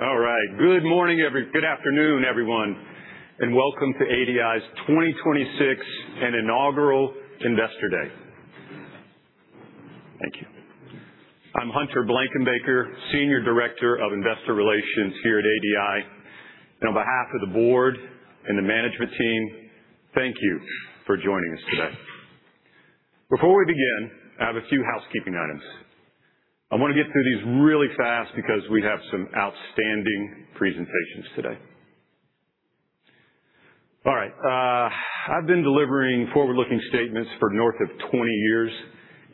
All right. Good afternoon, everyone, and welcome to ADI's 2026 and inaugural Investor Day. Thank you. I'm Hunter Blankenbaker, Senior Director of Investor Relations here at ADI, and on behalf of the board and the management team, thank you for joining us today. Before we begin, I have a few housekeeping items. I want to get through these really fast because we have some outstanding presentations today. All right. I've been delivering forward-looking statements for north of 20 years,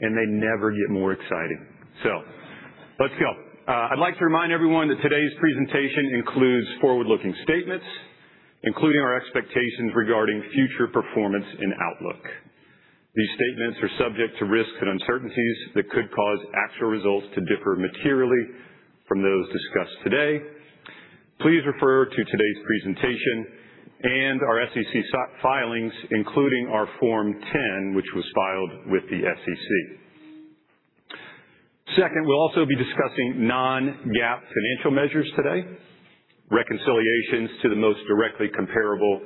and they never get more exciting. Let's go. I'd like to remind everyone that today's presentation includes forward-looking statements, including our expectations regarding future performance and outlook. These statements are subject to risks and uncertainties that could cause actual results to differ materially from those discussed today. Please refer to today's presentation and our SEC filings, including our Form 10, which was filed with the SEC. Second, we'll also be discussing non-GAAP financial measures today. Reconciliations to the most directly comparable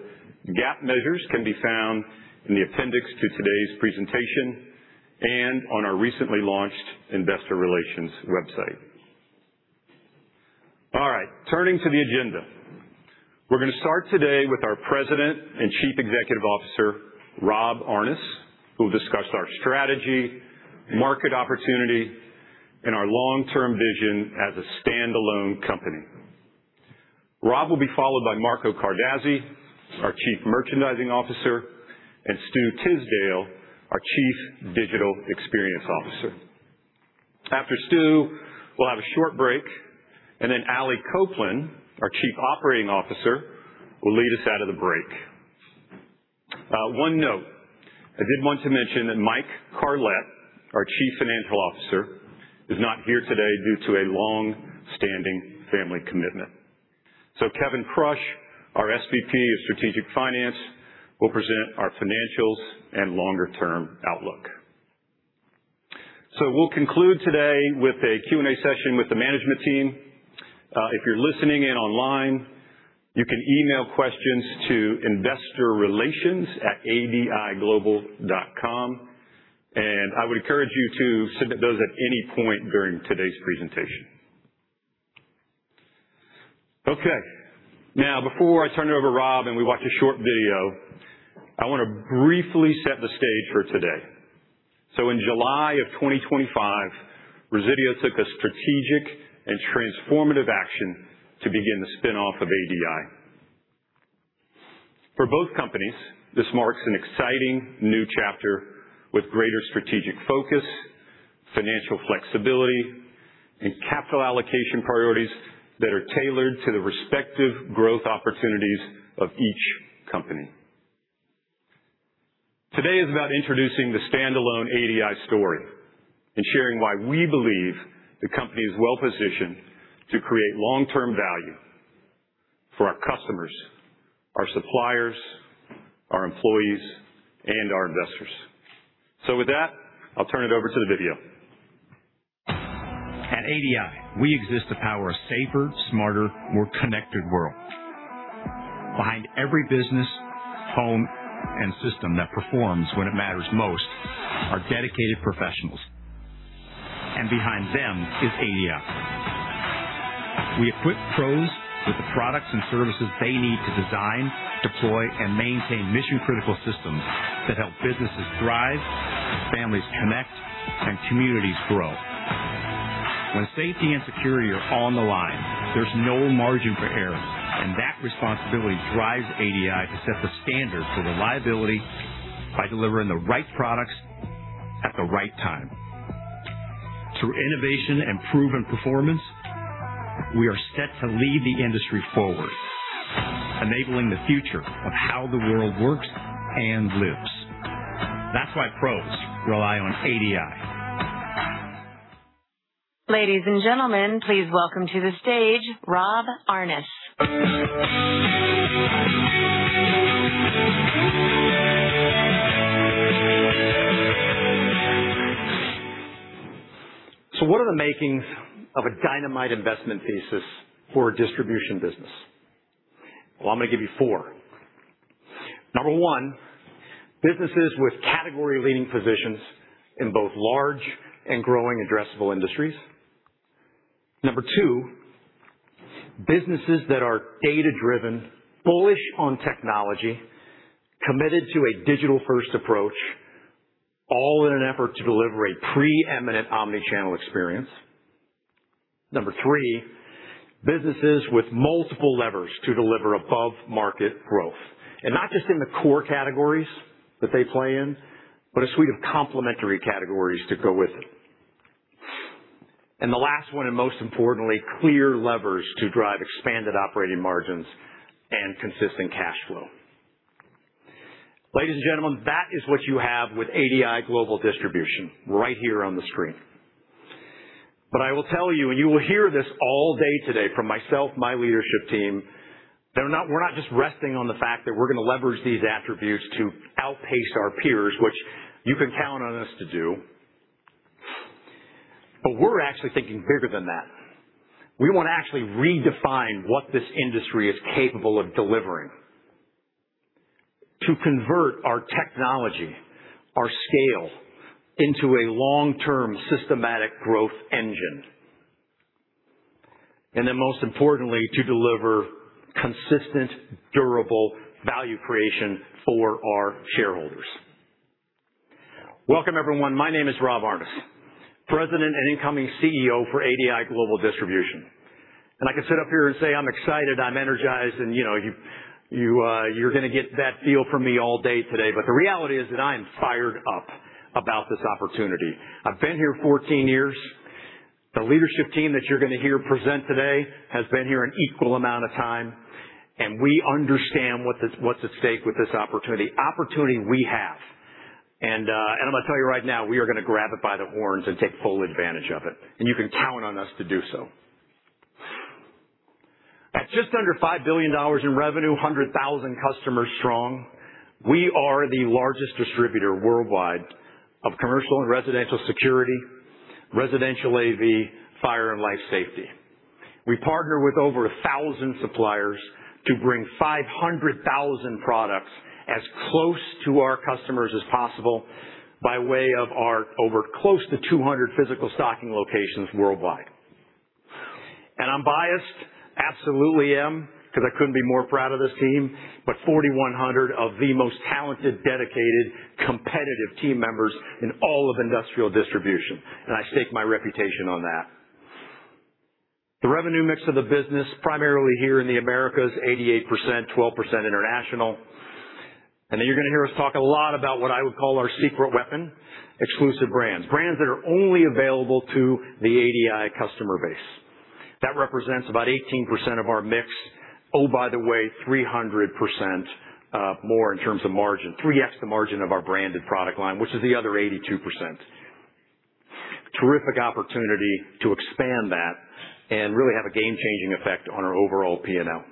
GAAP measures can be found in the appendix to today's presentation and on our recently launched investorrelations.adiglobal.com website. All right, turning to the agenda. We're going to start today with our President and Chief Executive Officer, Rob Aarnes, who will discuss our strategy, market opportunity, and our long-term vision as a standalone company. Rob will be followed by Marco Cardazzi, our Chief Merchandising Officer, and Stu Tisdale, our Chief Digital Experience Officer. After Stu, we'll have a short break, and then Allie Copeland, our Chief Operating Officer, will lead us out of the break. One note: I did want to mention that Michael Carlet, our Chief Financial Officer, is not here today due to a long-standing family commitment. Kevin Prush, our SVP of Strategic Finance, will present our financials and longer-term outlook. We'll conclude today with a Q&A session with the management team. If you're listening in online, you can email questions to investorrelations@adiglobal.com, and I would encourage you to submit those at any point during today's presentation. Okay. Now, before I turn it over to Rob and we watch a short video, I want to briefly set the stage for today. In July of 2025, Resideo took a strategic and transformative action to begin the spin-off of ADI. For both companies, this marks an exciting new chapter with greater strategic focus, financial flexibility, and capital allocation priorities that are tailored to the respective growth opportunities of each company. Today is about introducing the standalone ADI story and sharing why we believe the company is well-positioned to create long-term value for our customers, our suppliers, our employees, and our investors. With that, I'll turn it over to the video. At ADI, we exist to power a safer, smarter, more connected world. Behind every business, home, and system that performs when it matters most are dedicated professionals. Behind them is ADI. We equip pros with the products and services they need to design, deploy, and maintain mission-critical systems that help businesses thrive, families connect, and communities grow. When safety and security are on the line, there's no margin for error, and that responsibility drives ADI to set the standard for reliability by delivering the right products at the right time. Through innovation and proven performance, we are set to lead the industry forward, enabling the future of how the world works and lives. That's why pros rely on ADI. Ladies and gentlemen, please welcome to the stage Rob Aarnes. What are the makings of a dynamite investment thesis for a distribution business? Well, I'm going to give you four. Number 1, businesses with category-leading positions in both large and growing addressable industries. Number 2, businesses that are data-driven, bullish on technology, committed to a digital-first approach, all in an effort to deliver a preeminent omnichannel experience. Number 3, businesses with multiple levers to deliver above-market growth, not just in the core categories that they play in, but a suite of complementary categories to go with it. The last one, most importantly, clear levers to drive expanded operating margins and consistent cash flow. Ladies and gentlemen, that is what you have with ADI Global Distribution right here on the screen. I will tell you, and you will hear this all day today from myself, my leadership team. We're not just resting on the fact that we're going to leverage these attributes to outpace our peers, which you can count on us to do. We're actually thinking bigger than that. We want to actually redefine what this industry is capable of delivering. To convert our technology, our scale, into a long-term systematic growth engine. Most importantly, to deliver consistent, durable value creation for our shareholders. Welcome, everyone. My name is Rob Aarnes, President and incoming CEO for ADI Global Distribution. I can sit up here and say I'm excited, I'm energized, and you're going to get that feel from me all day today. The reality is that I am fired up about this opportunity. I've been here 14 years. The leadership team that you're going to hear present today has been here an equal amount of time, we understand what's at stake with this opportunity, the opportunity we have. I'm going to tell you right now, we are going to grab it by the horns and take full advantage of it. You can count on us to do so. At just under $5 billion in revenue, 100,000 customers strong, we are the largest distributor worldwide of commercial and residential security, residential AV, fire and life safety. We partner with over 1,000 suppliers to bring 500,000 products as close to our customers as possible by way of our close to 200 physical stocking locations worldwide. I'm biased, absolutely am, because I couldn't be more proud of this team, 4,100 of the most talented, dedicated, competitive team members in all of industrial distribution, and I stake my reputation on that. The revenue mix of the business, primarily here in the Americas, 88%, 12% international. You're going to hear us talk a lot about what I would call our secret weapon, exclusive brands. Brands that are only available to the ADI customer base. That represents about 18% of our mix, oh, by the way, 300% more in terms of margin, 3x the margin of our branded product line, which is the other 82%. Terrific opportunity to expand that and really have a game-changing effect on our overall P&L.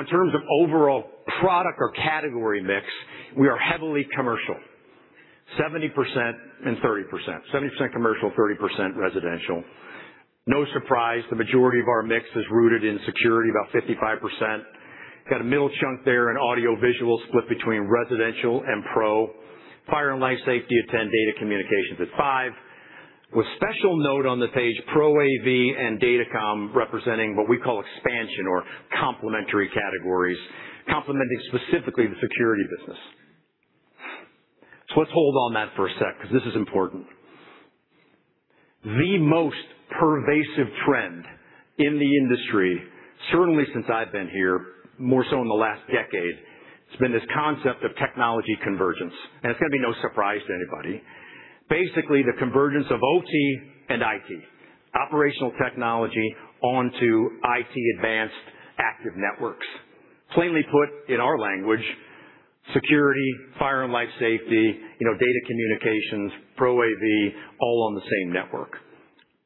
In terms of overall product or category mix, we are heavily commercial, 70% and 30%. 70% commercial, 30% residential. No surprise, the majority of our mix is rooted in security, about 55%. Got a middle chunk there in audiovisual split between residential and pro. Fire and life safety at 10, data communications at five. With special note on the page, Pro AV and Datacom representing what we call expansion or complementary categories, complementing specifically the security business. Let's hold on that for a sec, because this is important. The most pervasive trend in the industry, certainly since I've been here, more so in the last decade, has been this concept of technology convergence. It's going to be no surprise to anybody. Basically, the convergence of OT and IT. Operational technology onto IT advanced active networks. Plainly put, in our language, security, fire and life safety, data communications, Pro AV, all on the same network.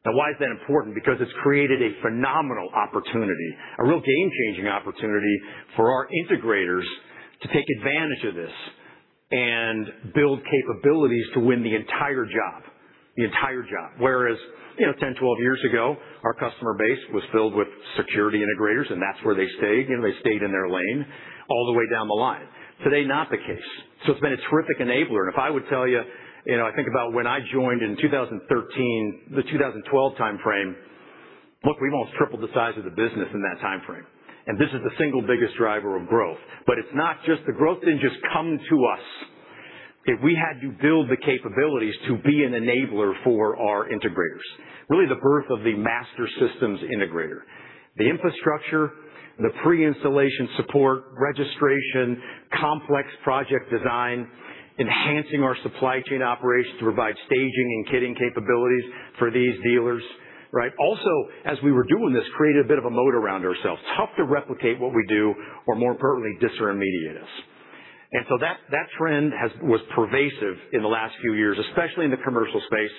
Why is that important? It's created a phenomenal opportunity, a real game-changing opportunity for our integrators to take advantage of this and build capabilities to win the entire job. Whereas 10, 12 years ago, our customer base was filled with security integrators, and that's where they stayed. They stayed in their lane all the way down the line. Today, not the case. It's been a terrific enabler. If I would tell you, I think about when I joined in 2013, the 2012 timeframe, look, we've almost tripled the size of the business in that timeframe. This is the single biggest driver of growth. The growth didn't just come to us. We had to build the capabilities to be an enabler for our integrators. Really the birth of the master systems integrator. The infrastructure, the pre-installation support, registration, complex project design, enhancing our supply chain operations to provide staging and kitting capabilities for these dealers, right? Also, as we were doing this, created a bit of a moat around ourselves. Tough to replicate what we do, or more importantly, disintermediate us. That trend was pervasive in the last few years, especially in the commercial space,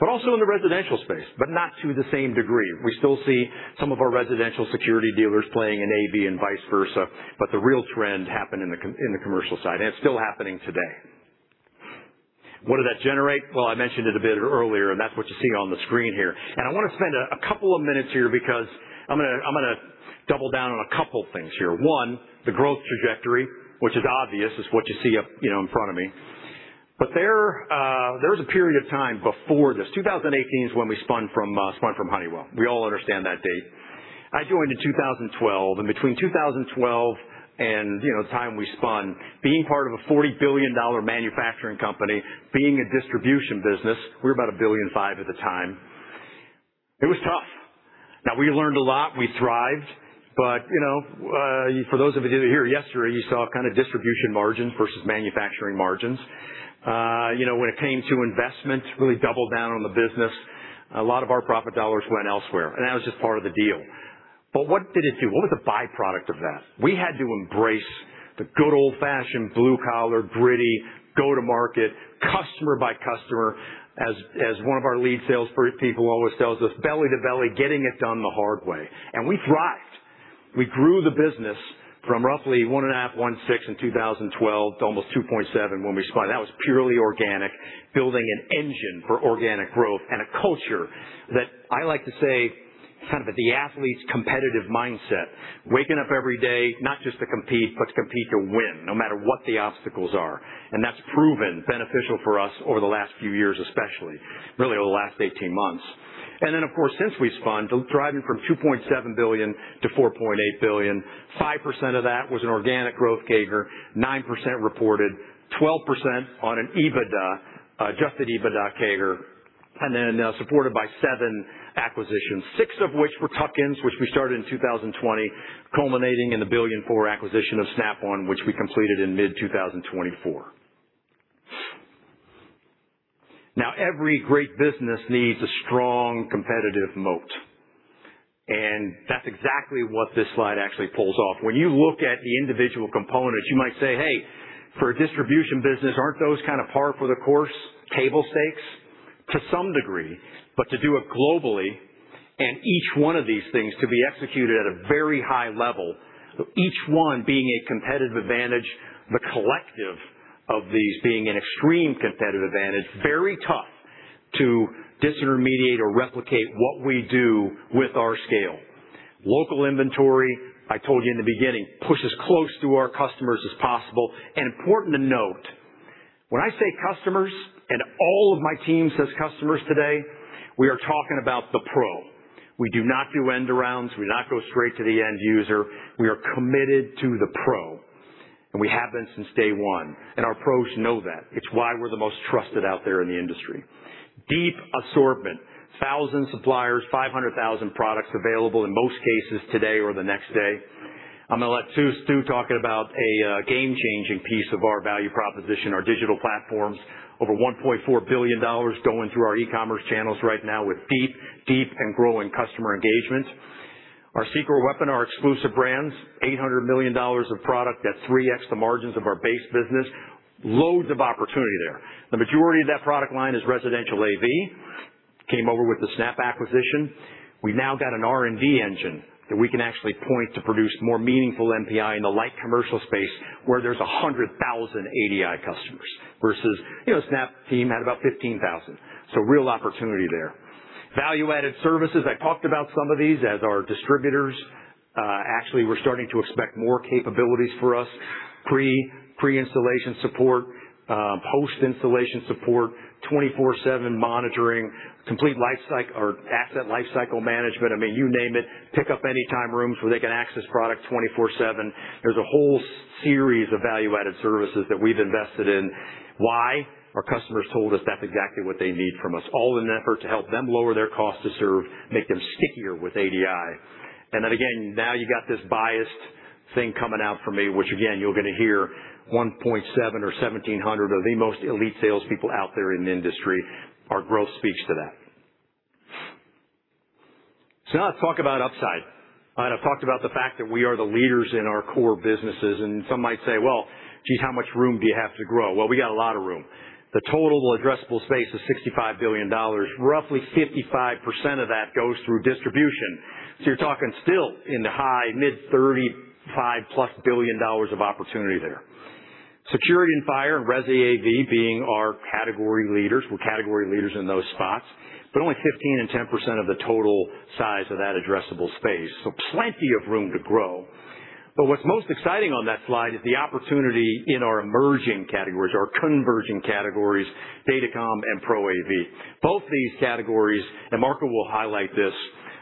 but also in the residential space, but not to the same degree. We still see some of our residential security dealers playing in AV and vice versa, but the real trend happened in the commercial side, and it's still happening today. What did that generate? I mentioned it a bit earlier, that's what you see on the screen here. I want to spend a couple of minutes here because I'm going to double down on a couple things here. The growth trajectory, which is obvious, is what you see up in front of me. There was a period of time before this. 2018 is when we spun from Honeywell. We all understand that date. I joined in 2012. Between 2012 and the time we spun, being part of a $40 billion manufacturing company, being a distribution business, we were about $1.5 billion at the time, it was tough. We learned a lot. We thrived. For those of you who were here yesterday, you saw kind of distribution margins versus manufacturing margins. When it came to investments, really doubled down on the business. A lot of our profit dollars went elsewhere. That was just part of the deal. What did it do? What was the byproduct of that? We had to embrace the good old-fashioned blue-collar, gritty, go-to-market, customer by customer. As one of our lead salespeople always tells us, belly to belly, getting it done the hard way. We thrived. We grew the business from roughly $1.5 billion, $1.6 billion in 2012 to almost $2.7 billion when we spun. That was purely organic, building an engine for organic growth, a culture that I like to say, kind of a "The Athlete's Competitive Mindset." Waking up every day not just to compete, to compete to win, no matter what the obstacles are. That's proven beneficial for us over the last few years, especially. Really over the last 18 months. Of course, since we spun, thriving from $2.7 billion to $4.8 billion. 5% of that was an organic growth CAGR, 9% reported, 12% on an EBITDA, adjusted EBITDA CAGR, supported by seven acquisitions, six of which were tuck-ins, which we started in 2020, culminating in the $1.4 billion acquisition of Snap One, which we completed in mid-2024. Every great business needs a strong competitive moat. That's exactly what this slide actually pulls off. When you look at the individual components, you might say, "Hey, for a distribution business, aren't those kind of par for the course table stakes?" To some degree. To do it globally, each one of these things to be executed at a very high level, each one being a competitive advantage, the collective of these being an extreme competitive advantage, very tough to disintermediate or replicate what we do with our scale. Local inventory, I told you in the beginning, push as close to our customers as possible. Important to note, when I say customers, and all of my team says customers today, we are talking about the pro. We do not do end arounds. We do not go straight to the end user. We are committed to the pro. We have been since day one. Our pros know that. It's why we're the most trusted out there in the industry. Deep assortment, 1,000 suppliers, 500,000 products available in most cases today or the next day. I'm going to let Stu talk about a game-changing piece of our value proposition, our digital platforms. Over $1.4 billion going through our e-commerce channels right now with deep and growing customer engagement. Our secret weapon, our exclusive brands, $800 million of product that 3x the margins of our base business. Loads of opportunity there. The majority of that product line is residential AV. Came over with the Snap acquisition. We've now got an R&D engine that we can actually point to produce more meaningful NPI in the light commercial space, where there's 100,000 ADI customers versus Snap team had about 15,000. Real opportunity there. Actually, we're starting to expect more capabilities for us. Pre-installation support, post-installation support, 24/7 monitoring, complete asset lifecycle management. You name it. Pick up any time rooms where they can access product 24/7. There's a whole series of value-added services that we've invested in. Why? Our customers told us that's exactly what they need from us, all in an effort to help them lower their cost to serve, make them stickier with ADI. Again, now you've got this biased thing coming out from me, which again, you're going to hear 1.7 or 1,700 of the most elite salespeople out there in the industry. Our growth speaks to that. Now let's talk about upside. I've talked about the fact that we are the leaders in our core businesses, and some might say, "Well, geez, how much room do you have to grow?" Well, we got a lot of room. The total addressable space is $65 billion. Roughly 55% of that goes through distribution. You're talking still in the high mid $35 plus billion of opportunity there. Security and fire, res AV being our category leaders. We're category leaders in those spots, but only 15% and 10% of the total size of that addressable space. Plenty of room to grow. What's most exciting on that slide is the opportunity in our emerging categories, our converging categories, Datacom and Pro AV. Both these categories, and Marco will highlight this,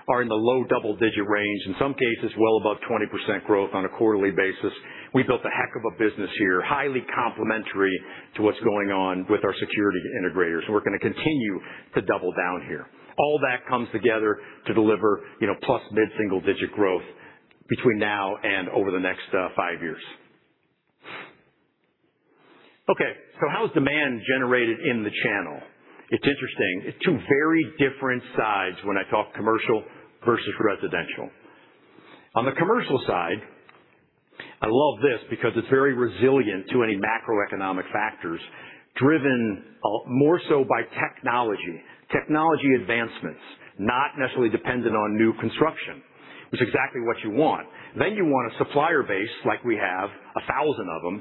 are in the low double-digit range, in some cases, well above 20% growth on a quarterly basis. We built a heck of a business here, highly complementary to what's going on with our security integrators, we're going to continue to double down here. All that comes together to deliver + mid-single digit growth between now and over the next five years. How is demand generated in the channel? It's interesting. It's two very different sides when I talk commercial versus residential. On the commercial side, I love this because it's very resilient to any macroeconomic factors, driven more so by technology. Technology advancements, not necessarily dependent on new construction, which is exactly what you want. You want a supplier base like we have, 1,000 of them,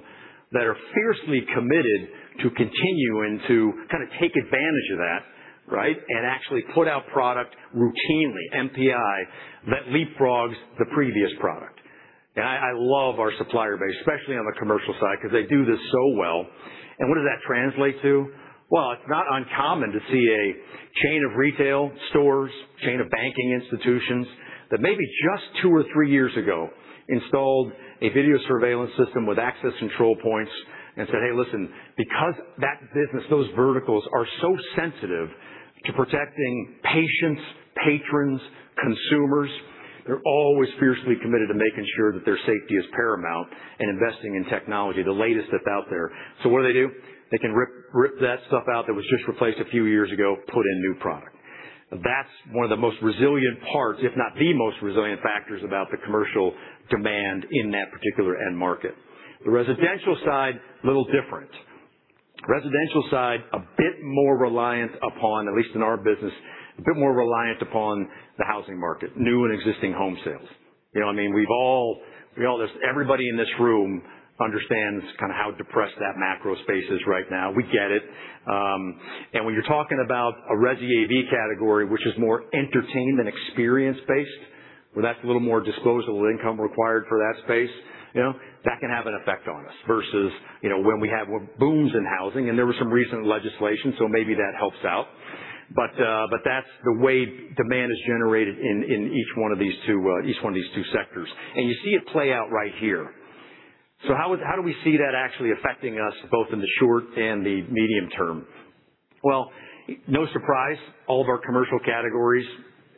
that are fiercely committed to continue and to kind of take advantage of that, right? Actually put out product routinely, NPI, that leapfrogs the previous product. I love our supplier base, especially on the commercial side, because they do this so well. What does that translate to? Well, it's not uncommon to see a chain of retail stores, chain of banking institutions, that maybe just two or three years ago installed a video surveillance system with access control points and said, "Hey, listen." Because that business, those verticals, are so sensitive to protecting patients, patrons, consumers. They're always fiercely committed to making sure that their safety is paramount and investing in technology, the latest that's out there. What do they do? They can rip that stuff out that was just replaced a few years ago, put in new product. That's one of the most resilient parts, if not the most resilient factors about the commercial demand in that particular end market. The residential side, a little different. Residential side, a bit more reliant upon, at least in our business, the housing market, new and existing home sales. You know what I mean? Everybody in this room understands how depressed that macro space is right now. We get it. When you're talking about a Resi AV category, which is more entertainment experience-based, well, that's a little more disposable income required for that space. That can have an effect on us versus when we have booms in housing. There was some recent legislation, maybe that helps out. That's the way demand is generated in each one of these two sectors. You see it play out right here. How do we see that actually affecting us, both in the short and the medium term? Well, no surprise, all of our commercial categories,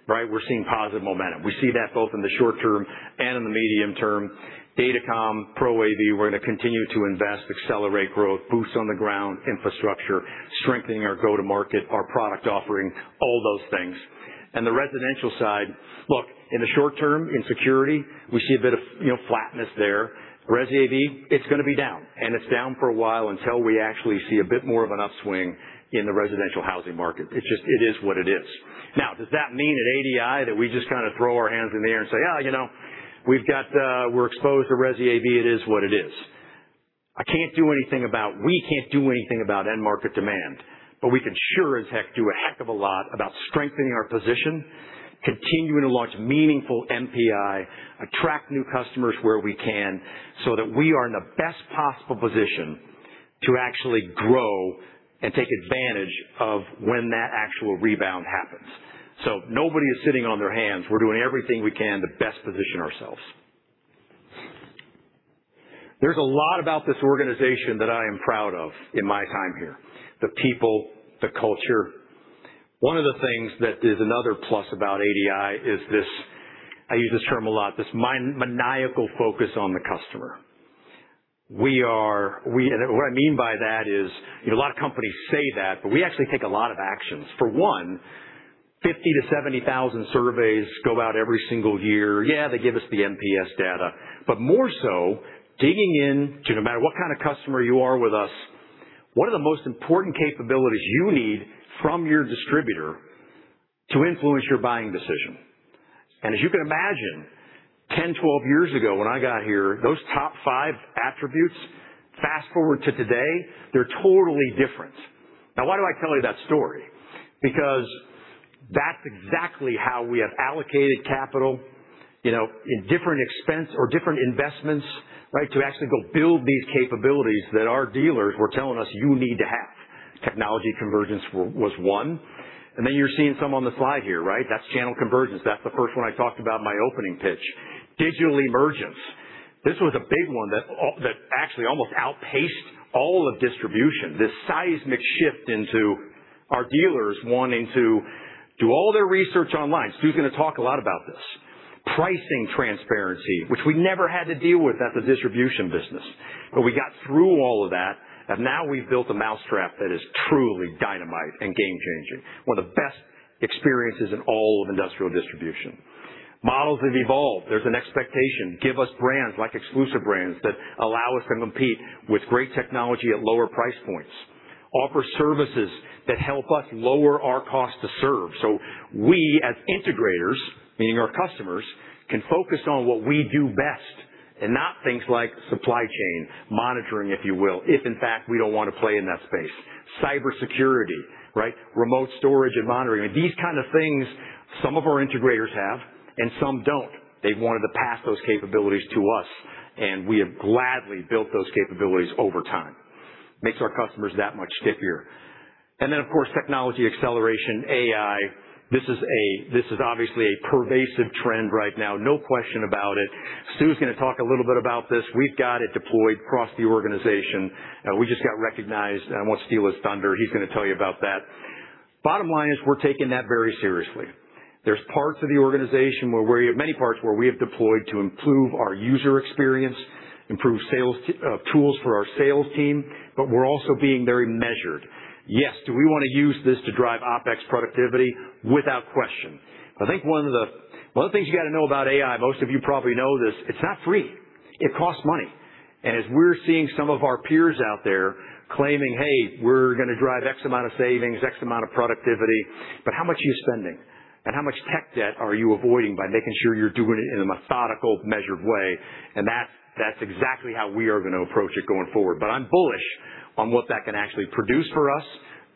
we're seeing positive momentum. We see that both in the short term and in the medium term. Datacom, Pro AV, we're going to continue to invest, accelerate growth, boots on the ground infrastructure, strengthening our go-to-market, our product offering, all those things. The residential side, look, in the short term, in security, we see a bit of flatness there. Resi AV, it's going to be down, and it's down for a while until we actually see a bit more of an upswing in the residential housing market. It is what it is. Does that mean at ADI that we just kind of throw our hands in the air and say, "Oh, we're exposed to Resi AV." It is what it is. We can't do anything about end market demand. We can sure as heck do a heck of a lot about strengthening our position, continuing to launch meaningful NPI, attract new customers where we can so that we are in the best possible position to actually grow and take advantage of when that actual rebound happens. Nobody is sitting on their hands. We're doing everything we can to best position ourselves. There's a lot about this organization that I am proud of in my time here, the people, the culture. One of the things that is another plus about ADI is this, I use this term a lot, this maniacal focus on the customer. What I mean by that is, a lot of companies say that, but we actually take a lot of actions. For one, 50,000 to 70,000 surveys go out every single year. They give us the NPS data, but more so, digging in to no matter what kind of customer you are with us, what are the most important capabilities you need from your distributor to influence your buying decision? As you can imagine, 10, 12 years ago, when I got here, those top five attributes, fast-forward to today, they're totally different. Why do I tell you that story? That's exactly how we have allocated capital, in different expense or different investments to actually go build these capabilities that our dealers were telling us you need to have. Technology convergence was one, you're seeing some on the slide here. That's channel convergence. That's the first one I talked about in my opening pitch. Digital emergence. This was a big one that actually almost outpaced all of distribution. This seismic shift into our dealers wanting to do all their research online. Stu's going to talk a lot about this. Pricing transparency, which we never had to deal with at the distribution business, but we got through all of that, and now we've built a mousetrap that is truly dynamite and game-changing. One of the best experiences in all of industrial distribution. Models have evolved. There's an expectation. Give us brands, like exclusive brands, that allow us to compete with great technology at lower price points. Offer services that help us lower our cost to serve. We, as integrators, meaning our customers, can focus on what we do best and not things like supply chain monitoring, if you will, if in fact, we don't want to play in that space. Cybersecurity. Remote storage and monitoring. These kind of things some of our integrators have and some don't. They've wanted to pass those capabilities to us, and we have gladly built those capabilities over time. Makes our customers that much stickier. Then, of course, technology acceleration, AI. This is obviously a pervasive trend right now, no question about it. Stu's going to talk a little bit about this. We've got it deployed across the organization. We just got recognized. I don't want to steal his thunder. He's going to tell you about that. Bottom line is we're taking that very seriously. There's many parts where we have deployed to improve our user experience, improve tools for our sales team, but we're also being very measured. Yes, do we want to use this to drive OPEX productivity? Without question. I think one of the things you got to know about AI, most of you probably know this, it's not free. It costs money. As we're seeing some of our peers out there claiming, "Hey, we're going to drive X amount of savings, X amount of productivity." How much are you spending? How much tech debt are you avoiding by making sure you're doing it in a methodical, measured way? That's exactly how we are going to approach it going forward. I'm bullish on what that can actually produce for us,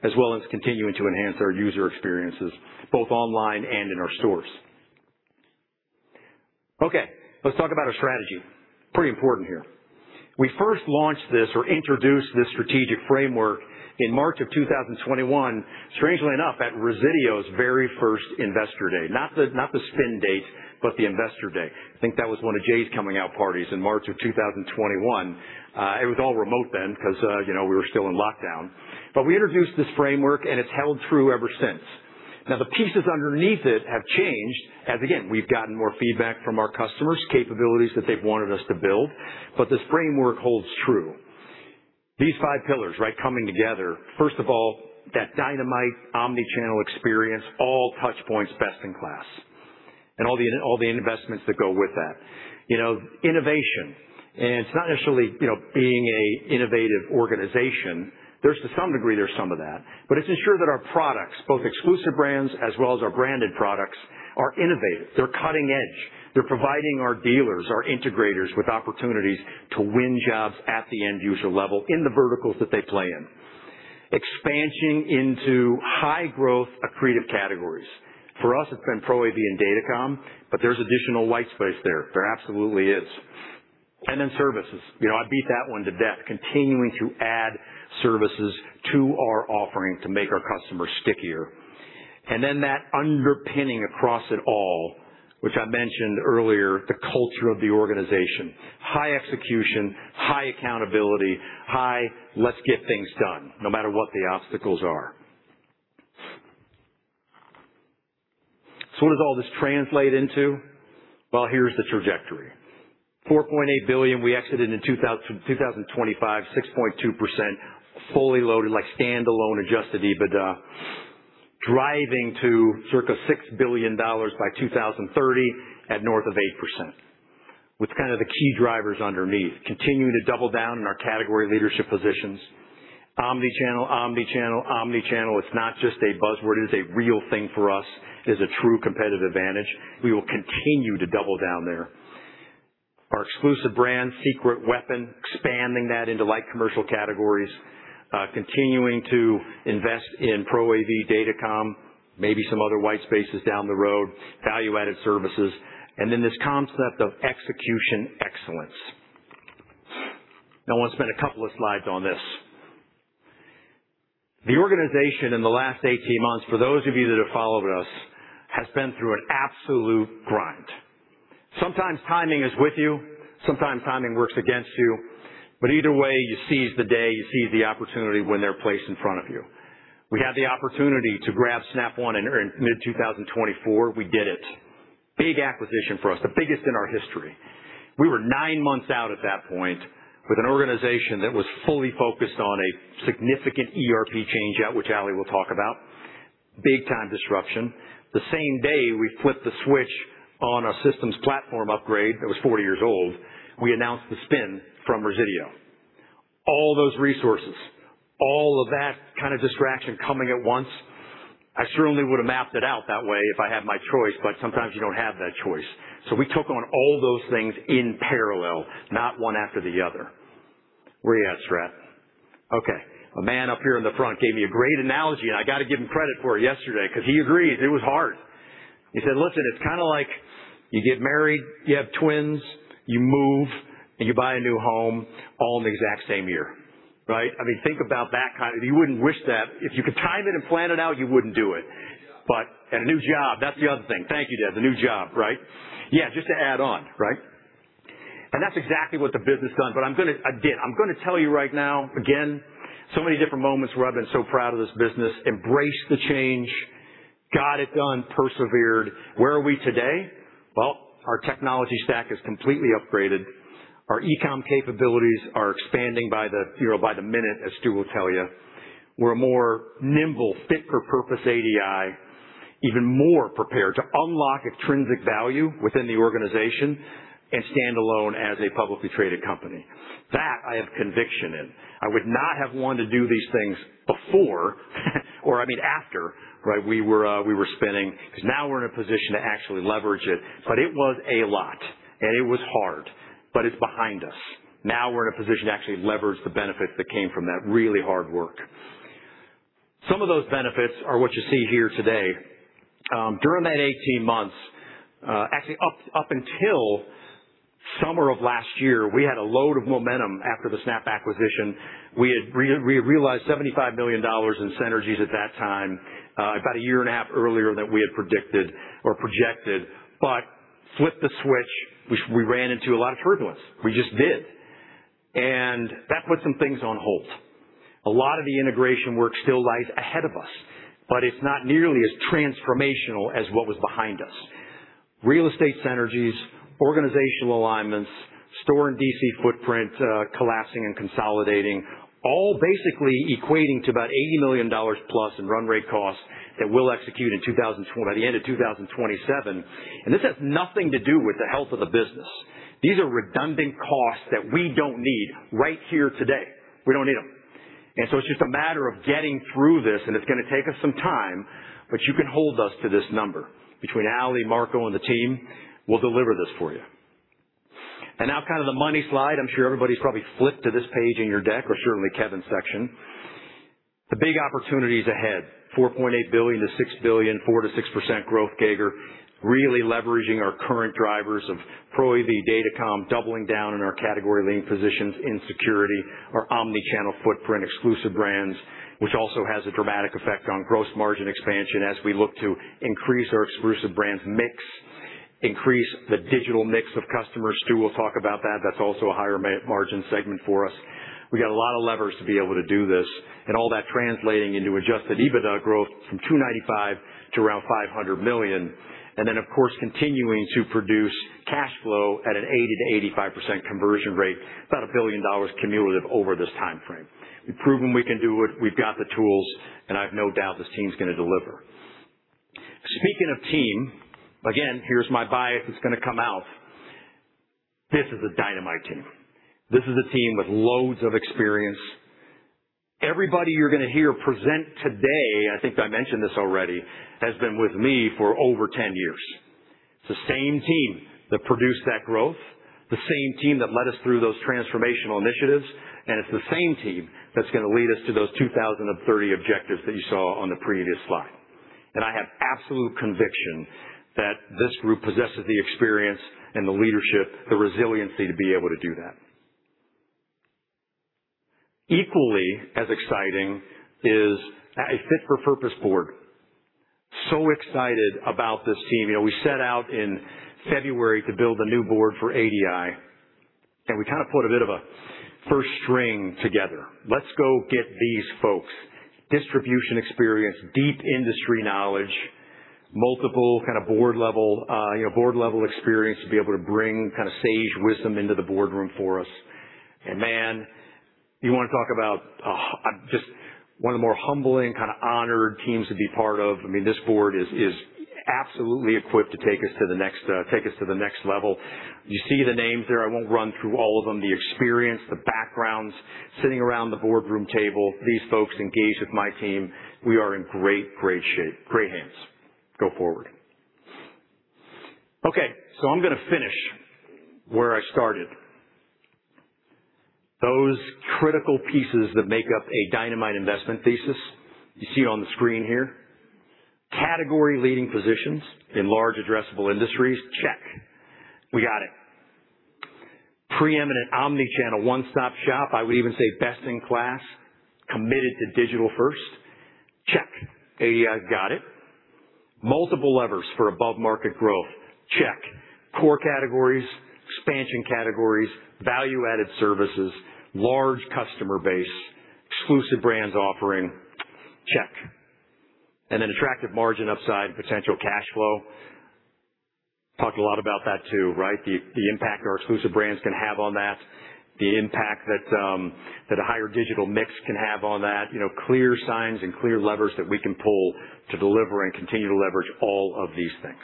as well as continuing to enhance our user experiences, both online and in our stores. Okay, let's talk about our strategy. Pretty important here. We first launched this or introduced this strategic framework in March of 2021, strangely enough, at Resideo's very first Investor Day. Not the spin date, but the Investor Day. I think that was one of Jay's coming out parties in March of 2021. It was all remote then because we were still in lockdown. We introduced this framework, and it's held true ever since. The pieces underneath it have changed as, again, we've gotten more feedback from our customers, capabilities that they've wanted us to build, but this framework holds true. These five pillars coming together. First of all, that dynamite omni-channel experience, all touch points best in class, and all the investments that go with that. Innovation, and it's not necessarily being an innovative organization. To some degree, there's some of that. It's ensure that our products, both exclusive brands as well as our branded products, are innovative. They're cutting edge. They're providing our dealers, our integrators, with opportunities to win jobs at the end user level in the verticals that they play in. Expansion into high growth accretive categories. For us, it's been Pro AV and Datacom, but there's additional white space there. There absolutely is. Services. I beat that one to death, continuing to add services to our offering to make our customers stickier. That underpinning across it all, which I mentioned earlier, the culture of the organization, high execution, high accountability, high let's get things done no matter what the obstacles are. What does all this translate into? Here's the trajectory. $4.8 billion we exited in 2025, 6.2% fully loaded, like standalone adjusted EBITDA, driving to circa $6 billion by 2030 at north of 8%, with kind of the key drivers underneath. Continue to double down in our category leadership positions. Omni-channel, omni-channel, omni-channel. It's not just a buzzword. It is a real thing for us. It is a true competitive advantage. We will continue to double down there. Our exclusive brand, Secret Weapon, expanding that into light commercial categories, continuing to invest in Pro AV Datacom, maybe some other white spaces down the road, value-added services, this concept of execution excellence. I want to spend a couple of slides on this. The organization in the last 18 months, for those of you that have followed us, has been through an absolute grind. Sometimes timing is with you, sometimes timing works against you. Either way, you seize the day, you seize the opportunity when they're placed in front of you. We had the opportunity to grab Snap One in mid-2024. We did it. Big acquisition for us, the biggest in our history. We were nine months out at that point with an organization that was fully focused on a significant ERP change, which Allie will talk about. Big time disruption. The same day we flipped the switch on our systems platform upgrade that was 40 years old, we announced the spin from Resideo. All those resources, all of that kind of distraction coming at once, I certainly would have mapped it out that way if I had my choice, but sometimes you don't have that choice. We took on all those things in parallel, not one after the other. Where you at, Strat? Okay. A man up here in the front gave me a great analogy, and I got to give him credit for it yesterday because he agreed it was hard. He said, "Listen, it's kind of like you get married, you have twins, you move, and you buy a new home all in the exact same year." Right? I mean, think about that. You wouldn't wish that. If you could time it and plan it out, you wouldn't do it. A new job. A new job. That's the other thing. Thank you, Dev. A new job, right? Yeah, just to add on, right? That's exactly what the business done. Again, I'm going to tell you right now, again, so many different moments where I've been so proud of this business. Embraced the change, got it done, persevered. Where are we today? Well, our technology stack is completely upgraded. Our e-com capabilities are expanding by the minute, as Stu will tell you. We're a more nimble fit for purpose ADI, even more prepared to unlock intrinsic value within the organization and stand alone as a publicly traded company. That I have conviction in. I would not have wanted to do these things before or I mean after, right? We were spinning, because now we're in a position to actually leverage it, but it was a lot, and it was hard. It's behind us. Now we're in a position to actually leverage the benefits that came from that really hard work. Some of those benefits are what you see here today. During that 18 months, actually up until summer of last year, we had a load of momentum after the Snap acquisition. We had realized $75 million in synergies at that time, about a year and a half earlier than we had predicted or projected. Flipped the switch, we ran into a lot of turbulence. We just did. That put some things on hold. A lot of the integration work still lies ahead of us, but it's not nearly as transformational as what was behind us. Real estate synergies, organizational alignments, store and DC footprint collapsing and consolidating, all basically equating to about $80 million plus in run rate cost that we'll execute by the end of 2027. This has nothing to do with the health of the business. These are redundant costs that we don't need right here today. We don't need them. It's just a matter of getting through this, and it's going to take us some time, but you can hold us to this number. Between Allie, Marco, and the team, we'll deliver this for you. Now kind of the money slide. I'm sure everybody's probably flipped to this page in your deck or certainly Kevin's section. The big opportunities ahead, $4.8 billion-$6 billion, 4%-6% growth CAGR, really leveraging our current drivers of Pro AV, Datacom, doubling down in our category leading positions in security, our omni-channel footprint, exclusive brands, which also has a dramatic effect on gross margin expansion as we look to increase our exclusive brands mix, increase the digital mix of customers. Stu will talk about that. That's also a higher margin segment for us. That translating into adjusted EBITDA growth from $295 million to around $500 million. Of course, continuing to produce cash flow at an 80%-85% conversion rate, about $1 billion cumulative over this timeframe. We've proven we can do it, we've got the tools, I've no doubt this team's going to deliver. Speaking of team, again, here's my bias that's going to come out. This is a dynamite team. This is a team with loads of experience. Everybody you're going to hear present today, I think I mentioned this already, has been with me for over 10 years. It's the same team that produced that growth, the same team that led us through those transformational initiatives, it's the same team that's going to lead us to those 2030 objectives that you saw on the previous slide. I have absolute conviction that this group possesses the experience and the leadership, the resiliency to be able to do that. Equally as exciting is a fit-for-purpose board. Excited about this team. We set out in February to build a new board for ADI, we kind of put a bit of a first string together. Let's go get these folks. Distribution experience, deep industry knowledge, multiple board-level experience to be able to bring sage wisdom into the boardroom for us. Man, you want to talk about just one of the more humbling, kind of honored teams to be part of. I mean, this board is absolutely equipped to take us to the next level. You see the names there. I won't run through all of them. The experience, the backgrounds, sitting around the boardroom table. These folks engage with my team. We are in great shape. Great hands. Go forward. I'm going to finish where I started. Those critical pieces that make up a dynamite investment thesis, you see on the screen here. Category leading positions in large addressable industries. Check. We got it. Preeminent omnichannel one-stop-shop, I would even say best in class, committed to digital-first. Check. Got it. Multiple levers for above-market growth. Check. Core categories, expansion categories, value-added services, large customer base, exclusive brands offering. Check. Attractive margin upside and potential cash flow. Talked a lot about that, too, right? The impact our exclusive brands can have on that, the impact that a higher digital mix can have on that. Clear signs and clear levers that we can pull to deliver and continue to leverage all of these things.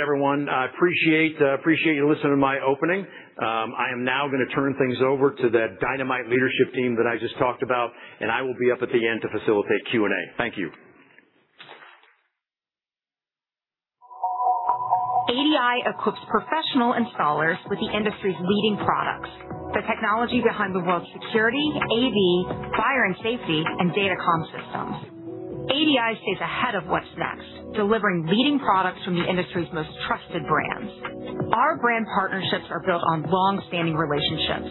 Everyone, I appreciate you listening to my opening. I am now going to turn things over to the dynamite leadership team that I just talked about, and I will be up at the end to facilitate Q&A. Thank you. ADI equips professional installers with the industry's leading products. The technology behind the world's security, AV, fire and safety, and Datacom systems. ADI stays ahead of what's next, delivering leading products from the industry's most trusted brands. Our brand partnerships are built on long-standing relationships.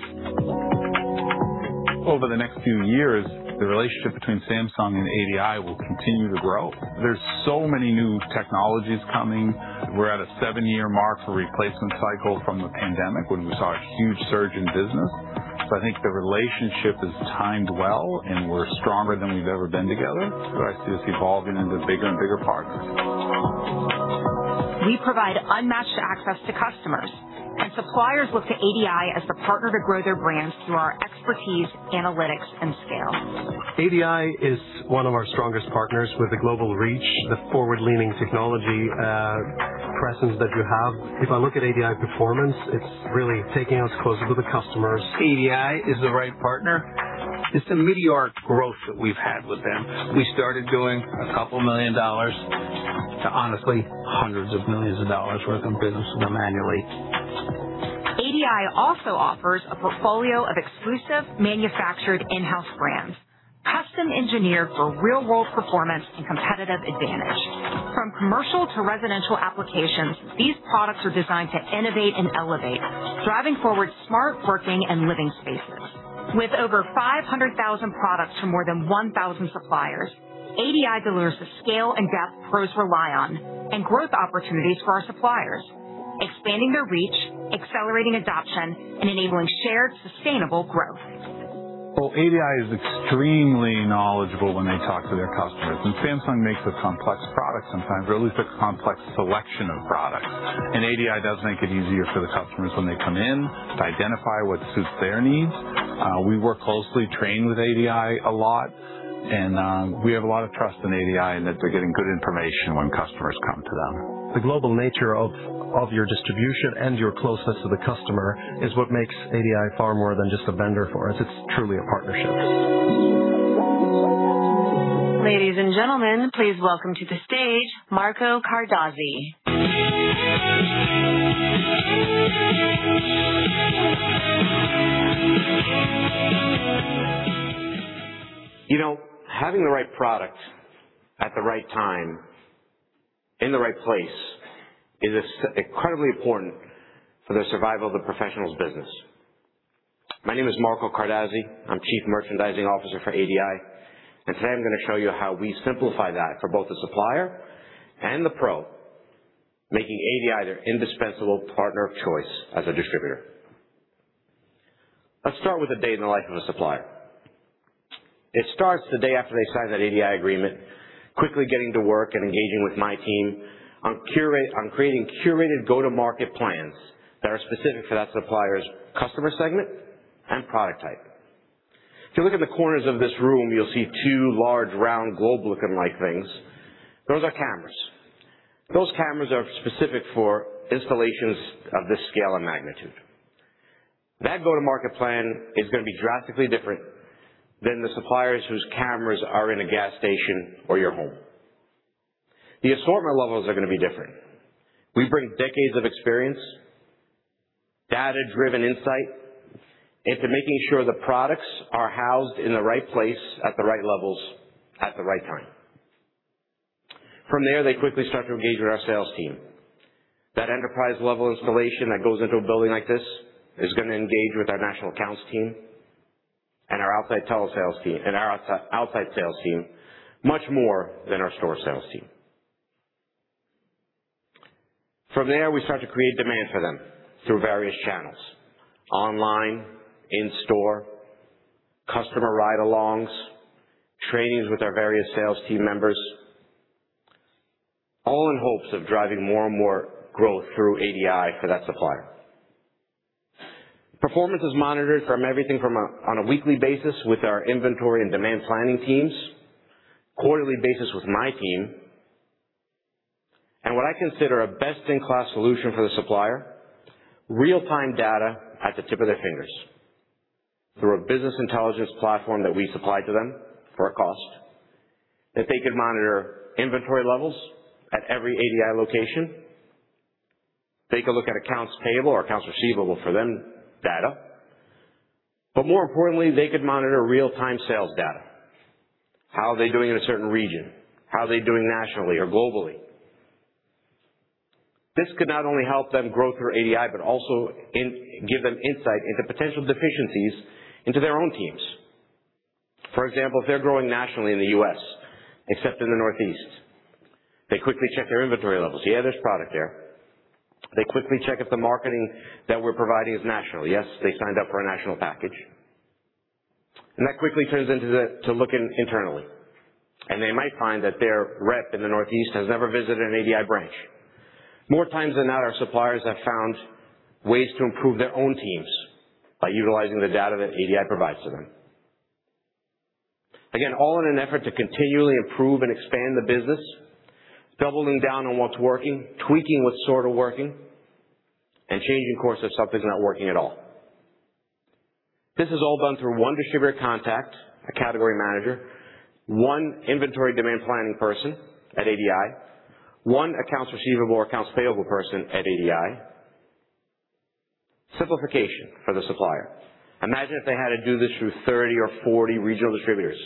Over the next few years, the relationship between Samsung and ADI will continue to grow. There's so many new technologies coming. We're at a seven-year mark for replacement cycle from the pandemic, when we saw a huge surge in business. I think the relationship is timed well, and we're stronger than we've ever been together. I see us evolving into bigger and bigger partners. We provide unmatched access to customers, suppliers look to ADI as the partner to grow their brands through our expertise, analytics, and scale. ADI is one of our strongest partners with a global reach. The forward-leaning technology presence that you have. If I look at ADI performance, it's really taking us closer to the customers. ADI is the right partner. It's a meteoric growth that we've had with them. We started doing a couple million dollars to honestly, hundreds of millions of dollars worth of business with them annually. ADI also offers a portfolio of exclusive manufactured in-house brands, custom-engineered for real-world performance and competitive advantage. From commercial to residential applications, these products are designed to innovate and elevate, driving forward smart working and living spaces. With over 500,000 products from more than 1,000 suppliers, ADI delivers the scale and depth pros rely on and growth opportunities for our suppliers, expanding their reach, accelerating adoption, and enabling shared sustainable growth. Well, ADI is extremely knowledgeable when they talk to their customers. Samsung makes a complex product sometimes, or at least a complex selection of products. ADI does make it easier for the customers when they come in to identify what suits their needs. We work closely, train with ADI a lot, and we have a lot of trust in ADI, and that they're getting good information when customers come to them. The global nature of your distribution and your closeness to the customer is what makes ADI far more than just a vendor for us. It's truly a partnership. Ladies and gentlemen, please welcome to the stage Marco Cardazzi. Having the right product at the right time in the right place is incredibly important for the survival of the professional's business. My name is Marco Cardazzi. I'm Chief Merchandising Officer for ADI. Today I'm going to show you how we simplify that for both the supplier and the pro, making ADI their indispensable partner of choice as a distributor. Start with a day in the life of a supplier. It starts the day after they sign that ADI agreement, quickly getting to work and engaging with my team on creating curated go-to-market plans that are specific for that supplier's customer segment and product type. If you look at the corners of this room, you'll see two large, round, globe-looking-like things. Those are cameras. Those cameras are specific for installations of this scale and magnitude. That go-to-market plan is going to be drastically different than the suppliers whose cameras are in a gas station or your home. The assortment levels are going to be different. We bring decades of experience, data-driven insight into making sure the products are housed in the right place at the right levels at the right time. From there, they quickly start to engage with our sales team. That enterprise-level installation that goes into a building like this is going to engage with our national accounts team and our outside sales team much more than our store sales team. From there, we start to create demand for them through various channels, online, in-store, customer ride-alongs, trainings with our various sales team members, all in hopes of driving more and more growth through ADI for that supplier. Performance is monitored from everything from on a weekly basis with our inventory and demand planning teams, quarterly basis with my team, and what I consider a best-in-class solution for the supplier, real-time data at the tip of their fingers through a business intelligence platform that we supply to them for a cost, that they could monitor inventory levels at every ADI location. They could look at accounts payable or accounts receivable for them data. More importantly, they could monitor real-time sales data. How are they doing in a certain region? How are they doing nationally or globally? This could not only help them grow through ADI, but also give them insight into potential deficiencies into their own teams. For example, if they are growing nationally in the U.S., except in the Northeast, they quickly check their inventory levels. Yeah, there is product there. They quickly check if the marketing that we are providing is national. Yes, they signed up for a national package. That quickly turns into looking internally. They might find that their rep in the Northeast has never visited an ADI branch. More times than not, our suppliers have found ways to improve their own teams by utilizing the data that ADI provides to them. All in an effort to continually improve and expand the business, doubling down on what's working, tweaking what's sort of working, and changing course if something's not working at all. This is all done through one distributor contact, a category manager, one inventory demand planning person at ADI, one accounts receivable or accounts payable person at ADI. Simplification for the supplier. Imagine if they had to do this through 30 or 40 regional distributors.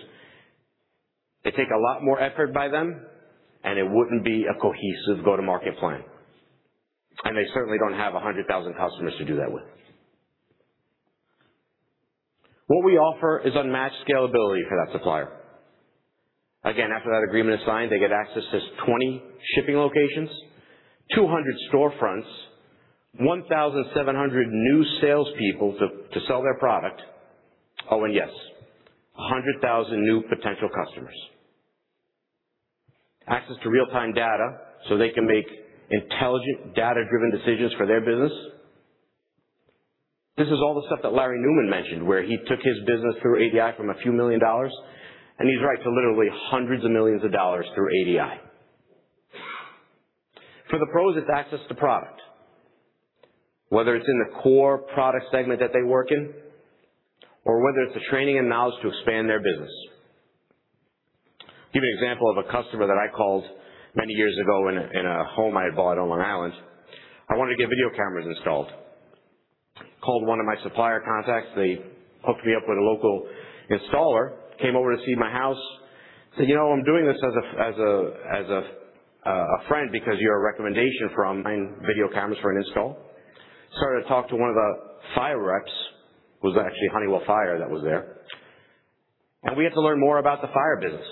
It'd take a lot more effort by them, and it wouldn't be a cohesive go-to-market plan. They certainly don't have 100,000 customers to do that with. What we offer is unmatched scalability for that supplier. Again, after that agreement is signed, they get access to 20 shipping locations, 200 storefronts, 1,700 new salespeople to sell their product. Yes, 100,000 new potential customers. Access to real-time data so they can make intelligent, data-driven decisions for their business. This is all the stuff that Larry Newman mentioned, where he took his business through ADI from a few million dollars, and he's right to literally hundreds of millions of dollars through ADI. For the pros, it's access to product, whether it's in the core product segment that they work in, or whether it's the training and knowledge to expand their business. Give you an example of a customer that I called many years ago in a home I had bought on Long Island. I wanted to get video cameras installed. Called one of my supplier contacts. They hooked me up with a local installer, came over to see my house, said, "You know, I'm doing this as a friend because you're a recommendation from" Nine video cameras for an install. I started to talk to one of the fire reps, was actually Honeywell Fire that was there. We had to learn more about the fire business.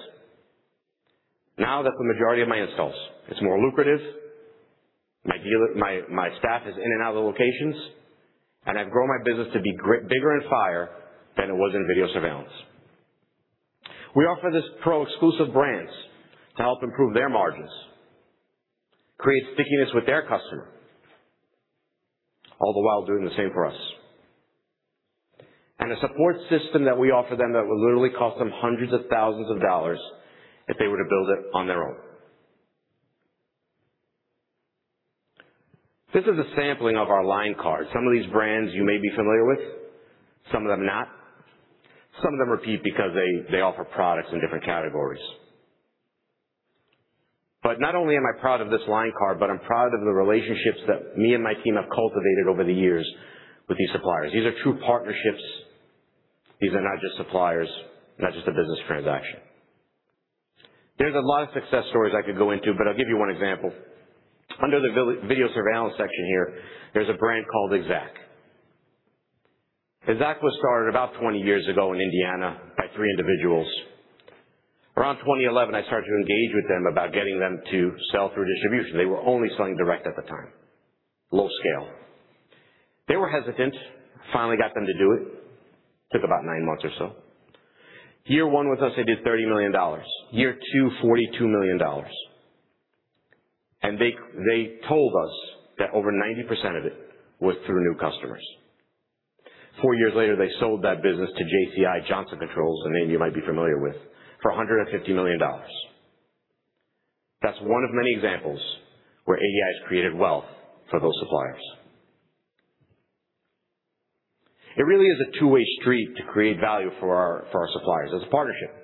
That's the majority of my installs. It's more lucrative. My staff is in and out of the locations. I've grown my business to be bigger in fire than it was in video surveillance. We offer this pro exclusive brands to help improve their margins, create stickiness with their customer, all the while doing the same for us. A support system that we offer them that will literally cost them hundreds of thousands of dollars if they were to build it on their own. This is a sampling of our line card. Some of these brands you may be familiar with, some of them not. Some of them repeat because they offer products in different categories. Not only am I proud of this line card, but I'm proud of the relationships that me and my team have cultivated over the years with these suppliers. These are true partnerships. These are not just suppliers, not just a business transaction. There's a lot of success stories I could go into, but I'll give you one example. Under the video surveillance section here, there's a brand called Exacq. Exacq was started about 20 years ago in Indiana by three individuals. Around 2011, I started to engage with them about getting them to sell through distribution. They were only selling direct at the time, low scale. They were hesitant. Finally got them to do it. Took about nine months or so. Year one with us, they did $30 million. Year two, $42 million. They told us that over 90% of it was through new customers. Four years later, they sold that business to JCI, Johnson Controls, a name you might be familiar with, for $150 million. That's one of many examples where ADI's created wealth for those suppliers. It really is a two-way street to create value for our suppliers as a partnership.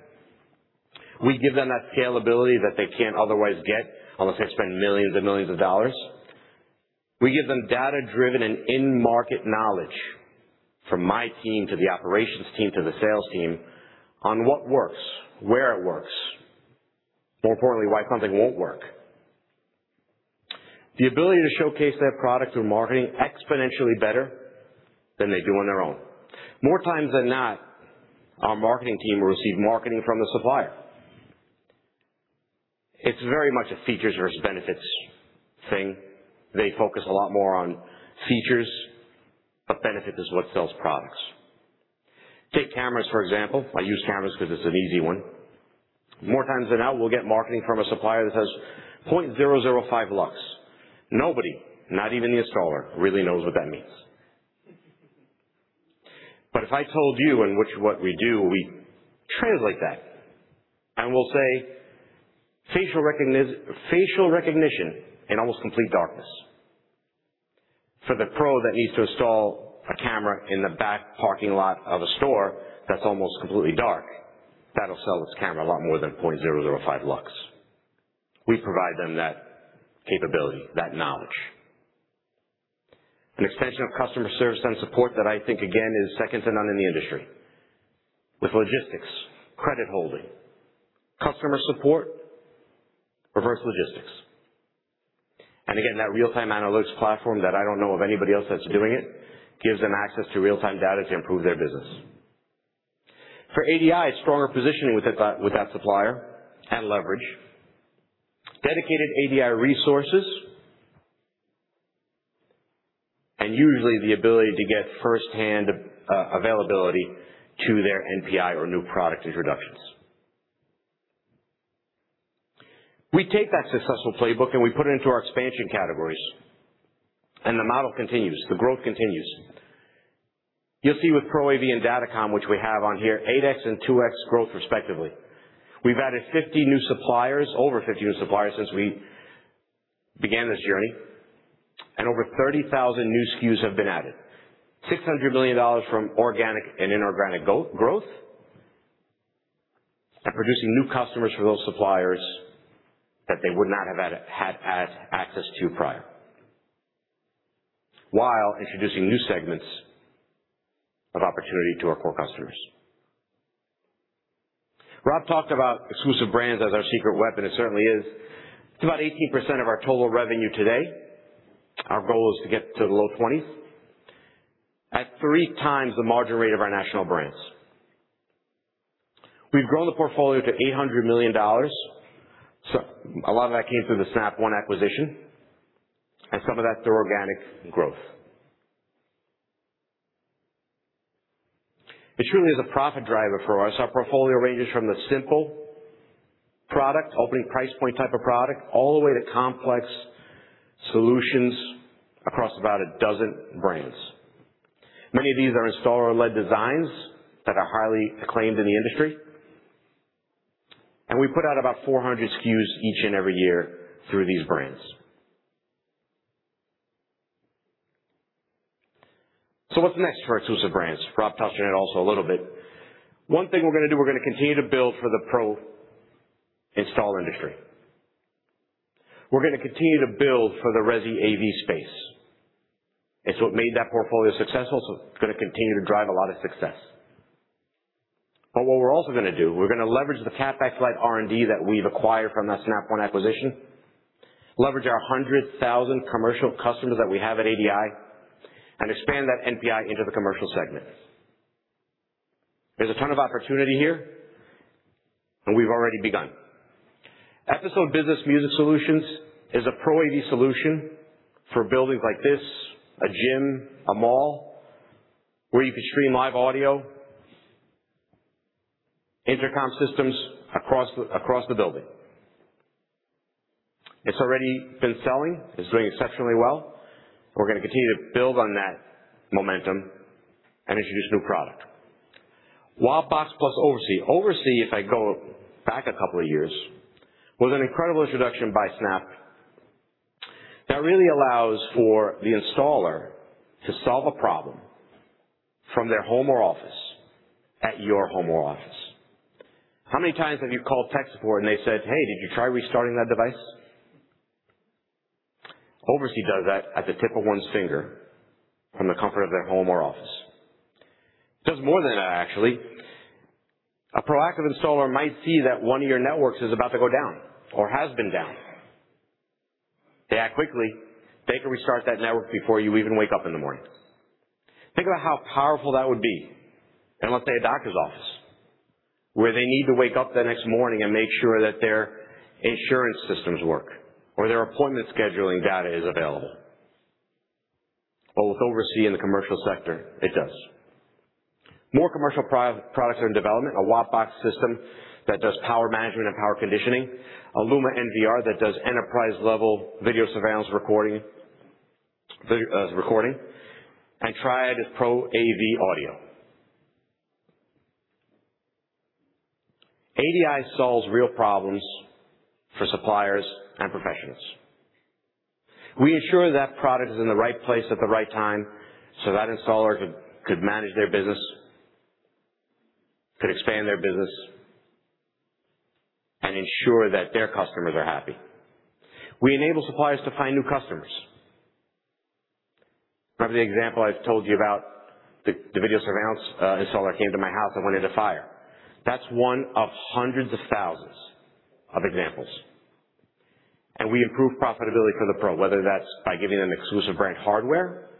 We give them that scalability that they can't otherwise get unless they spend millions and millions of dollars. We give them data-driven and in-market knowledge from my team to the operations team, to the sales team on what works, where it works, more importantly, why something won't work. The ability to showcase their product through marketing exponentially better than they do on their own. More times than not, our marketing team will receive marketing from the supplier. It's very much a features versus benefits thing. They focus a lot more on features, but benefit is what sells products. Take cameras, for example. I use cameras because it's an easy one. More times than not, we'll get marketing from a supplier that says 0.005 lux. Nobody, not even the installer, really knows what that means. If I told you, and which is what we do, we translate that, and we'll say, "Facial recognition in almost complete darkness." For the pro that needs to install a camera in the back parking lot of a store that's almost completely dark, that'll sell this camera a lot more than 0.005 lux. We provide them that capability, that knowledge. An extension of customer service and support that I think again is second to none in the industry. With logistics, credit holding, customer support, reverse logistics. Again, that real-time analytics platform that I don't know of anybody else that's doing it, gives them access to real-time data to improve their business. For ADI, stronger positioning with that supplier and leverage, dedicated ADI resources, usually the ability to get first-hand availability to their NPI or new product introductions. We take that successful playbook, we put it into our expansion categories, the model continues. The growth continues. You'll see with Pro AV and Datacom, which we have on here, 8X and 2X growth respectively. We've added 50 new suppliers, over 50 new suppliers since we began this journey, over 30,000 new SKUs have been added. $600 million from organic and inorganic growth, producing new customers for those suppliers that they would not have had access to prior, while introducing new segments of opportunity to our core customers. Rob talked about exclusive brands as our secret weapon. It certainly is. It's about 18% of our total revenue today. Our goal is to get to the low 20s at three times the margin rate of our national brands. We've grown the portfolio to $800 million. A lot of that came through the Snap One acquisition and some of that through organic growth. It truly is a profit driver for us. Our portfolio ranges from the simple product, opening price point type of product, all the way to complex solutions across about a dozen brands. Many of these are installer-led designs that are highly acclaimed in the industry. We put out about 400 SKUs each and every year through these brands. What's next for our exclusive brands? Rob touched on it also a little bit. One thing we're going to do, we're going to continue to build for the pro install industry. We're going to continue to build for the resi AV space. It's what made that portfolio successful, it's going to continue to drive a lot of success. What we're also going to do, we're going to leverage the CapEx-like R&D that we've acquired from that Snap One acquisition, leverage our 100,000 commercial customers that we have at ADI, and expand that NPI into the commercial segment. There's a ton of opportunity here, and we've already begun. Episode Business Music Solutions is a Pro AV solution for buildings like this, a gym, a mall, where you can stream live audio, intercom systems across the building. It's already been selling. It's doing exceptionally well. We're going to continue to build on that momentum and introduce new product. WattBox plus OvrC. OvrC, if I go back a couple of years, was an incredible introduction by Snap that really allows for the installer to solve a problem from their home or office at your home or office. How many times have you called tech support and they said, "Hey, did you try restarting that device?" OvrC does that at the tip of one's finger from the comfort of their home or office. Does more than that, actually. A proactive installer might see that one of your networks is about to go down or has been down. That quickly, they can restart that network before you even wake up in the morning. Think about how powerful that would be in, let's say, a doctor's office, where they need to wake up the next morning and make sure that their insurance systems work or their appointment scheduling data is available. With OvrC in the commercial sector, it does. More commercial products are in development. A WattBox system that does power management and power conditioning, a Luma NVR that does enterprise-level video surveillance recording, and Triad Pro AV audio. ADI solves real problems for suppliers and professionals. We ensure that product is in the right place at the right time so that installer could manage their business, could expand their business, and ensure that their customers are happy. We enable suppliers to find new customers. Remember the example I've told you about, the video surveillance installer who came to my house and went into fire. That's one of hundreds of thousands of examples. We improve profitability for the pro, whether that's by giving them exclusive brand hardware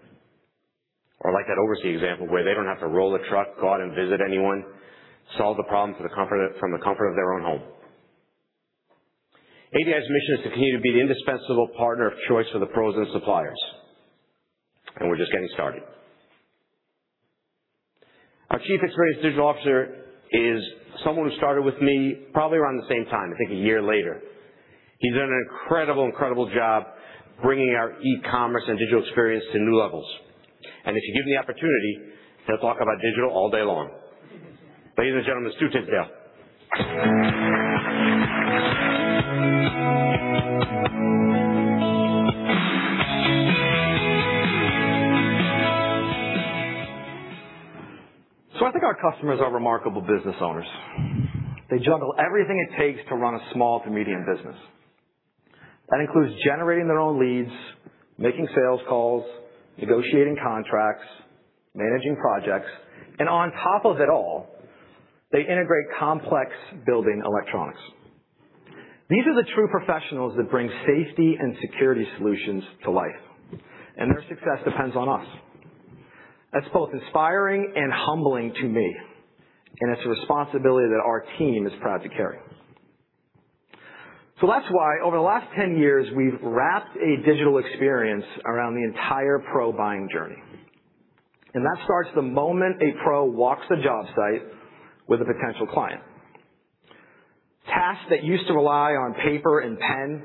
or like that OvrC example, where they don't have to roll a truck, go out and visit anyone, solve the problem from the comfort of their own home. ADI's mission is to continue to be the indispensable partner of choice for the pros and suppliers, we're just getting started. Our Chief Experience Digital Officer is someone who started with me probably around the same time, I think a year later. He's done an incredible job bringing our e-commerce and digital experience to new levels. If you give him the opportunity, he'll talk about digital all day long. Ladies and gentlemen, Rob Tinsdale. I think our customers are remarkable business owners. They juggle everything it takes to run a small to medium business. That includes generating their own leads, making sales calls, negotiating contracts, managing projects, and on top of it all, they integrate complex building electronics. These are the true professionals that bring safety and security solutions to life, and their success depends on us. That's both inspiring and humbling to me, and it's a responsibility that our team is proud to carry. That's why, over the last 10 years, we've wrapped a digital experience around the entire pro buying journey. That starts the moment a pro walks the job site with a potential client. Tasks that used to rely on paper and pen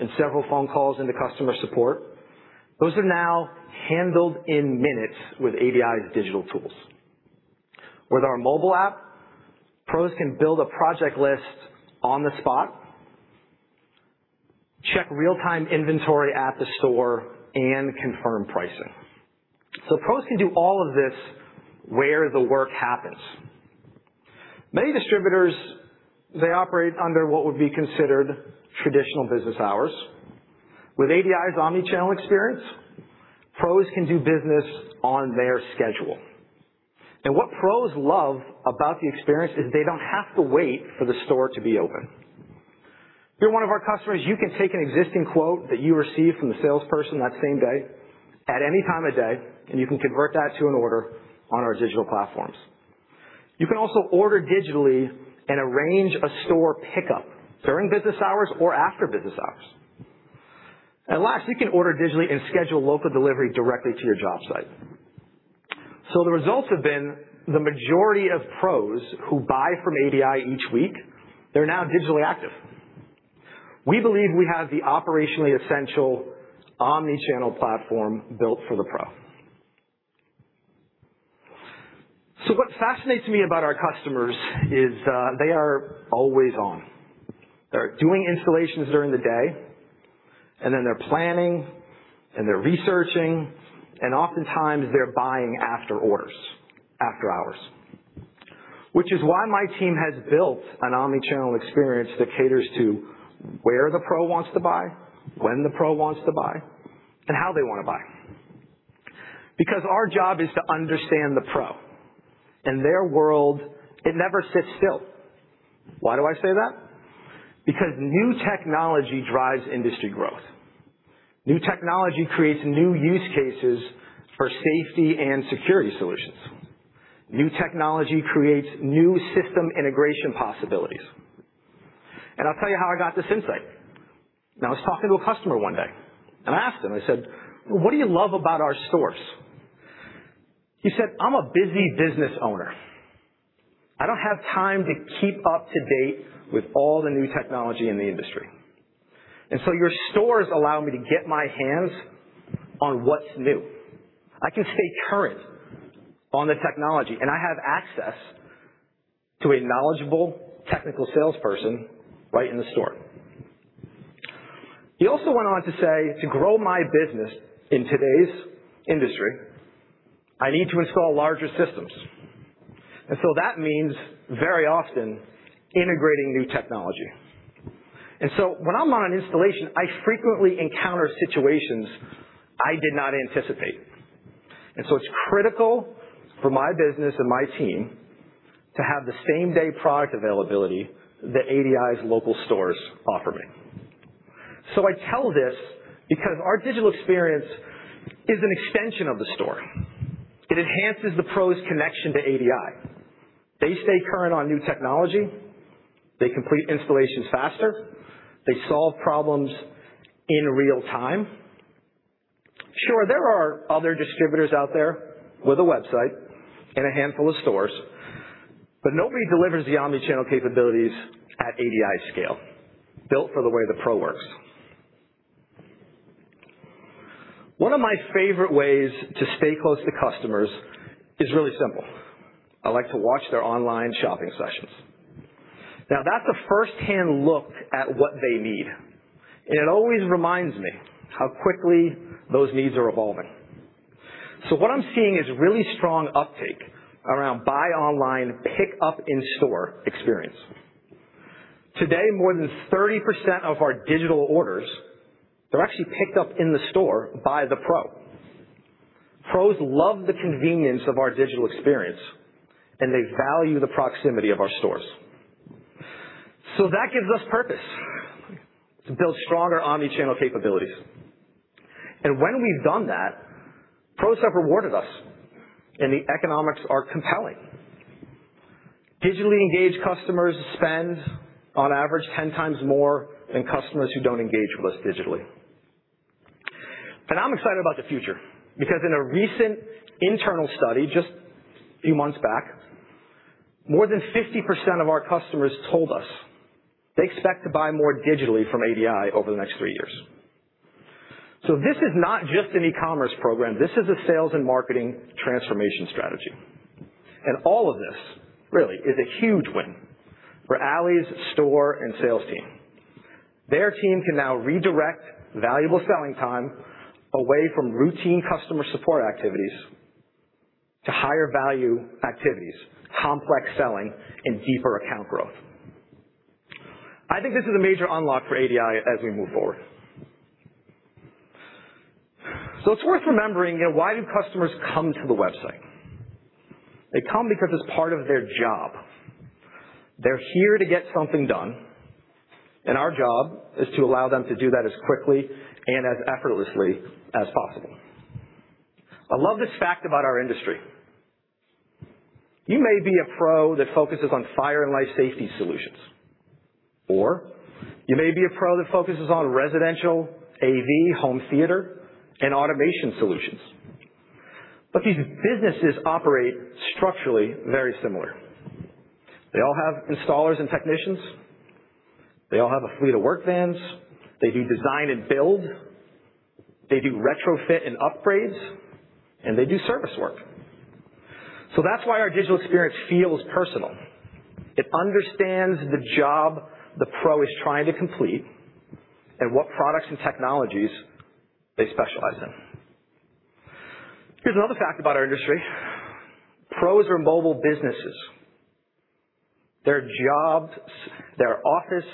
and several phone calls into customer support, those are now handled in minutes with ADI's digital tools. With our mobile app, pros can build a project list on the spot, check real-time inventory at the store, and confirm pricing. Pros can do all of this where the work happens. Many distributors, they operate under what would be considered traditional business hours. With ADI's omnichannel experience, pros can do business on their schedule. What pros love about the experience is they don't have to wait for the store to be open. If you're one of our customers, you can take an existing quote that you receive from the salesperson that same day, at any time of day, and you can convert that to an order on our digital platforms. You can also order digitally and arrange a store pickup during business hours or after business hours. Last, you can order digitally and schedule local delivery directly to your job site. The results have been the majority of pros who buy from ADI each week, they're now digitally active. We believe we have the operationally essential omnichannel platform built for the pro. What fascinates me about our customers is they are always on. They're doing installations during the day, and then they're planning, and they're researching, and oftentimes they're buying after hours. Which is why my team has built an omnichannel experience that caters to where the pro wants to buy, when the pro wants to buy, and how they want to buy. Our job is to understand the pro, and their world, it never sits still. Why do I say that? New technology drives industry growth. New technology creates new use cases for safety and security solutions. New technology creates new system integration possibilities. I'll tell you how I got this insight. I was talking to a customer one day, I asked him, I said, "What do you love about our stores?" He said, "I'm a busy business owner. I don't have time to keep up to date with all the new technology in the industry. Your stores allow me to get my hands on what's new. I can stay current on the technology, and I have access to a knowledgeable technical salesperson right in the store." He also went on to say, "To grow my business in today's industry, I need to install larger systems. That means very often integrating new technology. When I'm on an installation, I frequently encounter situations I did not anticipate. It's critical for my business and my team to have the same-day product availability that ADI's local stores offer me. I tell this because our digital experience is an extension of the store. It enhances the pro's connection to ADI. They stay current on new technology, they complete installations faster, they solve problems in real time. Sure, there are other distributors out there with a website and a handful of stores, but nobody delivers the omni-channel capabilities at ADI scale, built for the way the pro works. One of my favorite ways to stay close to customers is really simple. I like to watch their online shopping sessions. That's a first-hand look at what they need, and it always reminds me how quickly those needs are evolving. What I'm seeing is really strong uptake around buy online, pick up in-store experience. Today, more than 30% of our digital orders are actually picked up in the store by the pro. Pros love the convenience of our digital experience, and they value the proximity of our stores. That gives us purpose to build stronger omni-channel capabilities. When we've done that, pros have rewarded us, and the economics are compelling. Digitally engaged customers spend on average 10 times more than customers who don't engage with us digitally. I'm excited about the future because in a recent internal study just a few months back, more than 50% of our customers told us they expect to buy more digitally from ADI over the next three years. This is not just an e-commerce program, this is a sales and marketing transformation strategy. All of this really is a huge win for Allie's store and sales team. Their team can now redirect valuable selling time away from routine customer support activities to higher value activities, complex selling, and deeper account growth. I think this is a major unlock for ADI as we move forward. It's worth remembering, why do customers come to the website? They come because it's part of their job. They're here to get something done, our job is to allow them to do that as quickly and as effortlessly as possible. I love this fact about our industry. You may be a pro that focuses on fire and life safety solutions, or you may be a pro that focuses on residential AV home theater and automation solutions. These businesses operate structurally very similar. They all have installers and technicians. They all have a fleet of work vans. They do design and build, they do retrofit and upgrades, and they do service work. That's why our digital experience feels personal. It understands the job the pro is trying to complete and what products and technologies they specialize in. Here's another fact about our industry. Pros are mobile businesses. Their office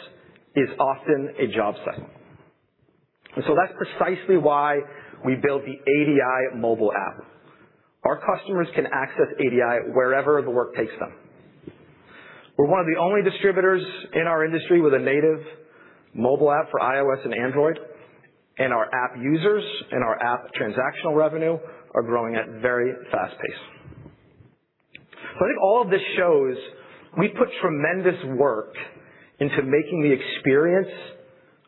is often a job site. That's precisely why we built the ADI mobile app. Our customers can access ADI wherever the work takes them. We're one of the only distributors in our industry with a native mobile app for iOS and Android, and our app users and our app transactional revenue are growing at very fast pace. I think all of this shows we put tremendous work into making the experience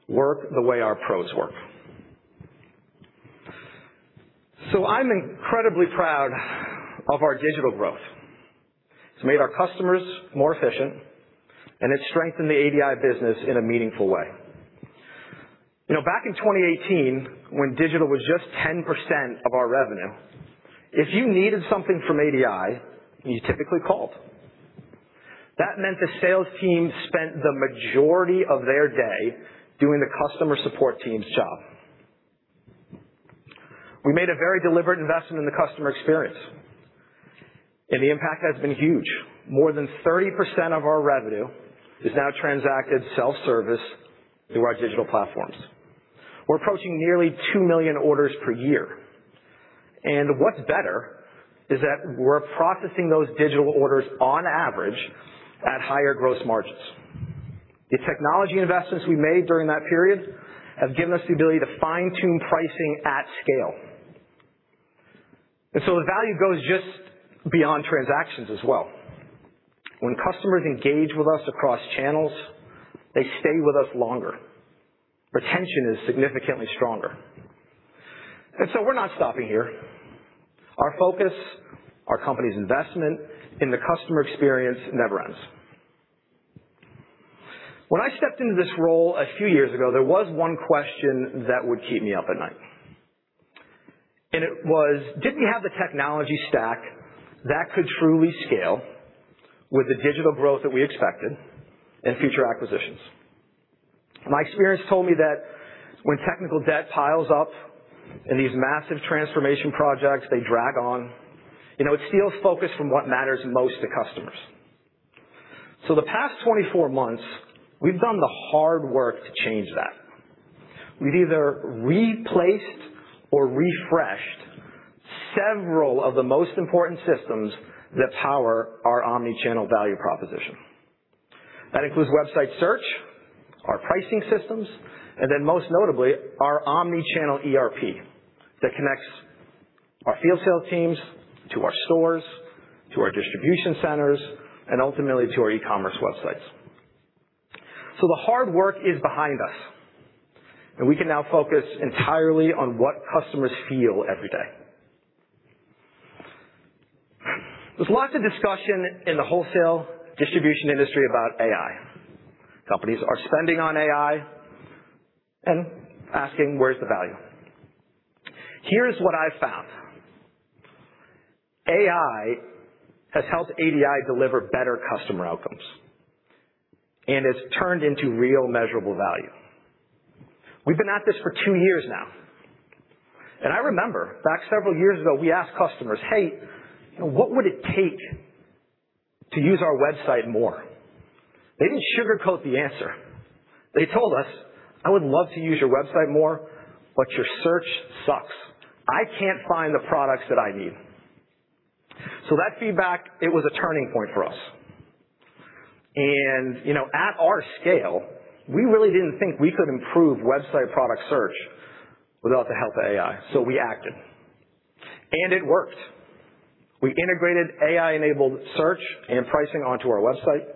work the way our pros work. I'm incredibly proud of our digital growth. It's made our customers more efficient, and it's strengthened the ADI business in a meaningful way. Back in 2018, when digital was just 10% of our revenue, if you needed something from ADI, you typically called. That meant the sales team spent the majority of their day doing the customer support team's job. We made a very deliberate investment in the customer experience, and the impact has been huge. More than 30% of our revenue is now transacted self-service through our digital platforms. We're approaching nearly 2 million orders per year. What's better is that we're processing those digital orders on average at higher gross margins. The technology investments we made during that period have given us the ability to fine-tune pricing at scale. The value goes just beyond transactions as well. When customers engage with us across channels, they stay with us longer. Retention is significantly stronger. We're not stopping here. Our focus, our company's investment in the customer experience never ends. When I stepped into this role a few years ago, there was one question that would keep me up at night. It was: Did we have the technology stack that could truly scale with the digital growth that we expected and future acquisitions? My experience told me that when technical debt piles up in these massive transformation projects, they drag on. It steals focus from what matters most to customers. The past 24 months, we've done the hard work to change that. We've either replaced or refreshed several of the most important systems that power our omnichannel value proposition. That includes website search, our pricing systems, and then most notably, our omnichannel ERP that connects our field sales teams to our stores, to our distribution centers, and ultimately, to our e-commerce websites. The hard work is behind us, and we can now focus entirely on what customers feel every day. There's lots of discussion in the wholesale distribution industry about AI. Companies are spending on AI and asking: Where's the value? Here's what I've found. AI has helped ADI deliver better customer outcomes, and it's turned into real measurable value. We've been at this for two years now, and I remember back several years ago, we asked customers, "Hey, what would it take to use our website more?" They didn't sugarcoat the answer. They told us, "I would love to use your website more, but your search sucks. I can't find the products that I need." That feedback, it was a turning point for us. At our scale, we really didn't think we could improve website product search without the help of AI, so we acted. It worked. We integrated AI-enabled search and pricing onto our website.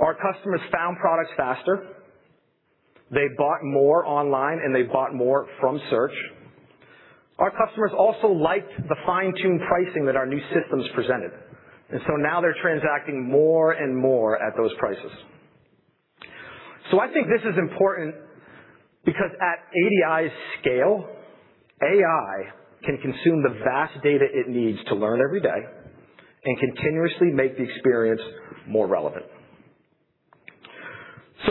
Our customers found products faster. They bought more online, and they bought more from search. Now they're transacting more and more at those prices. I think this is important because at ADI's scale, AI can consume the vast data it needs to learn every day and continuously make the experience more relevant.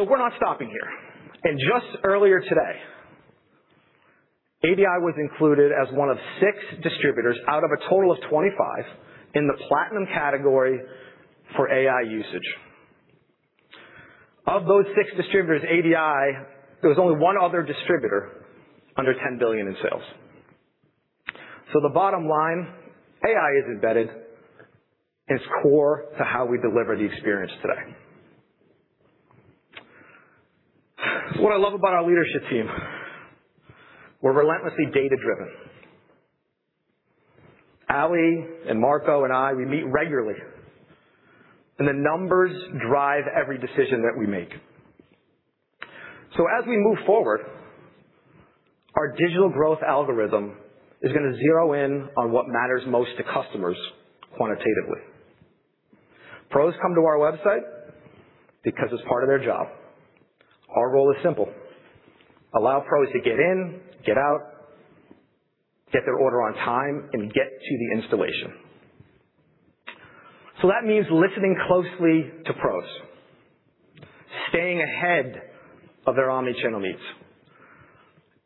We're not stopping here. Just earlier today, ADI was included as one of six distributors out of a total of 25 in the platinum category for AI usage. Of those six distributors, ADI, there was only one other distributor under $10 billion in sales. The bottom line, AI is embedded and is core to how we deliver the experience today. What I love about our leadership team, we're relentlessly data-driven. Allie and Marco and I, we meet regularly. The numbers drive every decision that we make. As we move forward, our digital growth algorithm is going to zero in on what matters most to customers quantitatively. Pros come to our website because it's part of their job. Our role is simple. Allow pros to get in, get out, get their order on time, and get to the installation. That means listening closely to pros, staying ahead of their omnichannel needs,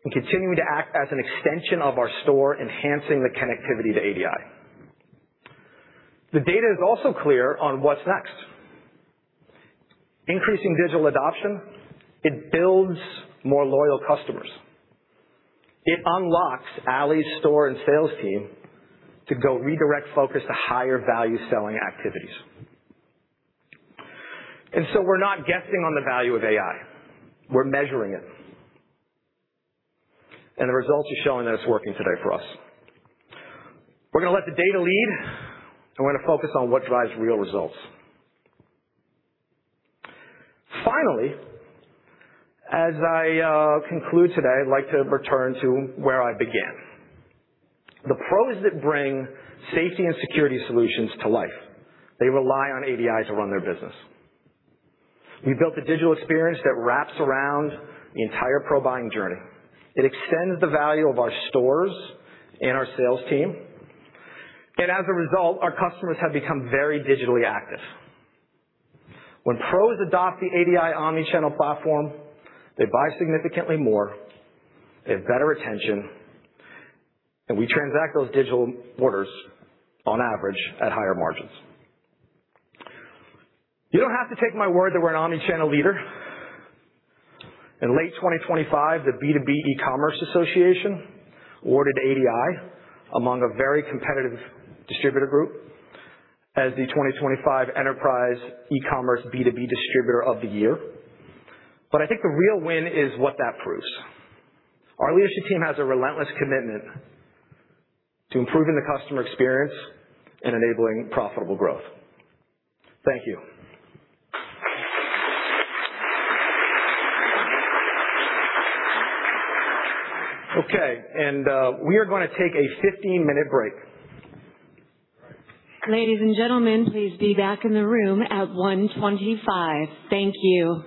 and continuing to act as an extension of our store, enhancing the connectivity to ADI. The data is also clear on what's next. Increasing digital adoption, it builds more loyal customers. It unlocks Allie's store and sales team to go redirect focus to higher value selling activities. We're not guessing on the value of AI. We're measuring it. The results are showing that it's working today for us. We're going to let the data lead. We're going to focus on what drives real results. Finally, as I conclude today, I'd like to return to where I began. The pros that bring safety and security solutions to life, they rely on ADI to run their business. We built a digital experience that wraps around the entire pro buying journey. It extends the value of our stores and our sales team. As a result, our customers have become very digitally active. When pros adopt the ADI omnichannel platform, they buy significantly more, they have better retention, and we transact those digital orders on average at higher margins. You don't have to take my word that we're an omnichannel leader. In late 2025, the B2B e-commerce Association awarded ADI among a very competitive distributor group as the 2025 Enterprise E-commerce B2B Distributor of the Year. I think the real win is what that proves. Our leadership team has a relentless commitment to improving the customer experience and enabling profitable growth. Thank you. Okay, we are going to take a 15-minute break. Ladies and gentlemen, please be back in the room at 1:25. Thank you.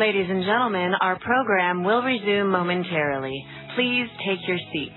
Ladies and gentlemen, our program will resume momentarily. Please take your seats.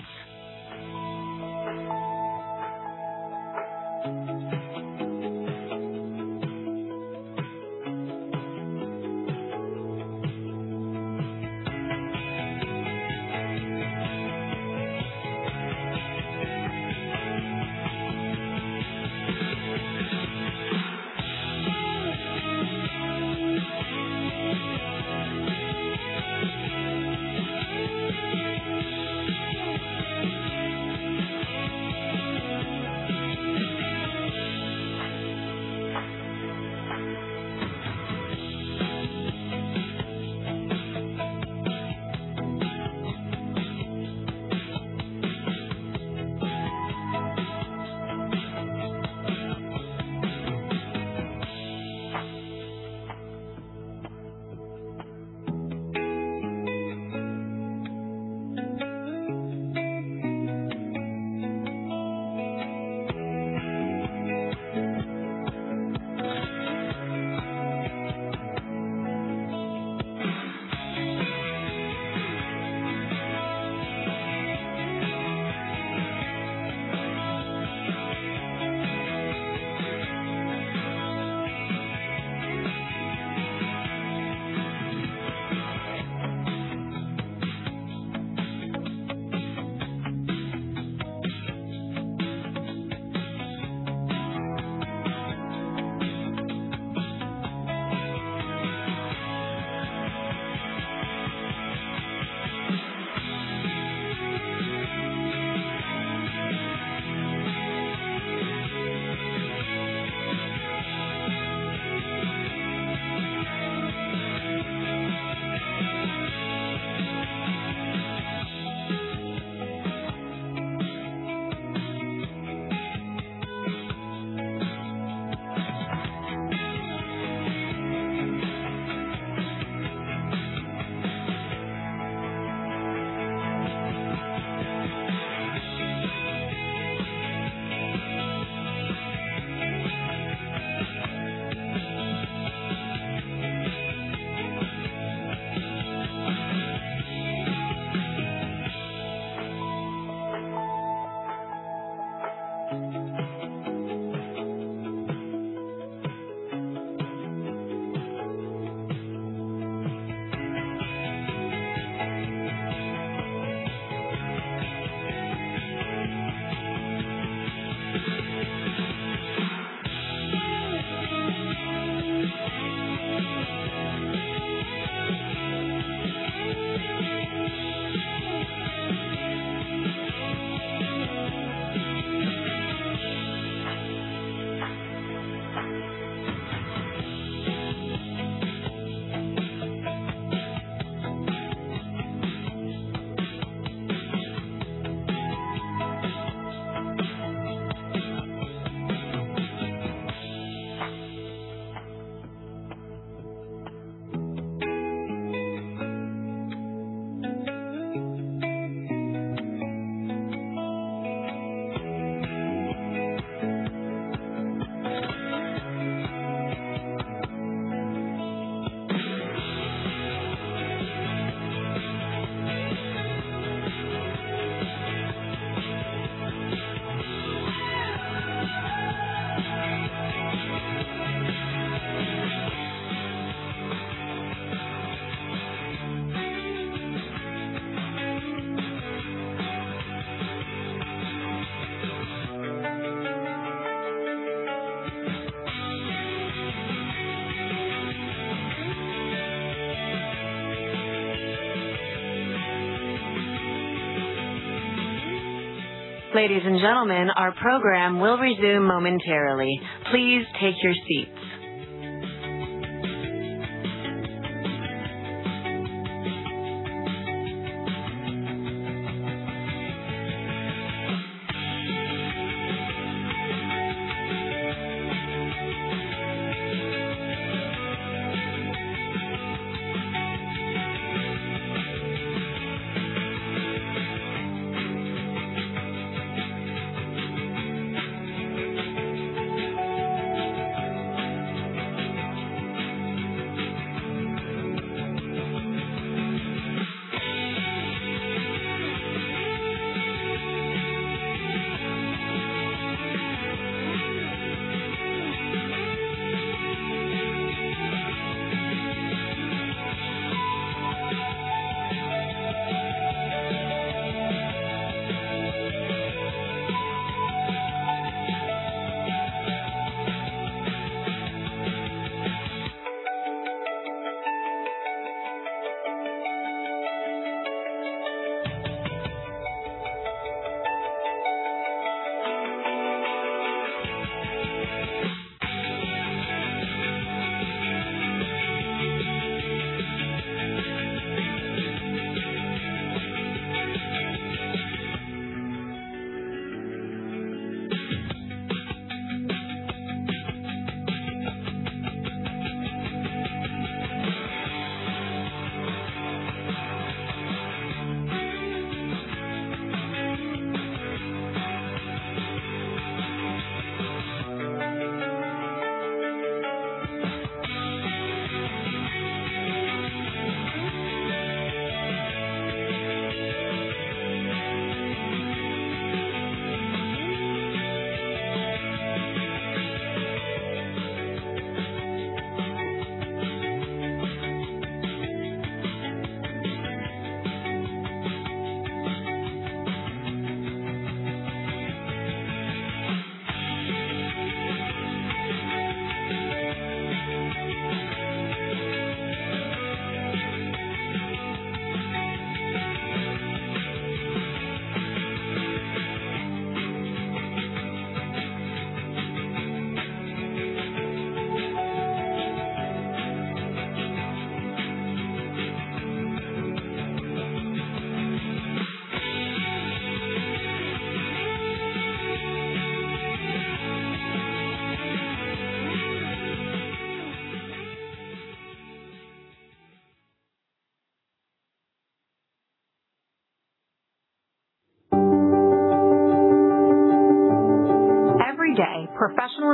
Ladies and gentlemen, our program will resume momentarily. Please take your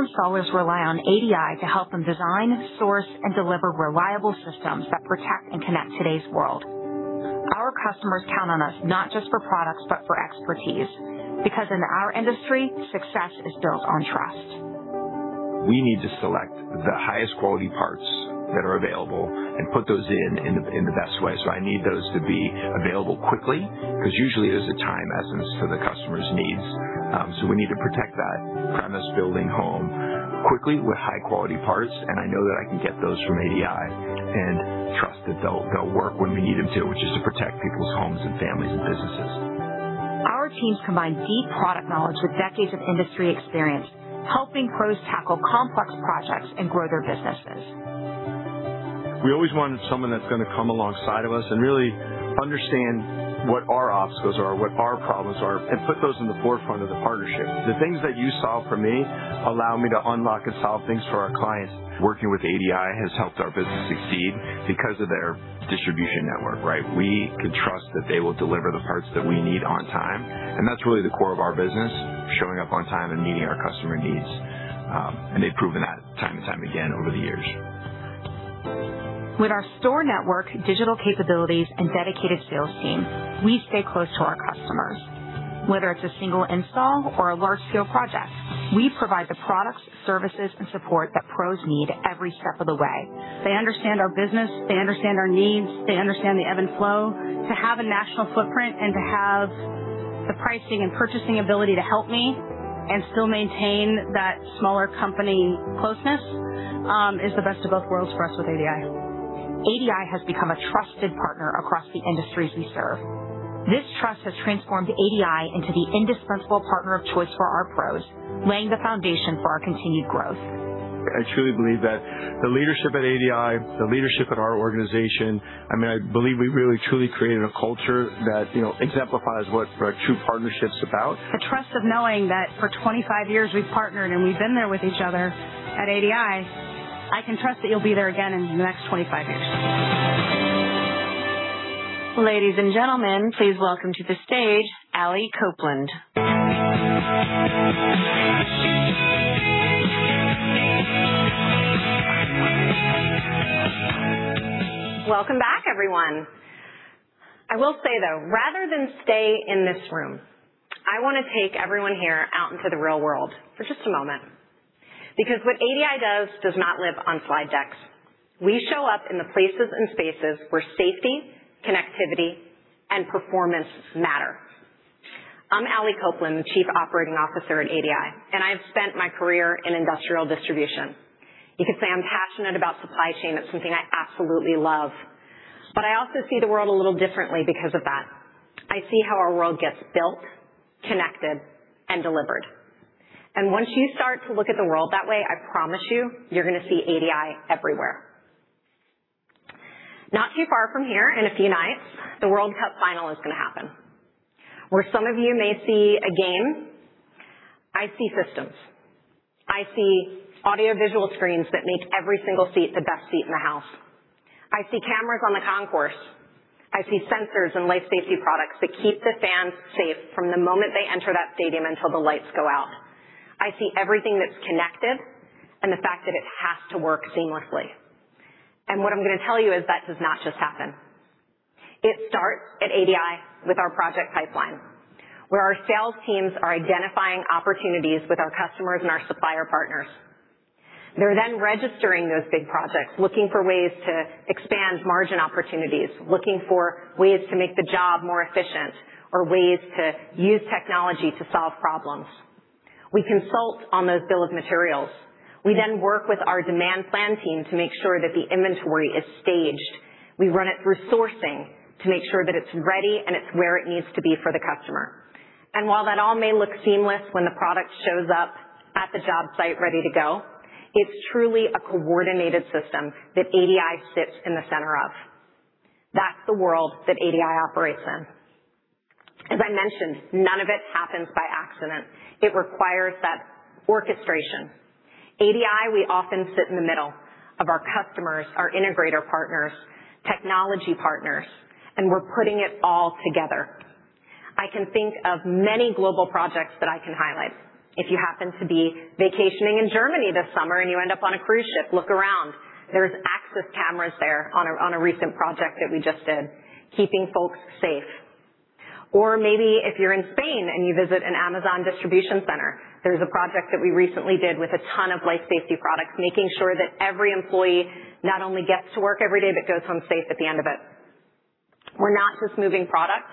seats. Every day, professional installers rely on ADI to help them design, source, and deliver reliable systems that protect and connect today's world. Our customers count on us not just for products, but for expertise. Because in our industry, success is built on trust. We need to select the highest quality parts that are available and put those in the best way. I need those to be available quickly, because usually there's a time essence to the customer's needs. We need to protect that premise, building, home quickly with high quality parts, and I know that I can get those from ADI and trust that they'll work when we need them to, which is to protect people's homes and families and businesses. Our teams combine deep product knowledge with decades of industry experience, helping pros tackle complex projects and grow their businesses. We always wanted someone that's going to come alongside of us and really understand what our obstacles are, what our problems are, and put those in the forefront of the partnership. The things that you solve for me allow me to unlock and solve things for our clients. Working with ADI has helped our business succeed because of their distribution network, right? We can trust that they will deliver the parts that we need on time, and that's really the core of our business, showing up on time and meeting our customer needs. They've proven that time and time again over the years. With our store network, digital capabilities, and dedicated sales team, we stay close to our customers. Whether it's a single install or a large scale project, we provide the products, services, and support that pros need every step of the way. They understand our business. They understand our needs. They understand the ebb and flow. To have a national footprint and to have the pricing and purchasing ability to help me and still maintain that smaller company closeness is the best of both worlds for us with ADI. ADI has become a trusted partner across the industries we serve. This trust has transformed ADI into the indispensable partner of choice for our pros, laying the foundation for our continued growth. I truly believe that the leadership at ADI, the leadership at our organization, I believe we really, truly created a culture that exemplifies what a true partnership is about. The trust of knowing that for 25 years we've partnered and we've been there with each other at ADI, I can trust that you'll be there again in the next 25 years. Ladies and gentlemen, please welcome to the stage, Allie Copeland. Welcome back, everyone. I will say, though, rather than stay in this room, I want to take everyone here out into the real world for just a moment, because what ADI does does not live on slide decks. We show up in the places and spaces where safety, connectivity, and performance matter. I'm Allie Copeland, the Chief Operating Officer at ADI, and I've spent my career in industrial distribution. You could say I'm passionate about supply chain. It's something I absolutely love. I also see the world a little differently because of that. I see how our world gets built, connected, and delivered. Once you start to look at the world that way, I promise you're going to see ADI everywhere. Not too far from here, in a few nights, the World Cup final is going to happen. Where some of you may see a game, I see systems. I see audiovisual screens that make every single seat the best seat in the house. I see cameras on the concourse. I see sensors and life safety products that keep the fans safe from the moment they enter that stadium until the lights go out. I see everything that's connected and the fact that it has to work seamlessly. What I'm going to tell you is that does not just happen. It starts at ADI with our project pipeline, where our sales teams are identifying opportunities with our customers and our supplier partners. They're registering those big projects, looking for ways to expand margin opportunities, looking for ways to make the job more efficient, or ways to use technology to solve problems. We consult on those bill of materials. We work with our demand plan team to make sure that the inventory is staged. We run it through sourcing to make sure that it's ready and it's where it needs to be for the customer. While that all may look seamless when the product shows up at the job site ready to go, it's truly a coordinated system that ADI sits in the center of. That's the world that ADI operates in. As I mentioned, none of it happens by accident. It requires that orchestration. ADI, we often sit in the middle of our customers, our integrator partners, technology partners, and we're putting it all together. I can think of many global projects that I can highlight. If you happen to be vacationing in Germany this summer and you end up on a cruise ship, look around. There's Axis cameras there on a recent project that we just did, keeping folks safe. Or maybe if you're in Spain and you visit an Amazon distribution center, there's a project that we recently did with a ton of life safety products, making sure that every employee not only gets to work every day, but goes home safe at the end of it. We're not just moving product.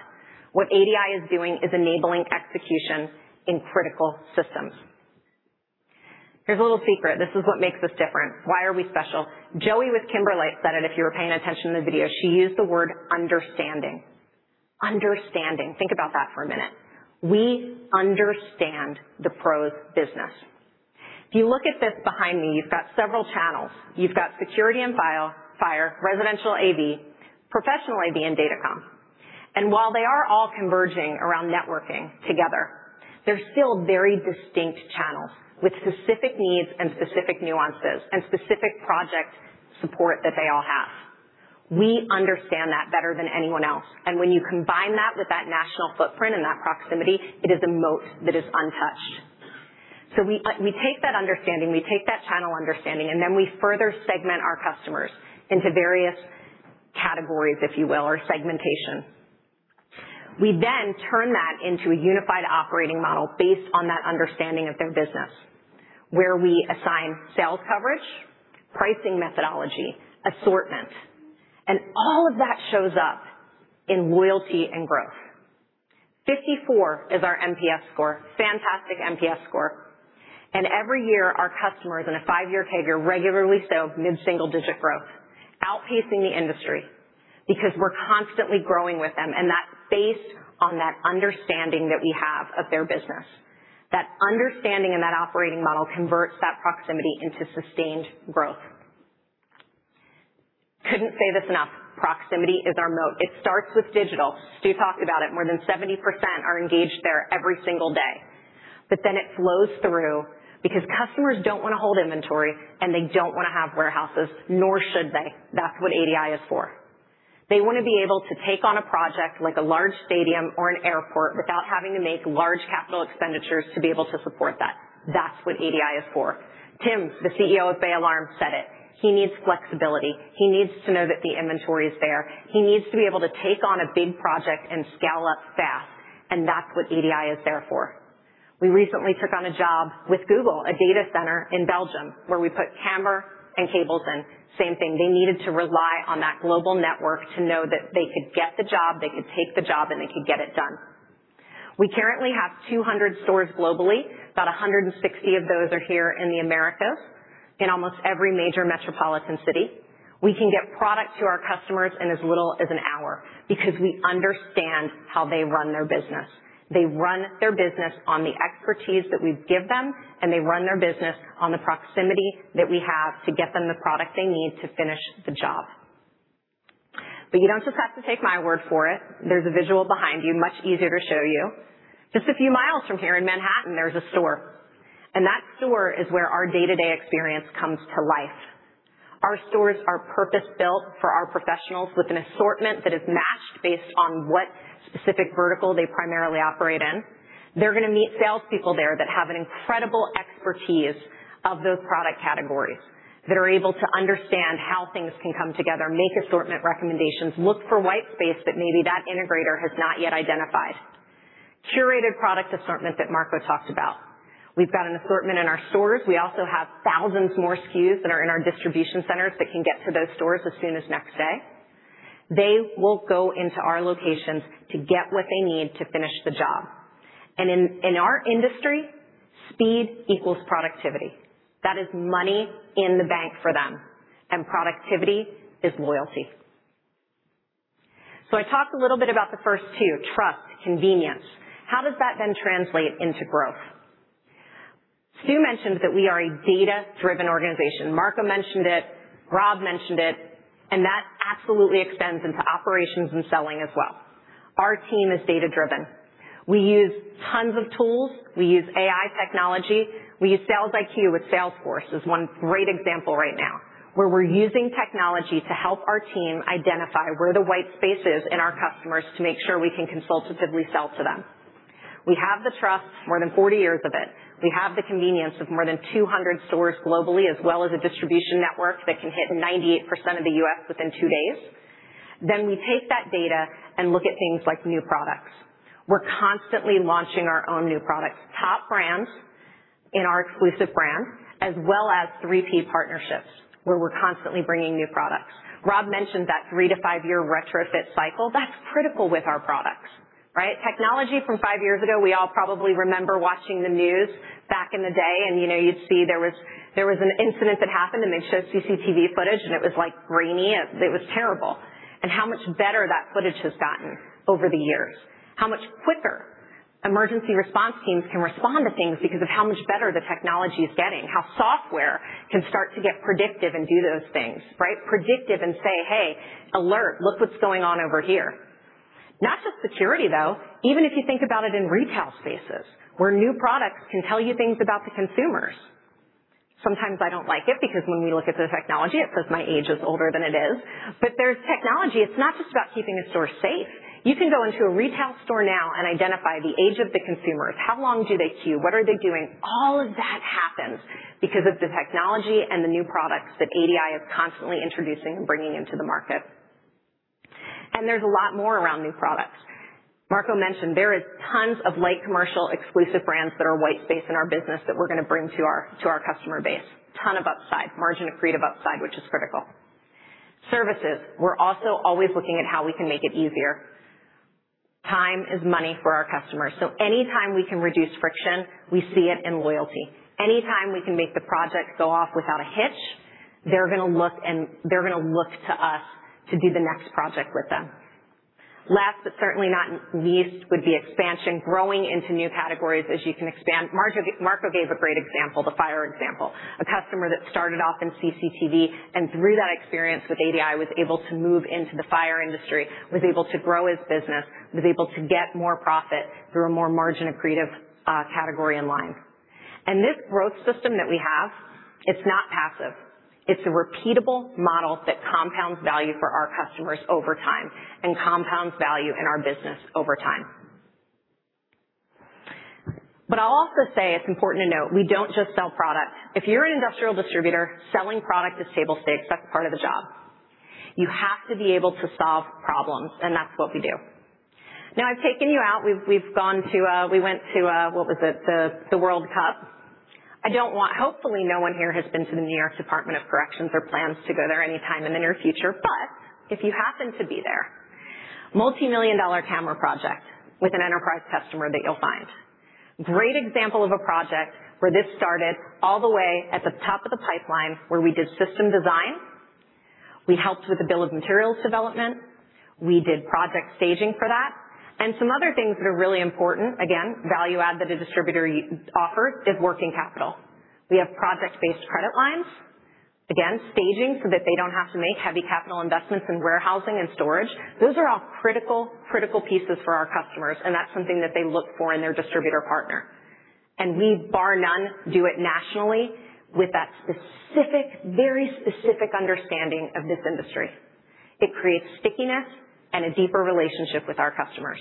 What ADI is doing is enabling execution in critical systems. Here's a little secret. This is what makes us different. Why are we special? Joey with Kimberlite said it if you were paying attention in the video. She used the word understanding. Understanding. Think about that for a minute. We understand the pros business. If you look at this behind me, you've got several channels. You've got security & fire, residential AV, professional AV, and Datacom. While they are all converging around networking together, they're still very distinct channels with specific needs and specific nuances and specific project support that they all have. We understand that better than anyone else, and when you combine that with that national footprint and that proximity, it is a moat that is untouched. We take that understanding, we take that channel understanding, and we further segment our customers into various categories, if you will, or segmentation. We turn that into a unified operating model based on that understanding of their business, where we assign sales coverage, pricing methodology, assortment, and all of that shows up in loyalty and growth. 54 is our NPS score, fantastic NPS score. Every year, our customers in a five-year CAGR regularly sell mid-single-digit growth, outpacing the industry, because we're constantly growing with them, and that's based on that understanding that we have of their business. That understanding and that operating model converts that proximity into sustained growth. Couldn't say this enough. Proximity is our moat. It starts with digital. Stu talked about it. More than 70% are engaged there every single day. It flows through because customers don't want to hold inventory and they don't want to have warehouses, nor should they. That's what ADI is for. They want to be able to take on a project like a large stadium or an airport without having to make large capital expenditures to be able to support that. That's what ADI is for. Tim, the CEO of Bay Alarm, said it. He needs flexibility. He needs to know that the inventory is there. He needs to be able to take on a big project and scale up fast, that's what ADI is there for. We recently took on a job with Google, a data center in Belgium, where we put camera and cables in. Same thing. They needed to rely on that global network to know that they could get the job, they could take the job, and they could get it done. We currently have 200 stores globally. About 160 of those are here in the Americas in almost every major metropolitan city. We can get product to our customers in as little as an hour because we understand how they run their business. They run their business on the expertise that we give them, and they run their business on the proximity that we have to get them the product they need to finish the job. You don't just have to take my word for it. There's a visual behind you, much easier to show you. Just a few miles from here in Manhattan, there's a store. That store is where our day-to-day experience comes to life. Our stores are purpose-built for our professionals with an assortment that is matched based on what specific vertical they primarily operate in. They're going to meet salespeople there that have an incredible expertise of those product categories, that are able to understand how things can come together, make assortment recommendations, look for white space that maybe that integrator has not yet identified. Curated product assortment that Marco talked about. We've got an assortment in our stores. We also have thousands more SKUs that are in our distribution centers that can get to those stores as soon as next day. They will go into our locations to get what they need to finish the job. In our industry, speed equals productivity. That is money in the bank for them, and productivity is loyalty. I talked a little bit about the first two, trust, convenience. How does that then translate into growth? Stu mentioned that we are a data-driven organization. Marco mentioned it. Rob mentioned it, and that absolutely extends into operations and selling as well. Our team is data-driven. We use tons of tools. We use AI technology. We use Sales IQ with Salesforce is one great example right now, where we're using technology to help our team identify where the white space is in our customers to make sure we can consultatively sell to them. We have the trust, more than 40 years of it. We have the convenience of more than 200 stores globally, as well as a distribution network that can hit 98% of the U.S. within two days. We take that data and look at things like new products. We're constantly launching our own new products, top brands in our exclusive brand, as well as three-piece partnerships, where we're constantly bringing new products. Rob mentioned that 3-5-year retrofit cycle. That's critical with our products, right? Technology from 5 years ago, we all probably remember watching the news back in the day, you'd see there was an incident that happened, and they showed CCTV footage, and it was grainy. It was terrible. How much better that footage has gotten over the years. How much quicker emergency response teams can respond to things because of how much better the technology is getting, how software can start to get predictive and do those things, right? Predictive and say, "Hey, alert, look what's going on over here." Not just security, though. Even if you think about it in retail spaces, where new products can tell you things about the consumers. Sometimes I don't like it because when we look at the technology, it says my age is older than it is. There's technology. It's not just about keeping a store safe. You can go into a retail store now and identify the age of the consumers. How long do they queue? What are they doing? All of that happens because of the technology and the new products that ADI is constantly introducing and bringing into the market. There's a lot more around new products. Marco mentioned there is tons of light commercial exclusive brands that are white space in our business that we're going to bring to our customer base. Ton of upside, margin accretive upside, which is critical. Services, we're also always looking at how we can make it easier. Time is money for our customers, anytime we can reduce friction, we see it in loyalty. Anytime we can make the project go off without a hitch, they're going to look to us to do the next project with them. Last, certainly not least, would be expansion, growing into new categories as you can expand. Marco gave a great example, the fire example. A customer that started off in CCTV, through that experience with ADI, was able to move into the fire industry, was able to grow his business, was able to get more profit through a more margin accretive category and line. This growth system that we have, it's not passive. It's a repeatable model that compounds value for our customers over time and compounds value in our business over time. I'll also say it's important to note, we don't just sell product. If you're an industrial distributor, selling product is table stakes. That's part of the job. You have to be able to solve problems, that's what we do. I've taken you out. We went to, what was it? The World Cup. Hopefully, no one here has been to the New York Department of Corrections or plans to go there anytime in the near future. If you happen to be there, multimillion-dollar camera project with an enterprise customer that you'll find. Great example of a project where this started all the way at the top of the pipeline where we did system design, we helped with the bill of materials development, we did project staging for that, some other things that are really important, again, value add that a distributor offers is working capital. We have project-based credit lines, again, staging so that they don't have to make heavy capital investments in warehousing and storage. Those are all critical pieces for our customers, that's something that they look for in their distributor partner. We, bar none, do it nationally with that specific, very specific understanding of this industry. It creates stickiness and a deeper relationship with our customers.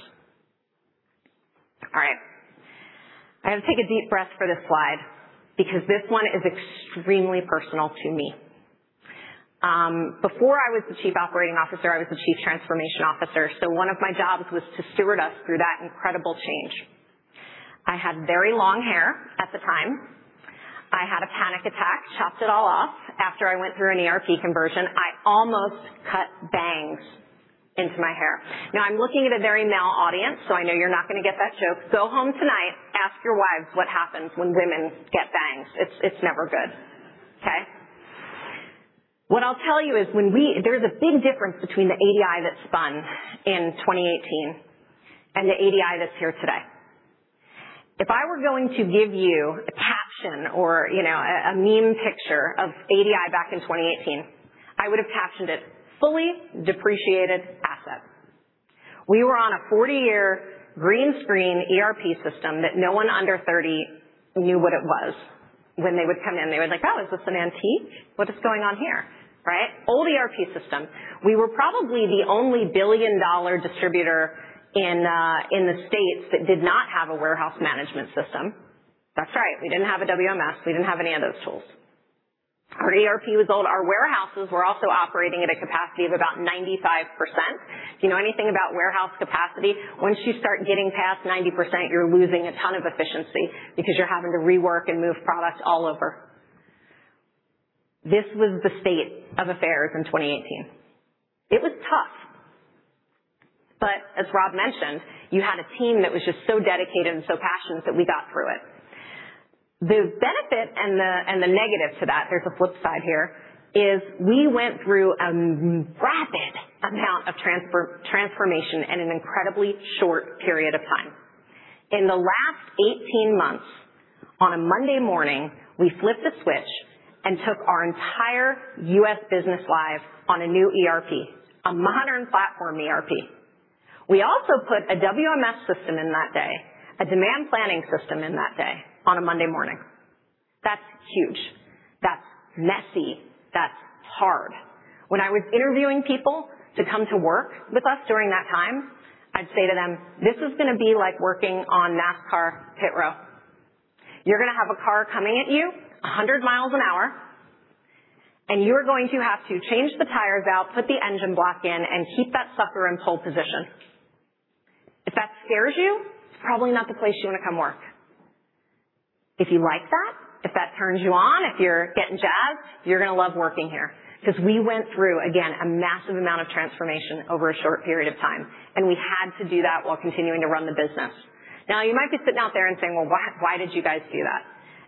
I have to take a deep breath for this slide because this one is extremely personal to me. Before I was the chief operating officer, I was the chief transformation officer, one of my jobs was to steward us through that incredible change. I had very long hair at the time. I had a panic attack, chopped it all off. After I went through an ERP conversion, I almost cut bangs into my hair. I'm looking at a very male audience, I know you're not going to get that joke. Go home tonight, ask your wives what happens when women get bangs. It's never good, okay. What I'll tell you is there's a big difference between the ADI that spun in 2018 and the ADI that's here today. If I were going to give you a caption or a meme picture of ADI back in 2018, I would have captioned it fully depreciated asset We were on a 40-year green screen ERP system that no one under 30 knew what it was. When they would come in, they were like, "Oh, is this an antique? What is going on here?" Right. Old ERP system. We were probably the only billion-dollar distributor in the U.S. that did not have a warehouse management system. That's right. We didn't have a WMS. We didn't have any of those tools. Our ERP was old. Our warehouses were also operating at a capacity of about 95%. If you know anything about warehouse capacity, once you start getting past 90%, you're losing a ton of efficiency because you're having to rework and move product all over. This was the state of affairs in 2018. It was tough. As Rob mentioned, you had a team that was just so dedicated and so passionate that we got through it. The benefit and the negatives to that, there's a flip side here, is we went through a rapid amount of transformation in an incredibly short period of time. In the last 18 months, on a Monday morning, we flipped a switch and took our entire U.S. business live on a new ERP, a modern platform ERP. We also put a WMS system in that day, a demand planning system in that day on a Monday morning. That's huge. That's messy. That's hard. When I was interviewing people to come to work with us during that time, I'd say to them, "This is going to be like working on NASCAR pit row. You're going to have a car coming at you 100 miles an hour, you are going to have to change the tires out, put the engine block in, and keep that sucker in pole position. If that scares you, it's probably not the place you want to come work. If you like that, if that turns you on, if you're getting jazzed, you're going to love working here." We went through, again, a massive amount of transformation over a short period of time, and we had to do that while continuing to run the business. You might be sitting out there and saying, "Well, why did you guys do that?"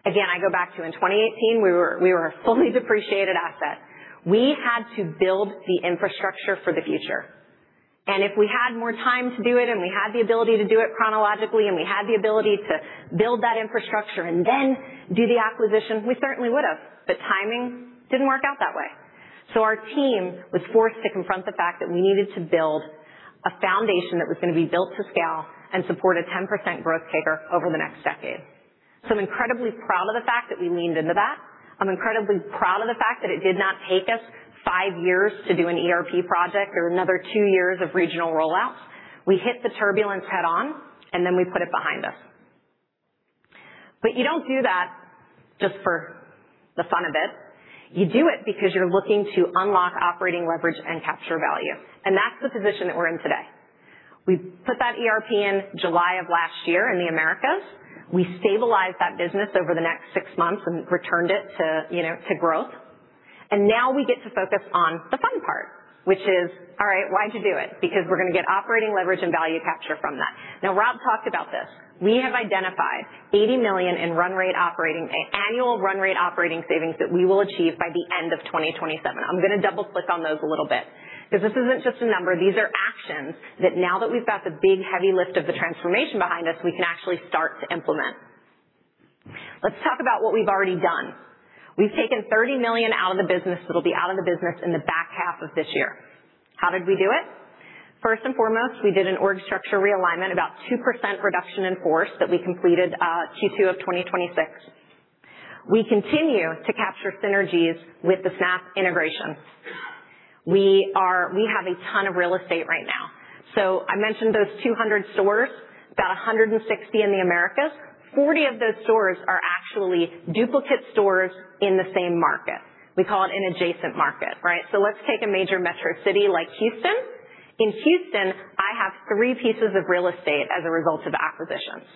I go back to in 2018, we were a fully depreciated asset. We had to build the infrastructure for the future. If we had more time to do it, we had the ability to do it chronologically, and we had the ability to build that infrastructure and then do the acquisition, we certainly would have, timing didn't work out that way. Our team was forced to confront the fact that we needed to build a foundation that was going to be built to scale and support a 10% growth kicker over the next decade. I'm incredibly proud of the fact that we leaned into that. I'm incredibly proud of the fact that it did not take us five years to do an ERP project or another two years of regional rollouts. We hit the turbulence head on, then we put it behind us. You don't do that just for the fun of it. You do it because you're looking to unlock operating leverage and capture value, that's the position that we're in today. We put that ERP in July of last year in the Americas. We stabilized that business over the next six months and returned it to growth. Now we get to focus on the fun part, which is, all right, why'd you do it? We're going to get operating leverage and value capture from that. Rob talked about this. We have identified $80 million in annual run rate operating savings that we will achieve by the end of 2027. I'm going to double click on those a little bit, this isn't just a number. These are actions that now that we've got the big, heavy lift of the transformation behind us, we can actually start to implement. Let's talk about what we've already done. We've taken $30 million out of the business that'll be out of the business in the back half of this year. How did we do it? First and foremost, we did an org structure realignment, about 2% reduction in force that we completed Q2 of 2026. We continue to capture synergies with the Snap integration. We have a ton of real estate right now. I mentioned those 200 stores, about 160 in the Americas. 40 of those stores are actually duplicate stores in the same market. We call it an adjacent market, right? Let's take a major metro city like Houston. In Houston, I have three pieces of real estate as a result of acquisitions.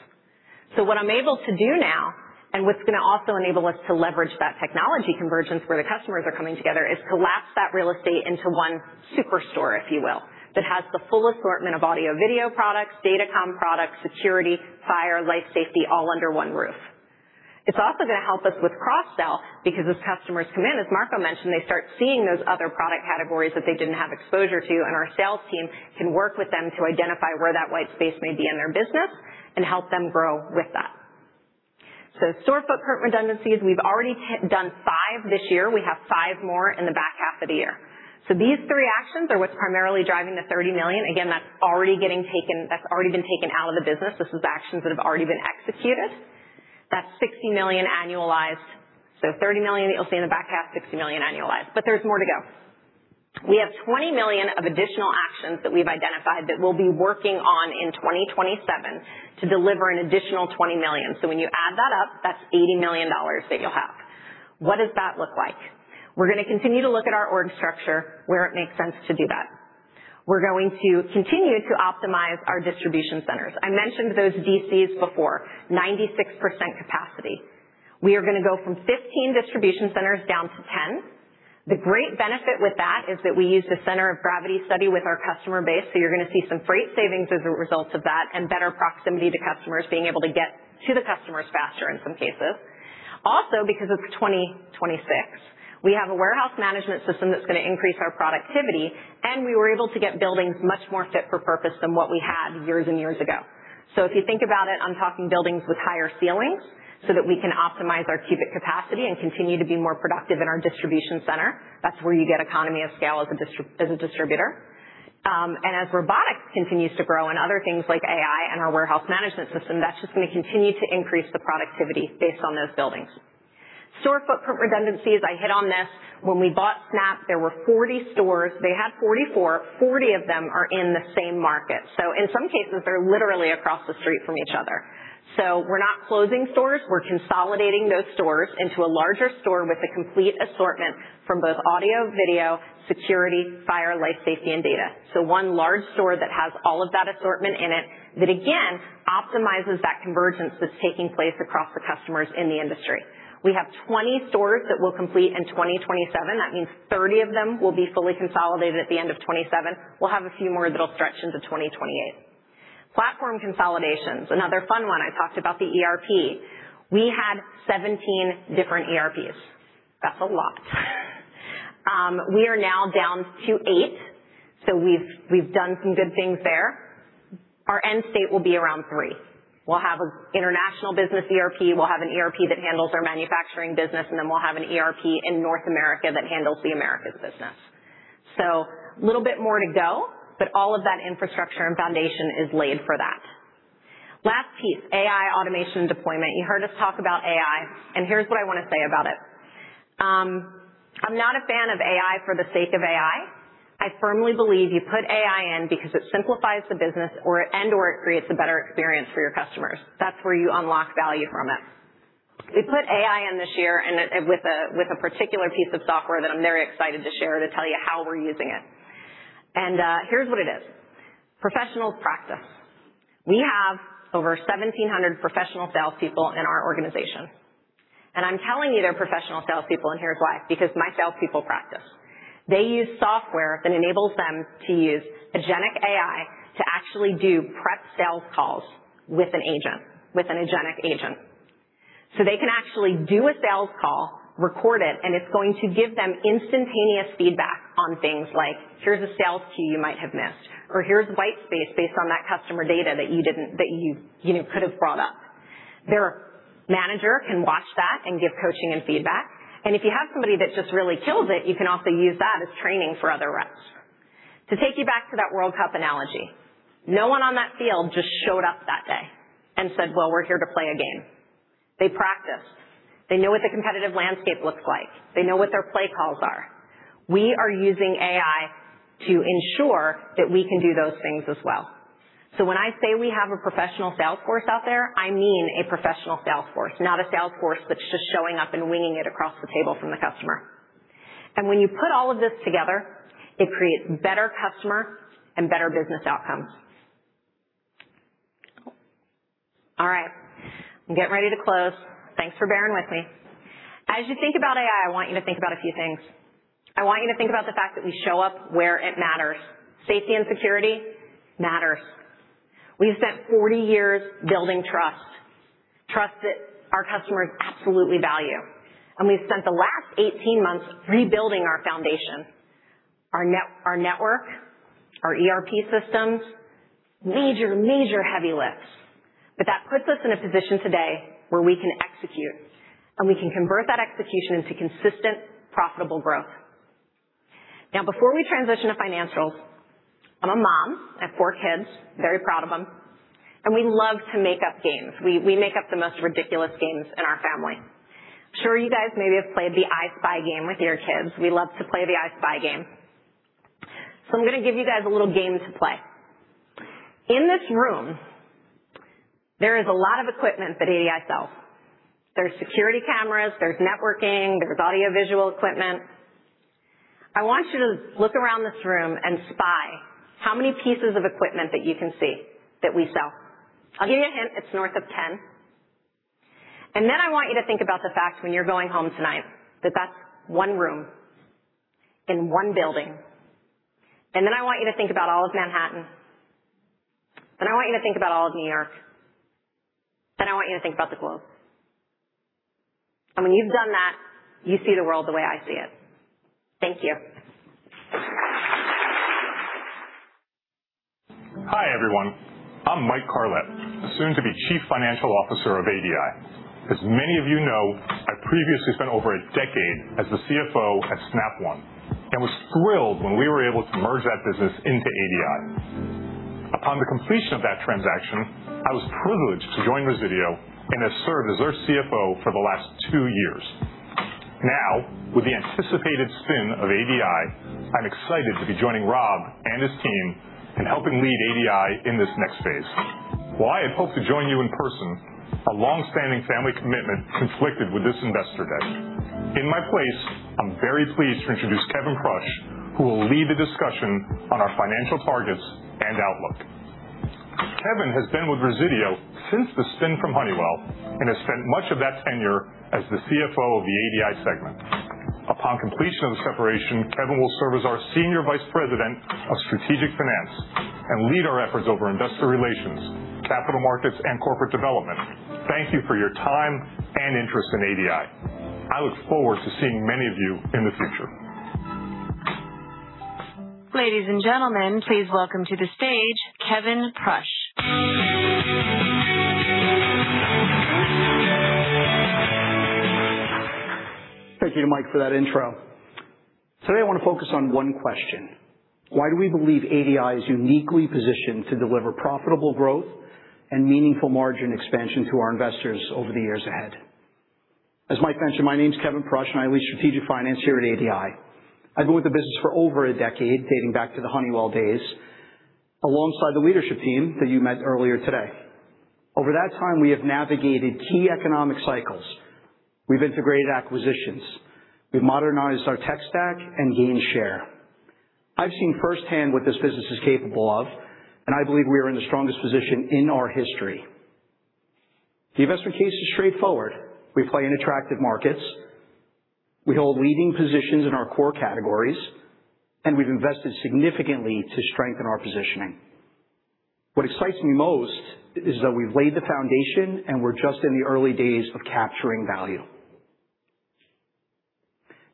What I'm able to do now, and what's going to also enable us to leverage that technology convergence where the customers are coming together, is collapse that real estate into one superstore, if you will, that has the full assortment of audio-video products, Datacom products, security, fire, life safety, all under one roof. It's also going to help us with cross-sell because as customers come in, as Marco mentioned, they start seeing those other product categories that they didn't have exposure to, and our sales team can work with them to identify where that white space may be in their business and help them grow with that. Store footprint redundancies, we've already done five this year. We have five more in the back half of the year. These three actions are what's primarily driving the $30 million. Again, that's already been taken out of the business. This is actions that have already been executed. That's $60 million annualized. $30 million that you'll see in the back half, $60 million annualized. There's more to go. We have $20 million of additional actions that we've identified that we'll be working on in 2027 to deliver an additional $20 million. When you add that up, that's $80 million that you'll have. What does that look like? We're going to continue to look at our org structure where it makes sense to do that. We're going to continue to optimize our distribution centers. I mentioned those DCs before, 96% capacity. We are going to go from 15 distribution centers down to 10. The great benefit with that is that we use the center of gravity study with our customer base. You're going to see some freight savings as a result of that and better proximity to customers being able to get to the customers faster in some cases. Also because it's 2026, we have a warehouse management system that's going to increase our productivity, and we were able to get buildings much more fit for purpose than what we had years and years ago. If you think about it, I'm talking buildings with higher ceilings so that we can optimize our cubic capacity and continue to be more productive in our distribution center. That's where you get economy of scale as a distributor. As robotics continues to grow and other things like AI and our warehouse management system, that's just going to continue to increase the productivity based on those buildings. Store footprint redundancies, I hit on this. When we bought Snap, there were 40 stores. They had 44. Forty of them are in the same market. In some cases, they are literally across the street from each other. We are not closing stores. We are consolidating those stores into a larger store with a complete assortment from both audio, video, security, fire, life safety, and Datacom. One large store that has all of that assortment in it, that again, optimizes that convergence that's taking place across the customers in the industry. We have 20 stores that we will complete in 2027. That means 30 of them will be fully consolidated at the end of 2027. We will have a few more that will stretch into 2028. Platform consolidations, another fun one. I talked about the ERP. We had 17 different ERPs. That's a lot. We are now down to eight, so we have done some good things there. Our end state will be around three. We will have an international business ERP, we will have an ERP that handles our manufacturing business, and we will have an ERP in North America that handles the Americas business. A little bit more to go, but all of that infrastructure and foundation is laid for that. Last piece, AI automation deployment. You heard us talk about AI. Here's what I want to say about it. I am not a fan of AI for the sake of AI. I firmly believe you put AI in because it simplifies the business and/or it creates a better experience for your customers. That's where you unlock value from it. We put AI in this year with a particular piece of software that I am very excited to share to tell you how we are using it. Here's what it is. Professionals practice. We have over 1,700 professional salespeople in our organization. I am telling you they are professional salespeople. Here's why, because my salespeople practice. They use software that enables them to use agentic AI to actually do prep sales calls with an agentic agent. They can actually do a sales call, record it, and it is going to give them instantaneous feedback on things like, "Here's a sales cue you might have missed," or, "Here's white space based on that customer data that you could have brought up." Their manager can watch that and give coaching and feedback. If you have somebody that just really kills it, you can also use that as training for other reps. To take you back to that World Cup analogy, no one on that field just showed up that day and said, "Well, we are here to play a game." They practice. They know what the competitive landscape looks like. They know what their play calls are. We are using AI to ensure that we can do those things as well. When I say we have a professional sales force out there, I mean a professional sales force, not a sales force that is just showing up and winging it across the table from the customer. When you put all of this together, it creates better customer and better business outcomes. All right. I am getting ready to close. Thanks for bearing with me. As you think about AI, I want you to think about a few things. I want you to think about the fact that we show up where it matters. Safety and security matters. We have spent 40 years building trust that our customers absolutely value. We've spent the last 18 months rebuilding our foundation, our network, our ERP systems. Major heavy lifts. That puts us in a position today where we can execute, and we can convert that execution into consistent, profitable growth. Before we transition to financials, I'm a mom. I have four kids, very proud of them, and we love to make up games. We make up the most ridiculous games in our family. I'm sure you guys maybe have played the I Spy game with your kids. We love to play the I Spy game. So I'm going to give you guys a little game to play. In this room, there is a lot of equipment that ADI sells. There's security cameras, there's networking. There's audiovisual equipment. I want you to look around this room and spy how many pieces of equipment that you can see that we sell. I'll give you a hint. It's north of 10. Then I want you to think about the fact when you're going home tonight, that that's one room in one building. Then I want you to think about all of Manhattan. Then I want you to think about all of New York. Then I want you to think about the globe. When you've done that, you see the world the way I see it. Thank you. Hi, everyone. I'm Michael Carlet, the soon to be Chief Financial Officer of ADI. As many of you know, I previously spent over a decade as the CFO at Snap One and was thrilled when we were able to merge that business into ADI. Upon the completion of that transaction, I was privileged to join Resideo and have served as their CFO for the last two years. With the anticipated spin of ADI, I'm excited to be joining Rob and his team in helping lead ADI in this next phase. While I had hoped to join you in person, a longstanding family commitment conflicted with this investor day. In my place, I'm very pleased to introduce Kevin Prush, who will lead the discussion on our financial targets and outlook. Kevin has been with Resideo since the spin from Honeywell and has spent much of that tenure as the CFO of the ADI segment. Upon completion of the separation, Kevin will serve as our Senior Vice President of Strategic Finance and lead our efforts over investor relations, capital markets, and corporate development. Thank you for your time and interest in ADI. I look forward to seeing many of you in the future. Ladies and gentlemen, please welcome to the stage Kevin Prush. Thank you, Mike, for that intro. Today, I want to focus on one question: Why do we believe ADI is uniquely positioned to deliver profitable growth and meaningful margin expansion to our investors over the years ahead? As Mike mentioned, my name's Kevin Prush, and I lead strategic finance here at ADI. I've been with the business for over a decade, dating back to the Honeywell days, alongside the leadership team that you met earlier today. Over that time, we have navigated key economic cycles, we've integrated acquisitions, we've modernized our tech stack, and gained share. I've seen firsthand what this business is capable of, and I believe we are in the strongest position in our history. The investment case is straightforward. We play in attractive markets, we hold leading positions in our core categories, and we've invested significantly to strengthen our positioning. What excites me most is that we've laid the foundation and we're just in the early days of capturing value.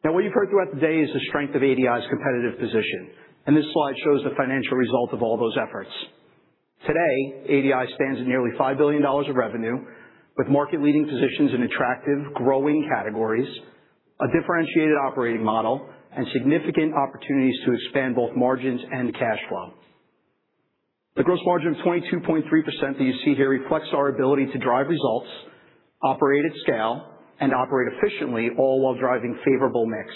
What you've heard throughout the day is the strength of ADI's competitive position, and this slide shows the financial result of all those efforts. Today, ADI stands at nearly $5 billion of revenue, with market-leading positions in attractive, growing categories, a differentiated operating model, and significant opportunities to expand both margins and cash flow. The gross margin of 22.3% that you see here reflects our ability to drive results, operate at scale, and operate efficiently, all while driving favorable mix.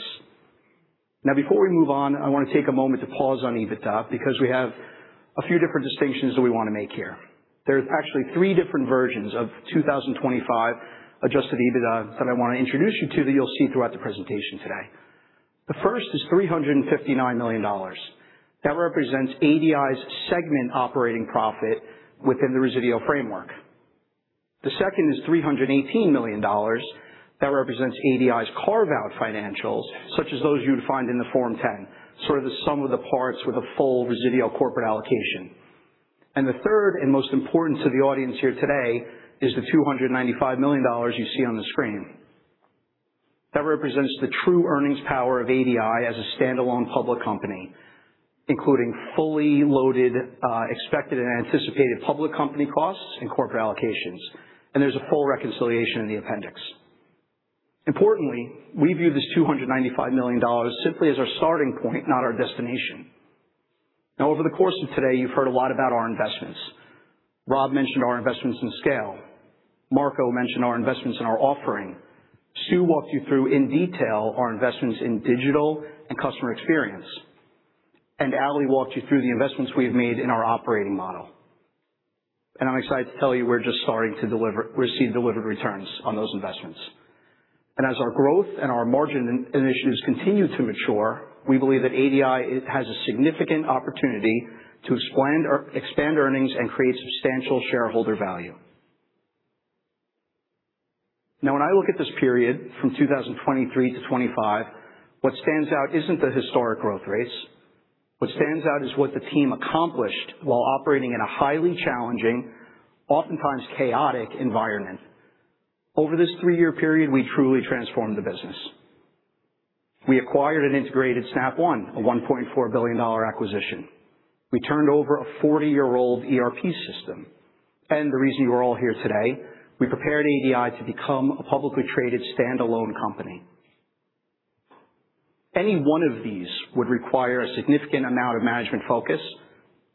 Before we move on, I want to take a moment to pause on EBITDA, because we have a few different distinctions that we want to make here. There's actually three different versions of 2025 adjusted EBITDA that I want to introduce you to that you'll see throughout the presentation today. The first is $359 million. That represents ADI's segment operating profit within the Resideo framework. The second is $318 million. That represents ADI's carve-out financials, such as those you'd find in the Form 10, sort of the sum of the parts with a full Resideo corporate allocation. The third, and most important to the audience here today, is the $295 million you see on the screen. That represents the true earnings power of ADI as a standalone public company, including fully loaded, expected and anticipated public company costs and corporate allocations. There's a full reconciliation in the appendix. Importantly, we view this $295 million simply as our starting point, not our destination. Over the course of today, you've heard a lot about our investments. Rob mentioned our investments in scale. Marco mentioned our investments in our offering. Stu walked you through, in detail, our investments in digital and customer experience. Allie walked you through the investments we've made in our operating model. I'm excited to tell you we're just starting to receive delivered returns on those investments. As our growth and our margin initiatives continue to mature, we believe that ADI has a significant opportunity to expand earnings and create substantial shareholder value. Now, when I look at this period from 2023 to 2025, what stands out isn't the historic growth rates. What stands out is what the team accomplished while operating in a highly challenging, oftentimes chaotic environment. Over this three-year period, we truly transformed the business. We acquired and integrated Snap One, a $1.4 billion acquisition. We turned over a 40-year-old ERP system. The reason you are all here today, we prepared ADI to become a publicly traded standalone company. Any one of these would require a significant amount of management focus.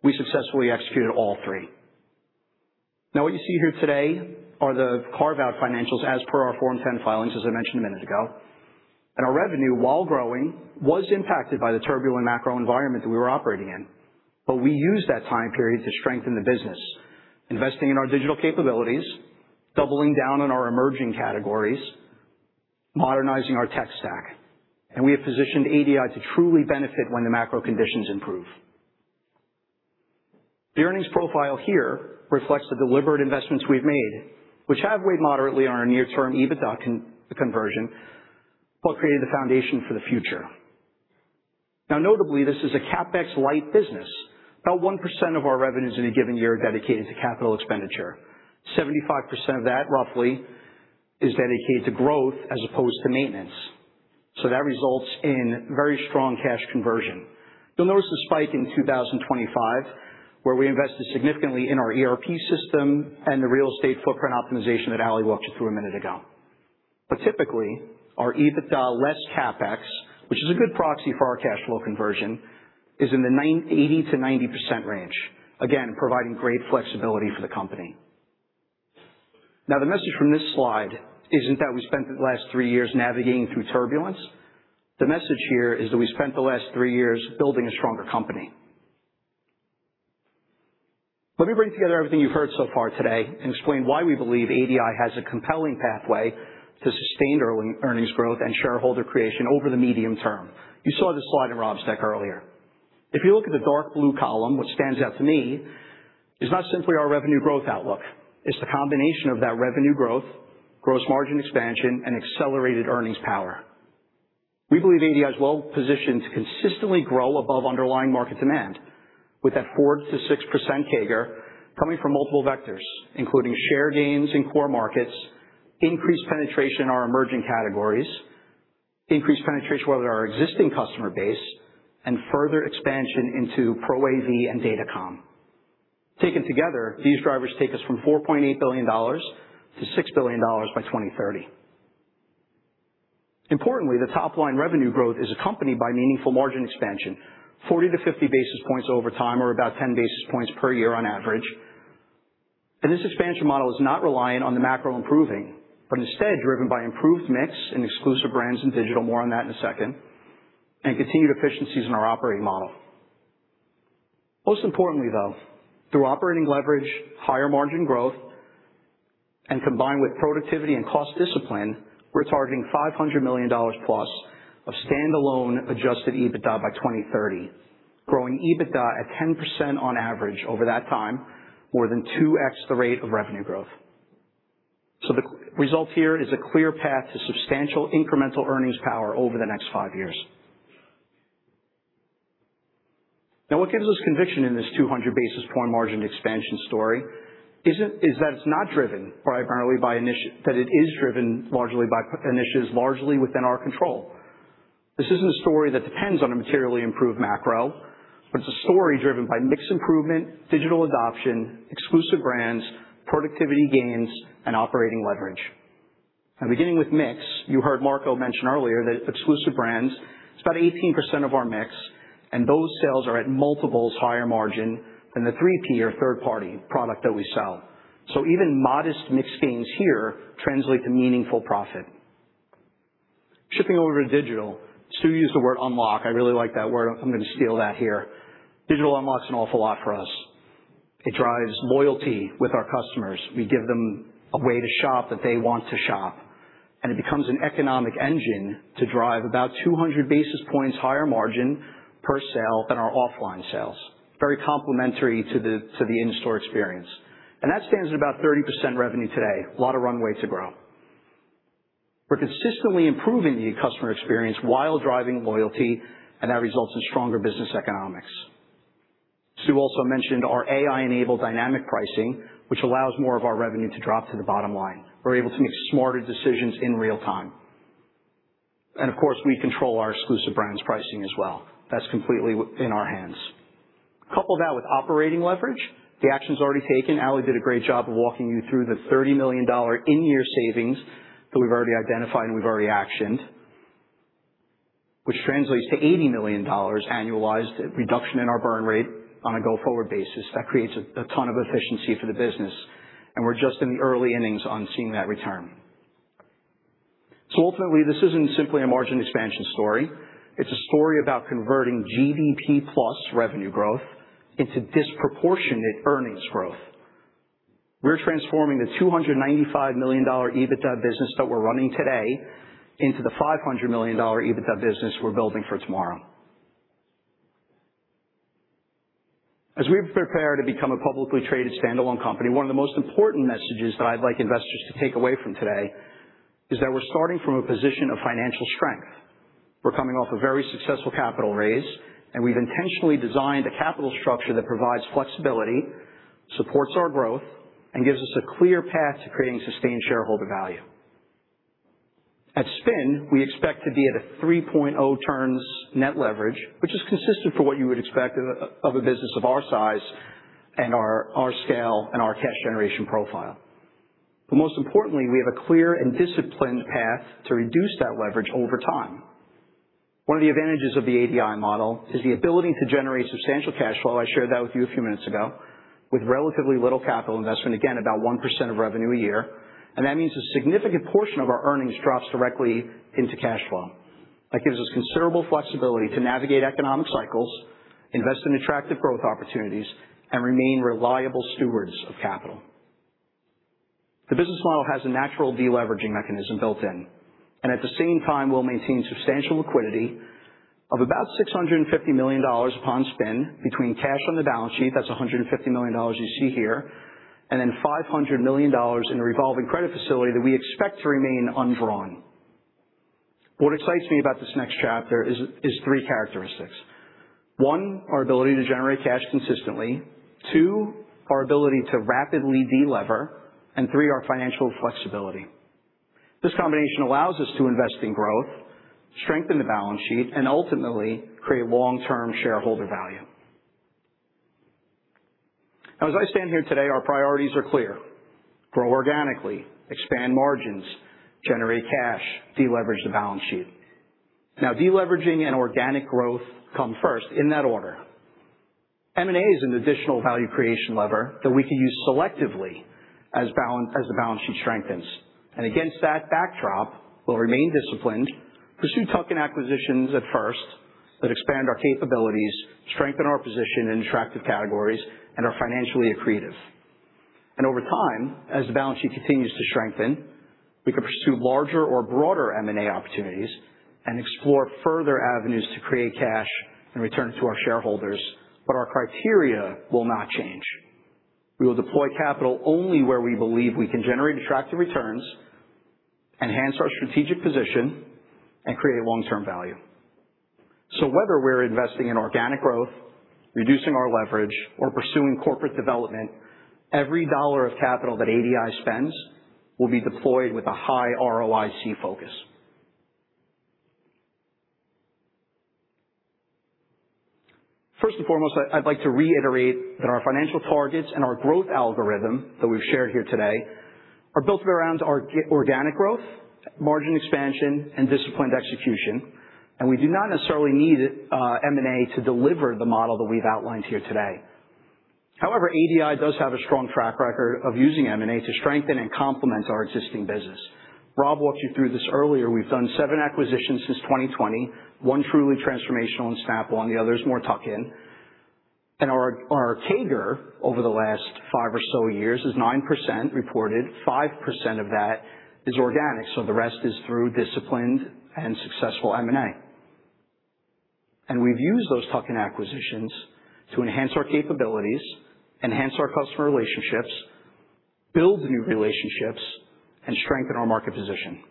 We successfully executed all three. Now, what you see here today are the carve-out financials as per our Form 10 filings, as I mentioned a minute ago. Our revenue, while growing, was impacted by the turbulent macro environment that we were operating in. We used that time period to strengthen the business, investing in our digital capabilities, doubling down on our emerging categories, modernizing our tech stack, and we have positioned ADI to truly benefit when the macro conditions improve. The earnings profile here reflects the deliberate investments we've made, which have weighed moderately on our near-term EBITDA conversion, but created the foundation for the future. Now notably, this is a CapEx-light business. About 1% of our revenues in a given year are dedicated to capital expenditure. 75% of that, roughly, is dedicated to growth as opposed to maintenance. That results in very strong cash conversion. You'll notice the spike in 2025, where we invested significantly in our ERP system and the real estate footprint optimization that Allie walked you through a minute ago. Typically, our EBITDA less CapEx, which is a good proxy for our cash flow conversion, is in the 80%-90% range, again, providing great flexibility for the company. Now, the message from this slide isn't that we spent the last three years navigating through turbulence. The message here is that we spent the last three years building a stronger company. Let me bring together everything you've heard so far today and explain why we believe ADI has a compelling pathway to sustained earnings growth and shareholder creation over the medium term. You saw this slide in Rob's deck earlier. If you look at the dark blue column, what stands out to me is not simply our revenue growth outlook. It's the combination of that revenue growth, gross margin expansion, and accelerated earnings power. We believe ADI is well-positioned to consistently grow above underlying market demand with that 4%-6% CAGR coming from multiple vectors, including share gains in core markets, increased penetration in our emerging categories, increased penetration with our existing customer base, and further expansion into Pro AV and Datacom. Taken together, these drivers take us from $4.8 billion to $6 billion by 2030. Importantly, the top-line revenue growth is accompanied by meaningful margin expansion, 40 to 50 basis points over time, or about 10 basis points per year on average. This expansion model is not reliant on the macro improving, but instead driven by improved mix and exclusive brands and digital, more on that in a second, and continued efficiencies in our operating model. Most importantly, though, through operating leverage, higher margin growth, and combined with productivity and cost discipline, we're targeting $500 million plus of standalone adjusted EBITDA by 2030, growing EBITDA at 10% on average over that time, more than 2x the rate of revenue growth. The result here is a clear path to substantial incremental earnings power over the next five years. What gives us conviction in this 200 basis point margin expansion story is that it is driven largely by initiatives largely within our control. This isn't a story that depends on a materially improved macro, but it's a story driven by mix improvement, digital adoption, exclusive brands, productivity gains, and operating leverage. Beginning with mix, you heard Marco mention earlier that exclusive brands, it's about 18% of our mix, and those sales are at multiples higher margin than the 3P or third-party product that we sell. Even modest mix gains here translate to meaningful profit. Shifting over to digital, Stu used the word "unlock." I really like that word. I'm going to steal that here. Digital unlocks an awful lot for us. It drives loyalty with our customers. We give them a way to shop that they want to shop, and it becomes an economic engine to drive about 200 basis points higher margin per sale than our offline sales. Very complementary to the in-store experience. That stands at about 30% revenue today. A lot of runway to grow. We're consistently improving the customer experience while driving loyalty, that results in stronger business economics. Stu also mentioned our AI-enabled dynamic pricing, which allows more of our revenue to drop to the bottom line. We're able to make smarter decisions in real time. Of course, we control our exclusive brands pricing as well. That's completely in our hands. Couple that with operating leverage. The action's already taken. Allie did a great job of walking you through the $30 million in-year savings that we've already identified and we've already actioned, which translates to $80 million annualized reduction in our burn rate on a go-forward basis. That creates a ton of efficiency for the business, and we're just in the early innings on seeing that return. Ultimately, this isn't simply a margin expansion story. It's a story about converting GDP plus revenue growth into disproportionate earnings growth. We're transforming the $295 million EBITDA business that we're running today into the $500 million EBITDA business we're building for tomorrow. As we prepare to become a publicly traded standalone company, one of the most important messages that I'd like investors to take away from today is that we're starting from a position of financial strength. We're coming off a very successful capital raise, we've intentionally designed a capital structure that provides flexibility, supports our growth, and gives us a clear path to creating sustained shareholder value. At spin, we expect to be at a 3.0 turns net leverage, which is consistent for what you would expect of a business of our size and our scale and our cash generation profile. Most importantly, we have a clear and disciplined path to reduce that leverage over time. One of the advantages of the ADI model is the ability to generate substantial cash flow, I shared that with you a few minutes ago, with relatively little capital investment, again, about 1% of revenue a year. That means a significant portion of our earnings drops directly into cash flow. That gives us considerable flexibility to navigate economic cycles, invest in attractive growth opportunities, and remain reliable stewards of capital. The business model has a natural de-leveraging mechanism built in, and at the same time, we'll maintain substantial liquidity of about $650 million upon spin between cash on the balance sheet, that's $150 million you see here, and then $500 million in a revolving credit facility that we expect to remain undrawn. What excites me about this next chapter is three characteristics. One, our ability to generate cash consistently. Two, our ability to rapidly de-lever. Three, our financial flexibility. This combination allows us to invest in growth, strengthen the balance sheet, and ultimately, create long-term shareholder value. As I stand here today, our priorities are clear. Grow organically, expand margins, generate cash, de-leverage the balance sheet. De-leveraging and organic growth come first in that order. M&A is an additional value creation lever that we can use selectively as the balance sheet strengthens. Against that backdrop, we'll remain disciplined, pursue tuck-in acquisitions at first that expand our capabilities, strengthen our position in attractive categories, and are financially accretive. Over time, as the balance sheet continues to strengthen, we can pursue larger or broader M&A opportunities and explore further avenues to create cash and return it to our shareholders. Our criteria will not change. We will deploy capital only where we believe we can generate attractive returns, enhance our strategic position, and create long-term value. Whether we're investing in organic growth, reducing our leverage, or pursuing corporate development, every dollar of capital that ADI spends will be deployed with a high ROIC focus. First and foremost, I'd like to reiterate that our financial targets and our growth algorithm that we've shared here today are built around organic growth, margin expansion, and disciplined execution, and we do not necessarily need M&A to deliver the model that we've outlined here today. However, ADI does have a strong track record of using M&A to strengthen and complement our existing business. Rob walked you through this earlier. We've done seven acquisitions since 2020, one truly transformational in Snap One, the others more tuck-in. Our CAGR over the last five or so years is 9% reported, 5% of that is organic, so the rest is through disciplined and successful M&A. We've used those tuck-in acquisitions to enhance our capabilities, enhance our customer relationships, build new relationships, and strengthen our market position.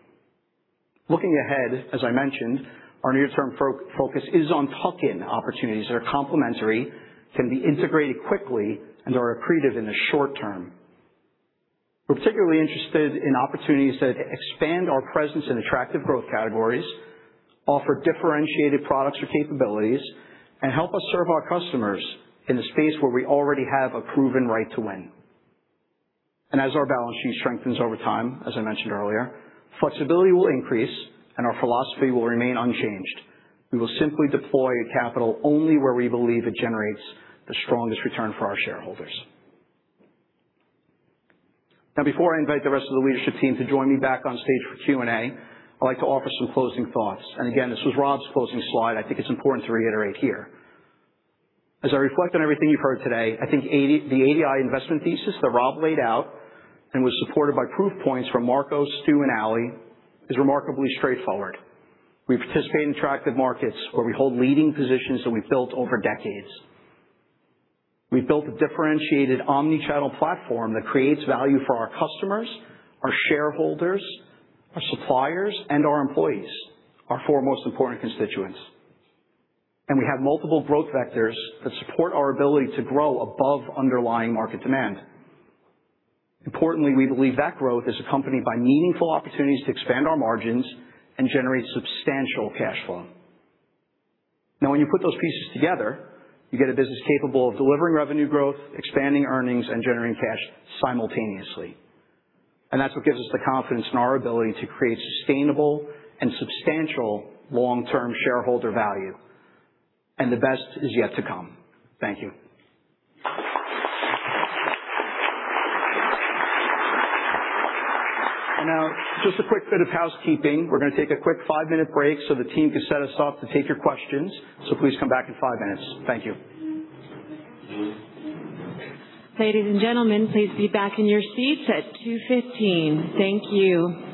Looking ahead, as I mentioned, our near-term focus is on tuck-in opportunities that are complementary, can be integrated quickly, and are accretive in the short term. We're particularly interested in opportunities that expand our presence in attractive growth categories, offer differentiated products or capabilities, and help us serve our customers in the space where we already have a proven right to win. As our balance sheet strengthens over time, as I mentioned earlier, flexibility will increase and our philosophy will remain unchanged. We will simply deploy capital only where we believe it generates the strongest return for our shareholders. Before I invite the rest of the leadership team to join me back on stage for Q&A, I'd like to offer some closing thoughts. Again, this was Rob's closing slide. I think it's important to reiterate here. As I reflect on everything you've heard today, I think the ADI investment thesis that Rob laid out and was supported by proof points from Marco, Stu, and Allie is remarkably straightforward. We participate in attractive markets where we hold leading positions that we've built over decades. We've built a differentiated omnichannel platform that creates value for our customers, our shareholders, our suppliers, and our employees, our four most important constituents. We have multiple growth vectors that support our ability to grow above underlying market demand. Importantly, we believe that growth is accompanied by meaningful opportunities to expand our margins and generate substantial cash flow. When you put those pieces together, you get a business capable of delivering revenue growth, expanding earnings, and generating cash simultaneously, that's what gives us the confidence in our ability to create sustainable and substantial long-term shareholder value, the best is yet to come. Thank you. Now, just a quick bit of housekeeping. We're going to take a quick five-minute break so the team can set us up to take your questions, so please come back in five minutes. Thank you. Ladies and gentlemen, please be back in your seats at 2:15 P.M. Thank you.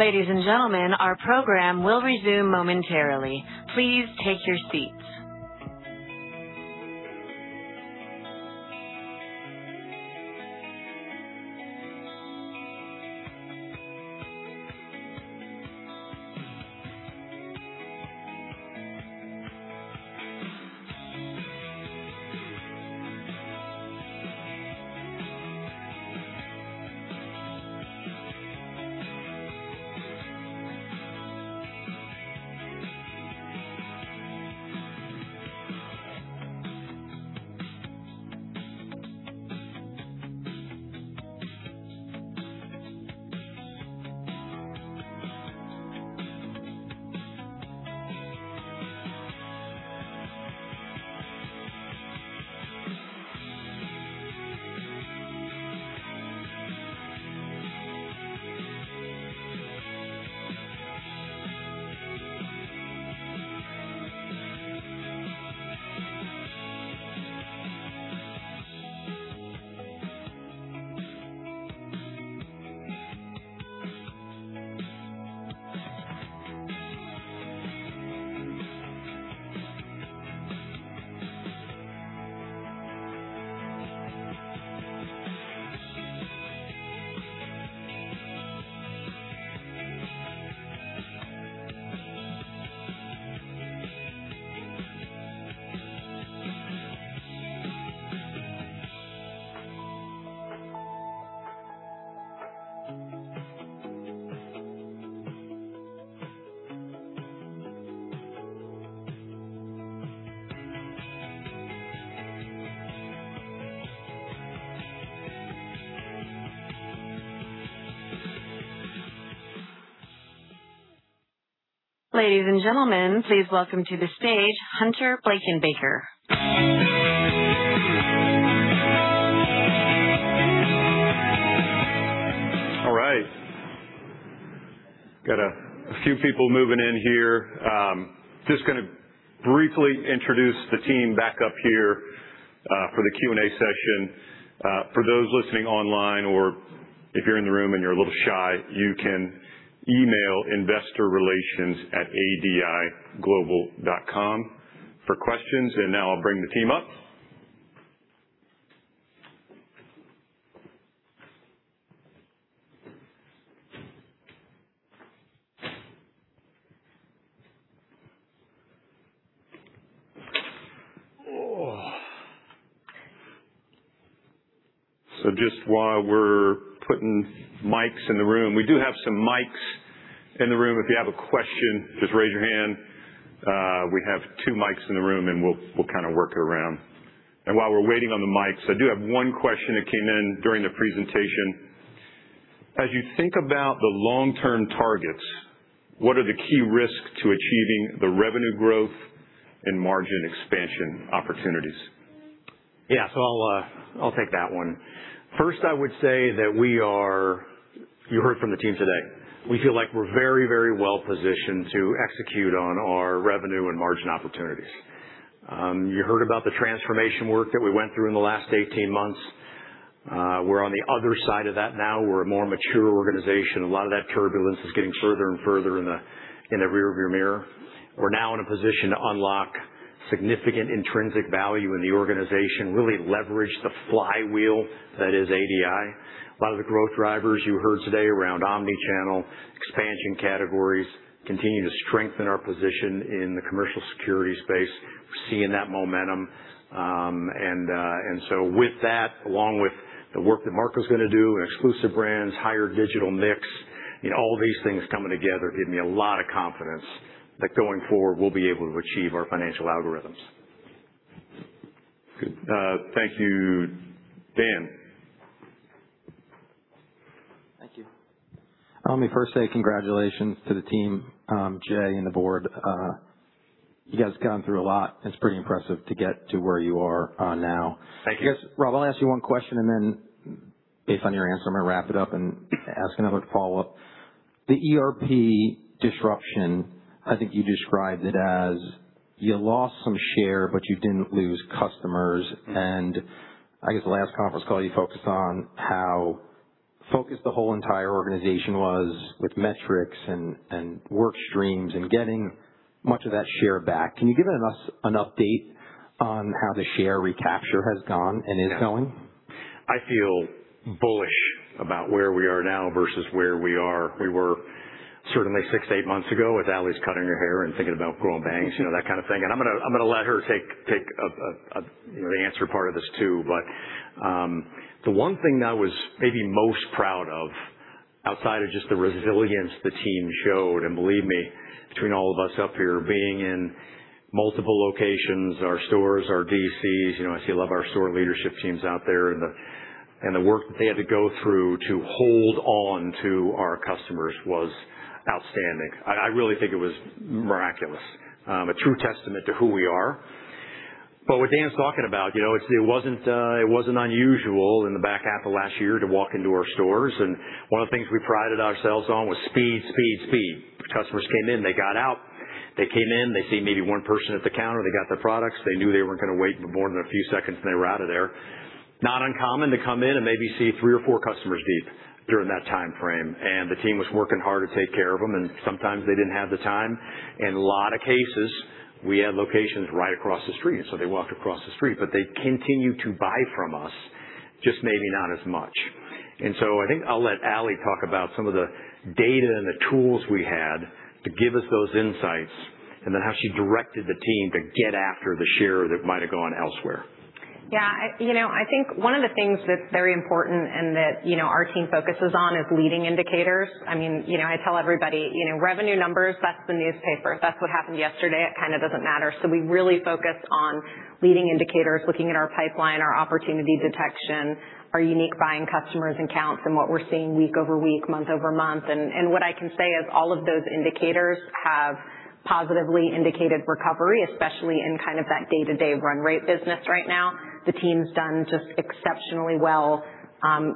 Ladies and gentlemen, our program will resume momentarily. Please take your seats. Ladies and gentlemen, please welcome to the stage Hunter Blankenbaker. All right. Got a few people moving in here. Just going to briefly introduce the team back up here for the Q&A session. For those listening online or if you're in the room and you're a little shy, you can email investorrelations@adiglobal.com for questions. Now I'll bring the team up. Just while we're putting mics in the room, we do have some mics in the room. If you have a question, just raise your hand. We have two mics in the room, and we'll work around. While we're waiting on the mics, I do have one question that came in during the presentation. As you think about the long-term targets, what are the key risks to achieving the revenue growth and margin expansion opportunities? I'll take that one. First, I would say that You heard from the team today. We feel like we're very well positioned to execute on our revenue and margin opportunities. You heard about the transformation work that we went through in the last 18 months. We're on the other side of that now. We're a more mature organization. A lot of that turbulence is getting further and further in the rear-view mirror. We're now in a position to unlock significant intrinsic value in the organization, really leverage the flywheel that is ADI. A lot of the growth drivers you heard today around omni-channel expansion categories continue to strengthen our position in the commercial security space. We're seeing that momentum. With that, along with the work that Marco's going to do in exclusive brands, higher digital mix, all these things coming together give me a lot of confidence that going forward, we'll be able to achieve our financial algorithms. Good. Thank you, Dan. Thank you. Let me first say congratulations to the team, Jay, and the board. You guys have gone through a lot, and it's pretty impressive to get to where you are now. Thank you. Rob, I'll ask you one question, then based on your answer, I'm going to wrap it up and ask another follow-up. The ERP disruption, I think you described it as you lost some share, but you didn't lose customers. I guess the last conference call you focused on how focused the whole entire organization was with metrics and work streams and getting much of that share back. Can you give us an update on how the share recapture has gone and is going? I feel bullish about where we are now versus where we were certainly six to eight months ago with Allie's cutting her hair and thinking about growing bangs, that kind of thing. I'm going to let her take the answer part of this, too. The one thing that I was maybe most proud of, outside of just the resilience the team showed, and believe me, between all of us up here being in multiple locations, our stores, our DCs. I see a lot of our store leadership teams out there, and the work that they had to go through to hold on to our customers was outstanding. I really think it was miraculous. A true testament to who we are. What Dan's talking about, it wasn't unusual in the back half of last year to walk into our stores, and one of the things we prided ourselves on was speed. Customers came in, they got out. They came in, they see maybe one person at the counter, they got their products. They knew they weren't going to wait for more than a few seconds, and they were out of there. Not uncommon to come in and maybe see three or four customers deep during that timeframe. The team was working hard to take care of them, and sometimes they didn't have the time. In a lot of cases, we had locations right across the street, so they walked across the street. They continued to buy from us, just maybe not as much. I think I'll let Allie talk about some of the data and the tools we had to give us those insights, then how she directed the team to get after the share that might have gone elsewhere. I think one of the things that's very important and that our team focuses on is leading indicators. I tell everybody, revenue numbers, that's the newspaper. That's what happened yesterday. It kind of doesn't matter. We really focus on leading indicators, looking at our pipeline, our opportunity detection, our unique buying customers and counts and what we're seeing week-over-week, month-over-month. What I can say is all of those indicators have positively indicated recovery, especially in that day-to-day run rate business right now. The team's done just exceptionally well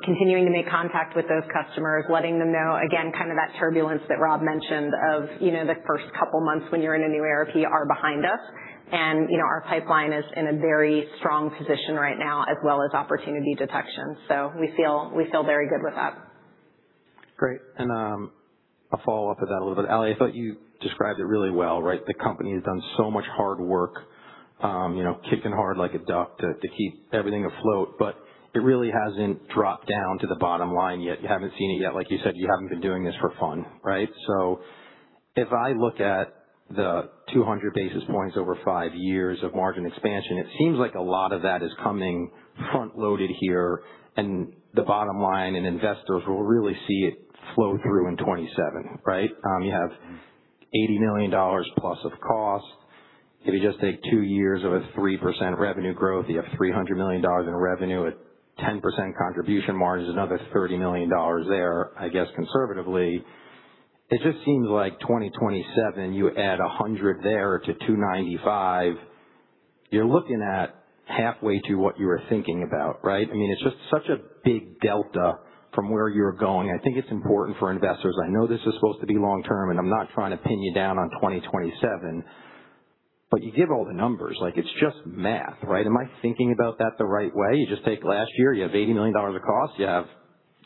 continuing to make contact with those customers, letting them know, again, that turbulence that Rob mentioned of the first couple of months when you're in a new ERP are behind us. Our pipeline is in a very strong position right now as well as opportunity detection. We feel very good with that. Great. I'll follow up with that a little bit. Allie, I thought you described it really well. The company has done so much hard work, kicking hard like a duck to keep everything afloat, but it really hasn't dropped down to the bottom line yet. You haven't seen it yet. Like you said, you haven't been doing this for fun. If I look at the 200 basis points over five years of margin expansion, it seems like a lot of that is coming front-loaded here and the bottom line, and investors will really see it flow through in 2027. You have $80 million plus of cost. If you just take two years of a 3% revenue growth, you have $300 million in revenue at 10% contribution margin is another $30 million there, I guess, conservatively. It just seems like 2027, you add 100 there to 295. You're looking at halfway to what you were thinking about. It's just such a big delta from where you're going. I think it's important for investors. I know this is supposed to be long-term, and I'm not trying to pin you down on 2027. You give all the numbers. It's just math. Am I thinking about that the right way? You just take last year, you have $80 million of cost. You have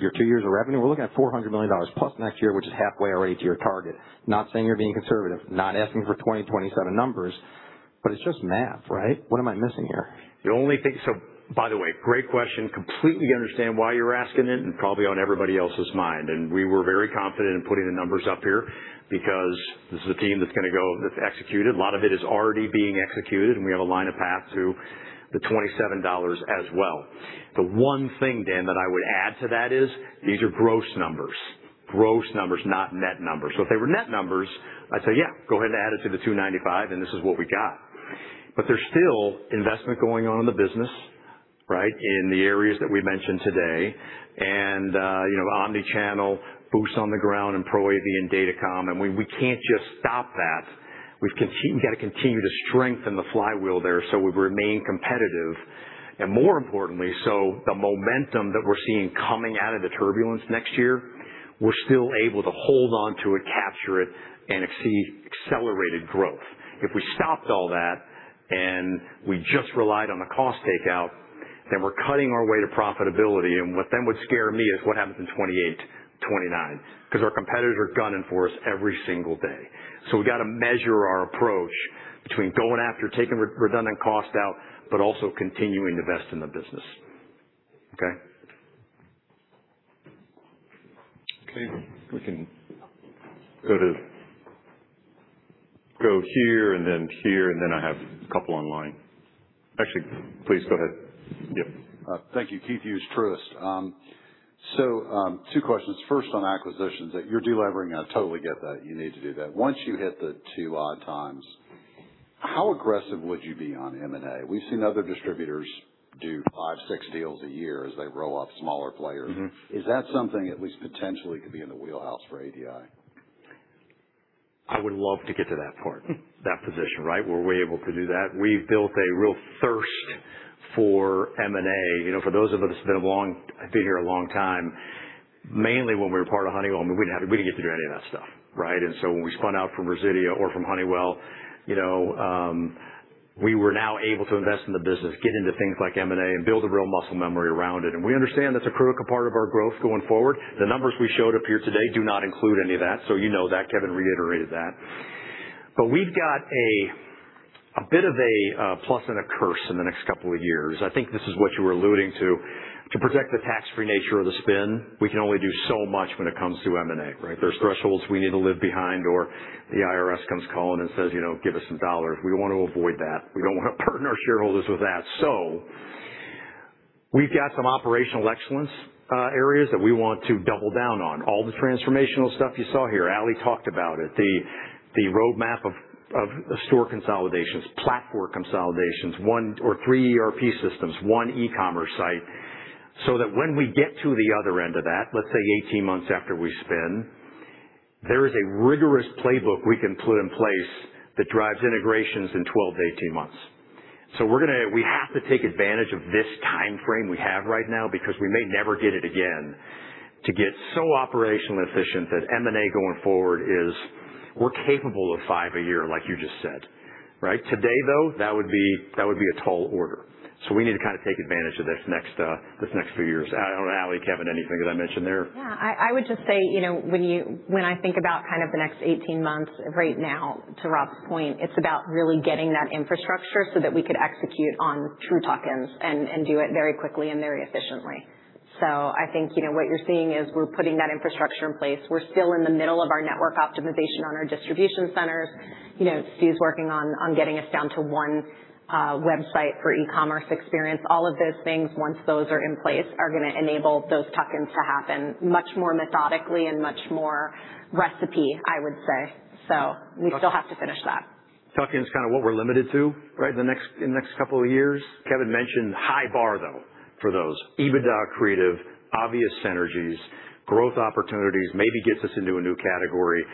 your two years of revenue. We're looking at $400 million plus next year, which is halfway already to your target. Not saying you're being conservative, not asking for 2027 numbers, but it's just math. What am I missing here? By the way, great question. Completely understand why you're asking it, and probably on everybody else's mind. We were very confident in putting the numbers up here because this is a team that's going to go, that's executed. A lot of it is already being executed, and we have a line of path to the $27 as well. The one thing, Dan, that I would add to that is these are gross numbers. Gross numbers, not net numbers. If they were net numbers, I'd say, "Yeah, go ahead and add it to the 295, and this is what we got." There's still investment going on in the business in the areas that we mentioned today, and omni-channel, boots on the ground and Pro AV and Datacom, and we can't just stop that. We've got to continue to strengthen the flywheel there so we remain competitive, and more importantly, the momentum that we're seeing coming out of the turbulence next year, we're still able to hold onto it, capture it, and exceed accelerated growth. If we stopped all that and we just relied on the cost takeout, then we're cutting our way to profitability, and what then would scare me is what happens in 2028, 2029, because our competitors are gunning for us every single day. We got to measure our approach between going after taking redundant cost out, but also continuing to invest in the business. Okay. Okay. We can go here and then here, and then I have a couple online. Actually, please go ahead. Yep. Thank you. Keith Hughes, Truist. Two questions. First, on acquisitions that you're de-levering. I totally get that you need to do that. Once you hit the two odd times, how aggressive would you be on M&A? We've seen other distributors do five, six deals a year as they roll up smaller players. Is that something at least potentially could be in the wheelhouse for ADI? I would love to get to that part. That position, right, where we're able to do that. We've built a real thirst for M&A. For those of us, I've been here a long time, mainly when we were part of Honeywell, we didn't get to do any of that stuff. Right? When we spun out from Resideo or from Honeywell, we were now able to invest in the business, get into things like M&A, and build a real muscle memory around it. We understand that's a critical part of our growth going forward. The numbers we showed up here today do not include any of that. You know that, Kevin reiterated that. We've got a bit of a plus and a curse in the next couple of years. I think this is what you were alluding to. To protect the tax-free nature of the spin, we can only do so much when it comes to M&A, right? There's thresholds we need to live behind, or the IRS comes calling and says, "Give us some dollars." We want to avoid that. We don't want to burden our shareholders with that. We've got some operational excellence areas that we want to double down on. All the transformational stuff you saw here, Allie talked about it, the roadmap of store consolidations, platform consolidations, three ERP systems, one e-commerce site, so that when we get to the other end of that, let's say 18 months after we spin, there is a rigorous playbook we can put in place that drives integrations in 12-18 months. We have to take advantage of this timeframe we have right now because we may never get it again to get so operationally efficient that M&A going forward is we're capable of five a year, like you just said. Right? Today, though, that would be a tall order. We need to take advantage of this next few years. I don't know, Allie, Kevin, anything that I mentioned there? I would just say, when I think about the next 18 months right now, to Rob's point, it's about really getting that infrastructure so that we could execute on true tuck-ins and do it very quickly and very efficiently. I think what you're seeing is we're putting that infrastructure in place. We're still in the middle of our network optimization on our distribution centers. Stu's working on getting us down to one website for e-commerce experience. All of those things, once those are in place, are going to enable those tuck-ins to happen much more methodically and much more recipe, I would say. We still have to finish that. Tuck-in's kind of what we're limited to in the next couple of years. Kevin mentioned high bar, though, for those. EBITDA accretive, obvious synergies, growth opportunities, maybe gets us into a new category.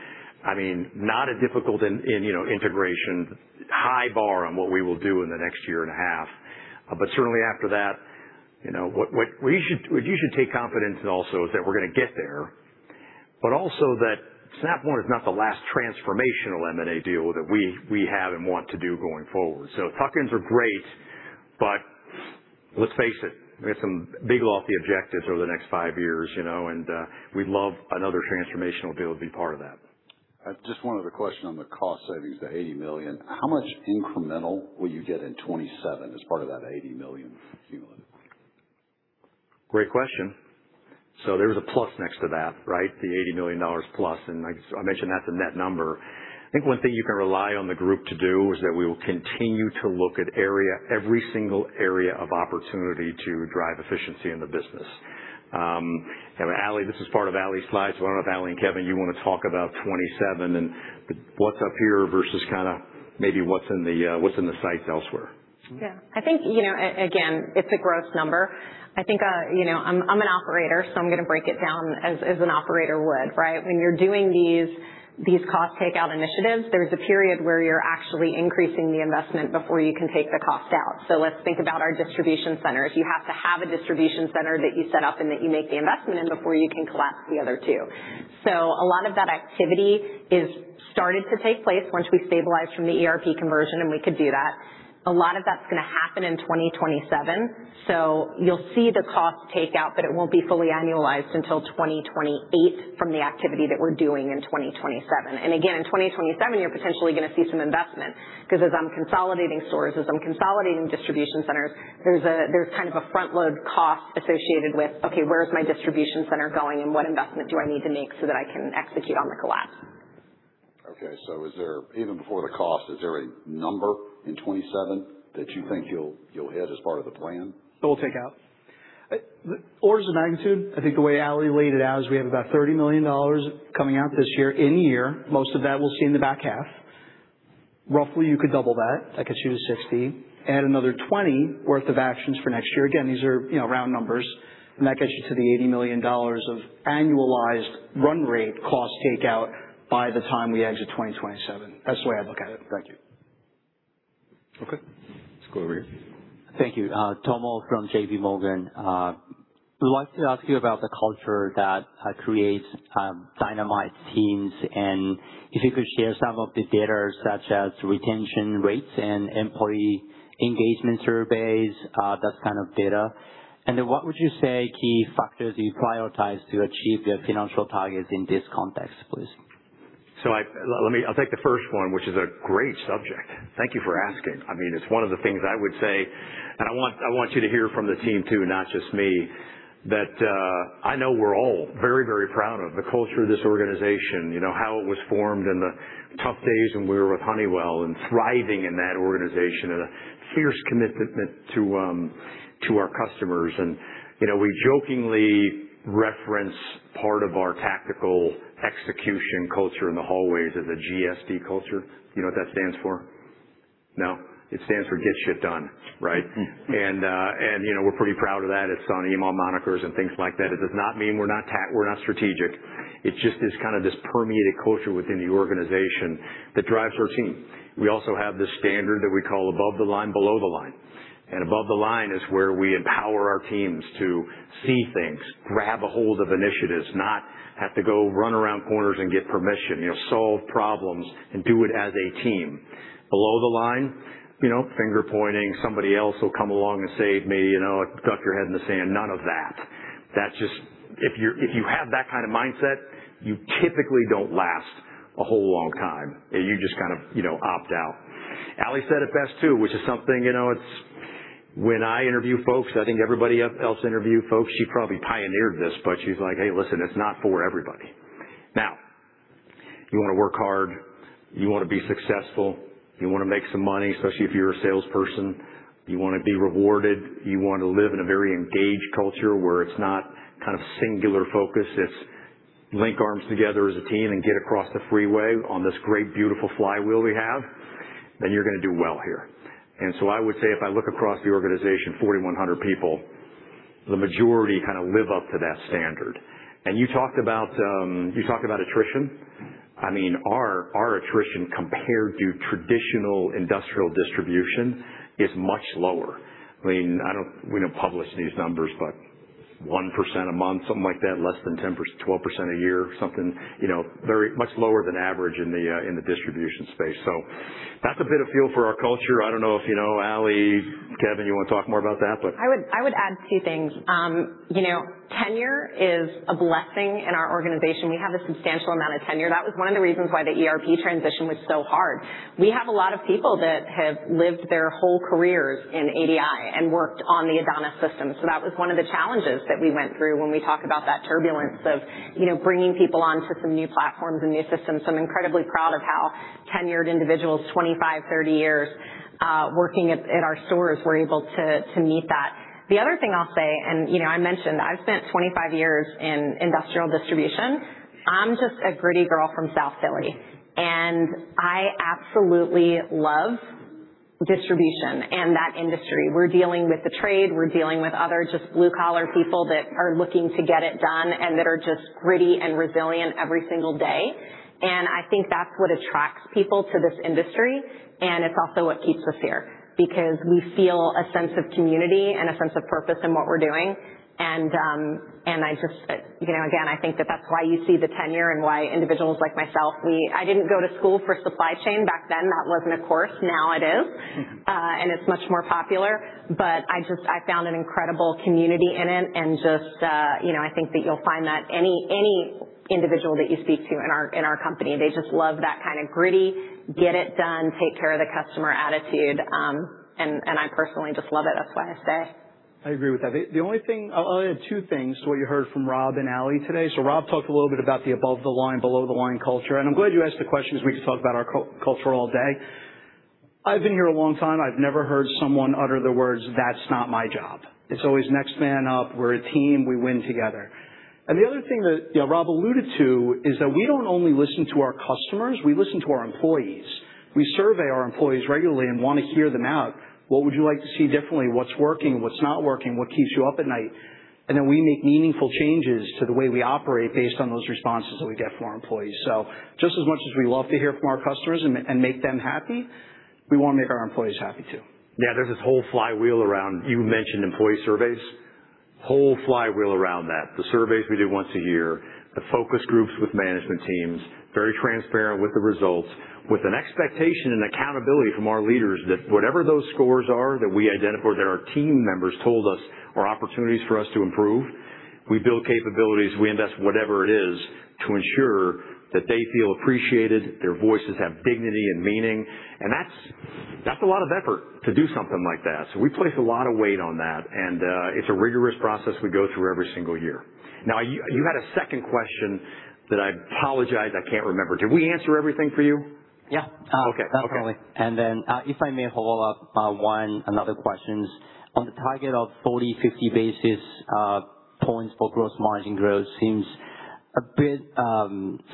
Not a difficult integration. High bar on what we will do in the next year and a half. Certainly after that, what you should take confidence in also is that we're going to get there, but also that Snap One is not the last transformational M&A deal that we have and want to do going forward. Tuck-ins are great, but let's face it, we got some big lofty objectives over the next five years, and we'd love another transformational deal to be part of that. Just one other question on the cost savings, the $80 million. How much incremental will you get in 2027 as part of that $80 million cumulative? Great question. There was a plus next to that, right? The $80 million plus, and I mentioned that's a net number. I think one thing you can rely on the group to do is that we will continue to look at every single area of opportunity to drive efficiency in the business. Ali, this is part of Ali's slides. I don't know if Ali and Kevin you want to talk about 2027 and what's up here versus maybe what's in the sites elsewhere. I think, again, it's a gross number. I'm an operator, so I'm going to break it down as an operator would, right? When you're doing these cost takeout initiatives, there's a period where you're actually increasing the investment before you can take the cost out. Let's think about our distribution centers. You have to have a distribution center that you set up and that you make the investment in before you can collapse the other two. A lot of that activity is started to take place once we stabilize from the ERP conversion, and we could do that. A lot of that's going to happen in 2027, so you'll see the cost takeout, but it won't be fully annualized until 2028 from the activity that we're doing in 2027. Again, in 2027, you're potentially going to see some investment because as I'm consolidating stores, as I'm consolidating distribution centers, there's kind of a front-load cost associated with, okay, where is my distribution center going and what investment do I need to make so that I can execute on the collapse? Even before the cost, is there a number in 2027 that you think you'll hit as part of the plan? Total takeout? Orders of magnitude, I think the way Allie laid it out is we have about $30 million coming out this year in-year. Most of that we'll see in the back half. Roughly, you could double that. That gets you to $60 million. Add another $20 million worth of actions for next year. Again, these are round numbers, that gets you to the $80 million of annualized run rate cost takeout by the time we exit 2027. That's the way I look at it. Thank you. Okay. Let's go over here. Thank you. Tomo from JP Morgan. We'd like to ask you about the culture that creates dynamite teams and if you could share some of the data such as retention rates and employee engagement surveys, that kind of data. What would you say key factors you prioritize to achieve your financial targets in this context, please? I'll take the first one, which is a great subject. Thank you for asking. It's one of the things I would say, and I want you to hear from the team, too, not just me, that I know we're all very, very proud of the culture of this organization. How it was formed in the tough days when we were with Honeywell and thriving in that organization, a fierce commitment to our customers. We jokingly reference part of our tactical execution culture in the hallways as a GSD culture. You know what that stands for? No? It stands for get shit done, right? We're pretty proud of that. It's on email monikers and things like that. It does not mean we're not strategic. It's just this kind of permeated culture within the organization that drives our team. We also have this standard that we call above the line, below the line. Above the line is where we empower our teams to see things, grab a hold of initiatives, not have to go run around corners and get permission, solve problems, and do it as a team. Below the line, finger-pointing, somebody else will come along and save me, duck your head in the sand, none of that. If you have that kind of mindset, you typically don't last a whole long time, and you just opt out. Allie said it best, too, which is something, when I interview folks, I think everybody else interview folks, she probably pioneered this, but she's like, "Hey, listen, it's not for everybody." You want to work hard, you want to be successful, you want to make some money, especially if you're a salesperson, you want to be rewarded, you want to live in a very engaged culture where it's not kind of singular focus, it's link arms together as a team and get across the freeway on this great, beautiful flywheel we have, then you're going to do well here. I would say if I look across the organization, 4,100 people, the majority kind of live up to that standard. You talked about attrition. Our attrition compared to traditional industrial distribution is much lower. We don't publish these numbers, 1% a month, something like that, less than 12% a year, something much lower than average in the distribution space. That's a bit of feel for our culture. I don't know if Allie, Kevin, you want to talk more about that. I would add two things. Tenure is a blessing in our organization. We have a substantial amount of tenure. That was one of the reasons why the ERP transition was so hard. We have a lot of people that have lived their whole careers in ADI and worked on the ADONIS system. That was one of the challenges that we went through when we talk about that turbulence of bringing people onto some new platforms and new systems. I'm incredibly proud of how tenured individuals, 25, 30 years, working at our stores were able to meet that. The other thing I'll say, and I mentioned I've spent 25 years in industrial distribution. I'm just a gritty girl from South Philly, and I absolutely love distribution and that industry. We're dealing with the trade, we're dealing with other just blue-collar people that are looking to get it done and that are just gritty and resilient every single day. I think that's what attracts people to this industry, and it's also what keeps us here because we feel a sense of community and a sense of purpose in what we're doing. Again, I think that that's why you see the tenure and why individuals like myself, I didn't go to school for supply chain back then. That wasn't a course. Now it is. It's much more popular, but I found an incredible community in it, just I think that you'll find that any individual that you speak to in our company, they just love that kind of gritty, get it done, take care of the customer attitude. I personally just love it. That's why I stay. I agree with that. I'll add two things to what you heard from Rob and Allie today. Rob talked a little bit about the above the line, below the line culture, I'm glad you asked the question because we could talk about our culture all day. I've been here a long time. I've never heard someone utter the words, "That's not my job." It's always next man up. We're a team. We win together. The other thing that Rob alluded to is that we don't only listen to our customers, we listen to our employees. We survey our employees regularly and want to hear them out. "What would you like to see differently? What's working? What's not working? What keeps you up at night?" Then we make meaningful changes to the way we operate based on those responses that we get from our employees. Just as much as we love to hear from our customers and make them happy, we want to make our employees happy, too. Yeah. There's this whole flywheel around, you mentioned employee surveys. Whole flywheel around that. The surveys we do once a year, the focus groups with management teams, very transparent with the results, with an expectation and accountability from our leaders that whatever those scores are that we identify that our team members told us are opportunities for us to improve, we build capabilities, we invest whatever it is to ensure that they feel appreciated, their voices have dignity and meaning. That's a lot of effort to do something like that. We place a lot of weight on that, and it's a rigorous process we go through every single year. You had a second question that I apologize I can't remember. Did we answer everything for you? Yeah. Okay. Absolutely. If I may follow up one another questions. On the target of 40, 50 basis points for gross margin growth seems a bit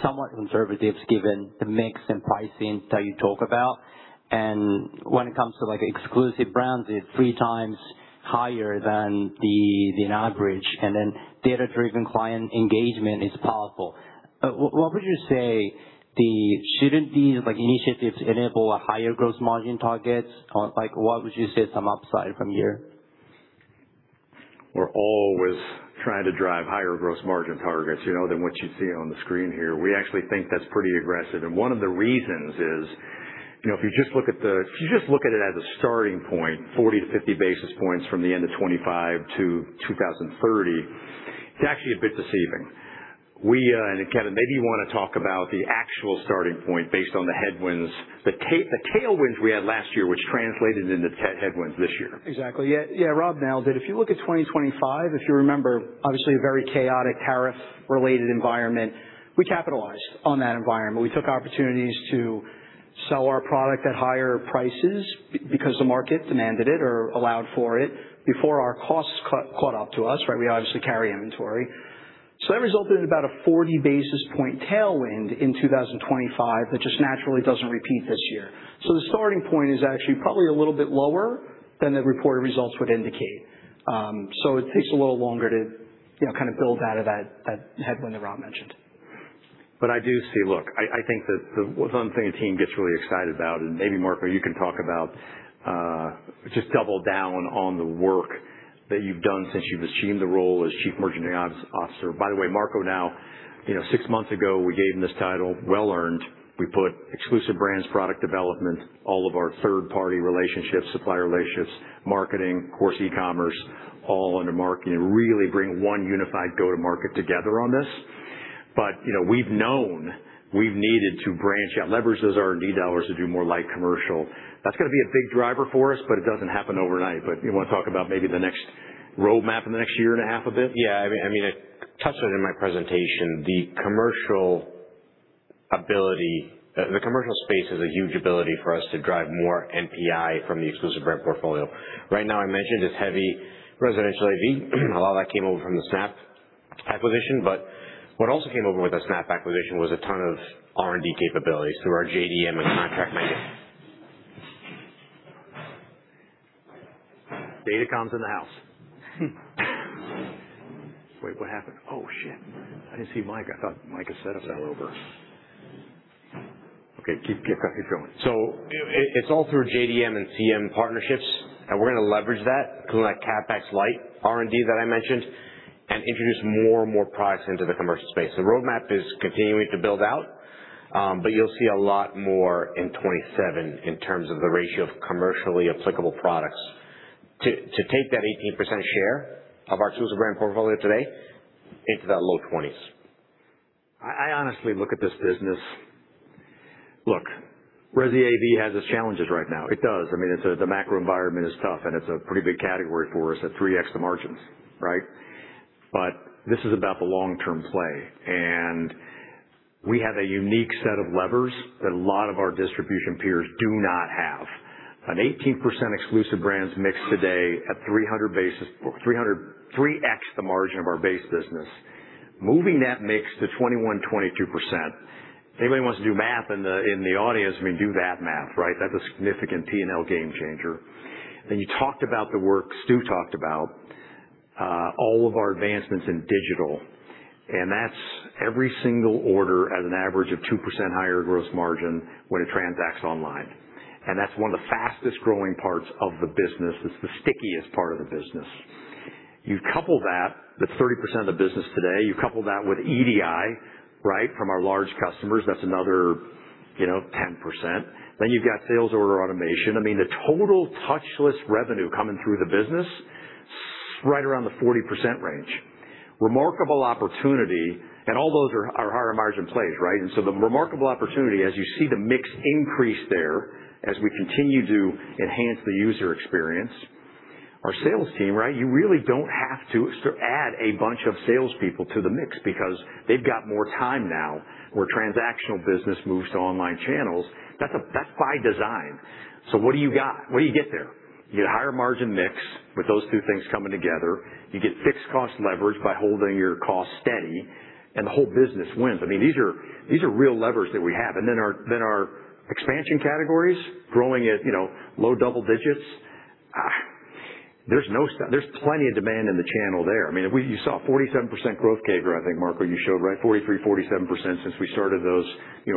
somewhat conservative given the mix and pricing that you talk about. When it comes to like exclusive brands, it's three times higher than the average, data-driven client engagement is powerful. What would you say? Shouldn't these like initiatives enable a higher gross margin targets? Like what would you say some upside from here? We're always trying to drive higher gross margin targets than what you see on the screen here. We actually think that's pretty aggressive. One of the reasons is, if you just look at it as a starting point, 40 to 50 basis points from the end of 2025 to 2030, it's actually a bit deceiving. Kevin, maybe you want to talk about the actual starting point based on the headwinds, the tailwinds we had last year, which translated into headwinds this year. Exactly. Yeah, Rob nailed it. If you look at 2025, if you remember, obviously a very chaotic tariff-related environment. We capitalized on that environment. We took opportunities to sell our product at higher prices because the market demanded it or allowed for it before our costs caught up to us. We obviously carry inventory. That resulted in about a 40-basis point tailwind in 2025 that just naturally doesn't repeat this year. The starting point is actually probably a little bit lower than the reported results would indicate. It takes a little longer to build out of that headwind that Rob mentioned. I do see. I think that one thing the team gets really excited about, and maybe Marco, you can talk about, just double down on the work that you've done since you've assumed the role as Chief Merchandising Officer. By the way, Marco now, 6 months ago, we gave him this title, well-earned. We put exclusive brands, product development, all of our third-party relationships, supplier relationships, marketing, of course, e-commerce, all under marketing, and really bring one unified go-to-market together on this. We've known we've needed to branch out, leverage those R&D dollars to do more light commercial. That's got to be a big driver for us, but it doesn't happen overnight. You want to talk about maybe the next roadmap in the next year and a half a bit? Yeah. I touched on it in my presentation. The commercial space is a huge ability for us to drive more NPI from the exclusive brand portfolio. Right now, I mentioned it's heavy residential AV. A lot of that came over from the Snap acquisition. What also came over with the Snap acquisition was a ton of R&D capabilities through our JDM and contract manufacturing. Datacom's in the house. Wait, what happened? Oh, shit. I didn't see Mike. I thought Mike had set up that rover. Okay, keep going. It's all through JDM and CM partnerships, and we're going to leverage that because of that CapEx light R&D that I mentioned and introduce more and more products into the commercial space. The roadmap is continuing to build out, but you'll see a lot more in 2027 in terms of the ratio of commercially applicable products to take that 18% share of our exclusive brand portfolio today into that low 20s. I honestly look at this business. Look, resi AV has its challenges right now. It does. The macro environment is tough, and it's a pretty big category for us at 3x the margins. This is about the long-term play, and we have a unique set of levers that a lot of our distribution peers do not have. An 18% exclusive brands mix today at 3x the margin of our base business. Moving that mix to 21%, 22%. If anybody wants to do math in the audience, do that math. That's a significant P&L game changer. You talked about the work Stu talked about, all of our advancements in digital. That's every single order at an average of 2% higher gross margin when it transacts online. That's one of the fastest-growing parts of the business. It's the stickiest part of the business. You couple that with 30% of the business today. You couple that with EDI from our large customers. That's another 10%. You've got sales order automation. The total touchless revenue coming through the business is right around the 40% range. Remarkable opportunity. All those are higher-margin plays. The remarkable opportunity, as you see the mix increase there, as we continue to enhance the user experience, our sales team, you really don't have to add a bunch of salespeople to the mix because they've got more time now where transactional business moves to online channels. That's by design. What do you got? What do you get there? You get a higher margin mix with those two things coming together. You get fixed cost leverage by holding your cost steady, and the whole business wins. These are real levers that we have. Our expansion categories growing at low double digits. There's plenty of demand in the channel there. You saw 47% growth, I think, Marco, you showed, right? 43%, 47% since we started those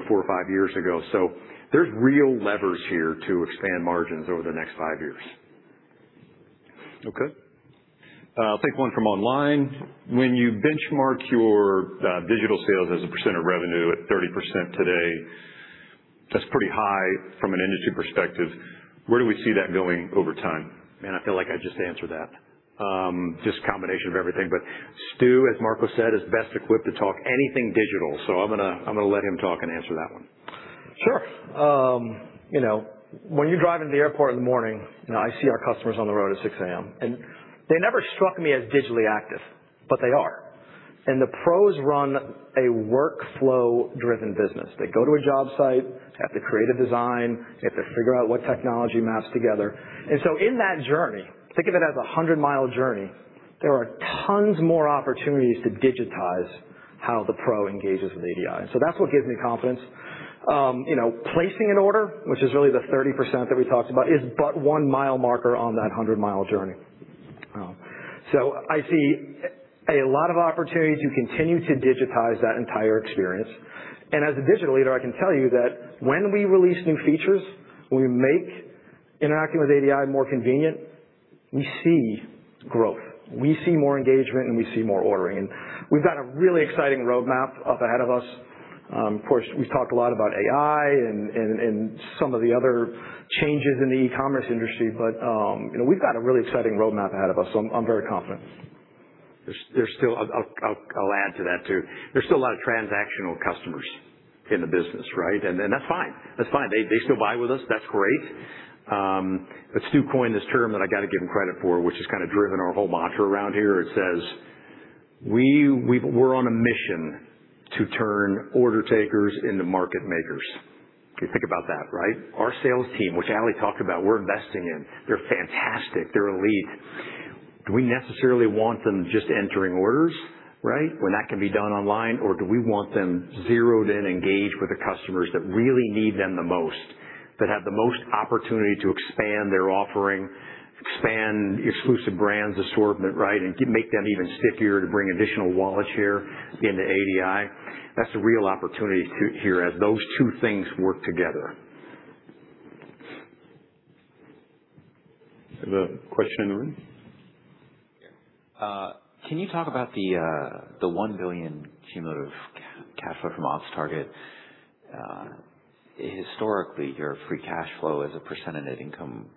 four or five years ago. There's real levers here to expand margins over the next five years. Okay. I'll take one from online. When you benchmark your digital sales as a percent of revenue at 30% today, that's pretty high from an industry perspective. Where do we see that going over time? Man, I feel like I just answered that. Just a combination of everything. Stu, as Marco said, is best equipped to talk anything digital. I'm going to let him talk and answer that one. Sure. When you drive into the airport in the morning, I see our customers on the road at 6:00 A.M., they never struck me as digitally active, they are. The pros run a workflow-driven business. They go to a job site, they have to create a design, they have to figure out what technology maps together. In that journey, think of it as a 100-mile journey, there are tons more opportunities to digitize how the pro engages with ADI. That's what gives me confidence. Placing an order, which is really the 30% that we talked about, is but one mile marker on that 100-mile journey. I see a lot of opportunity to continue to digitize that entire experience. As a digital leader, I can tell you that when we release new features, when we make interacting with ADI more convenient, we see growth. We see more engagement, we see more ordering. We've got a really exciting roadmap up ahead of us. Of course, we've talked a lot about AI and some of the other changes in the e-commerce industry, we've got a really exciting roadmap ahead of us. I'm very confident. I'll add to that, too. There's still a lot of transactional customers in the business. That's fine. They still buy with us. That's great. Stu coined this term that I got to give him credit for, which has kind of driven our whole mantra around here. It says We're on a mission to turn order takers into market makers. Think about that. Our sales team, which Allie talked about, we're investing in. They're fantastic. They're elite. Do we necessarily want them just entering orders, when that can be done online, or do we want them zeroed in, engaged with the customers that really need them the most, that have the most opportunity to expand their offering, expand Exclusive Brands assortment, and make them even stickier to bring additional wallet share into ADI? That's a real opportunity here as those two things work together. We have a question in the room. Yeah. Can you talk about the $1 billion cumulative cash flow from ops target? Historically, your free cash flow as a percent of net income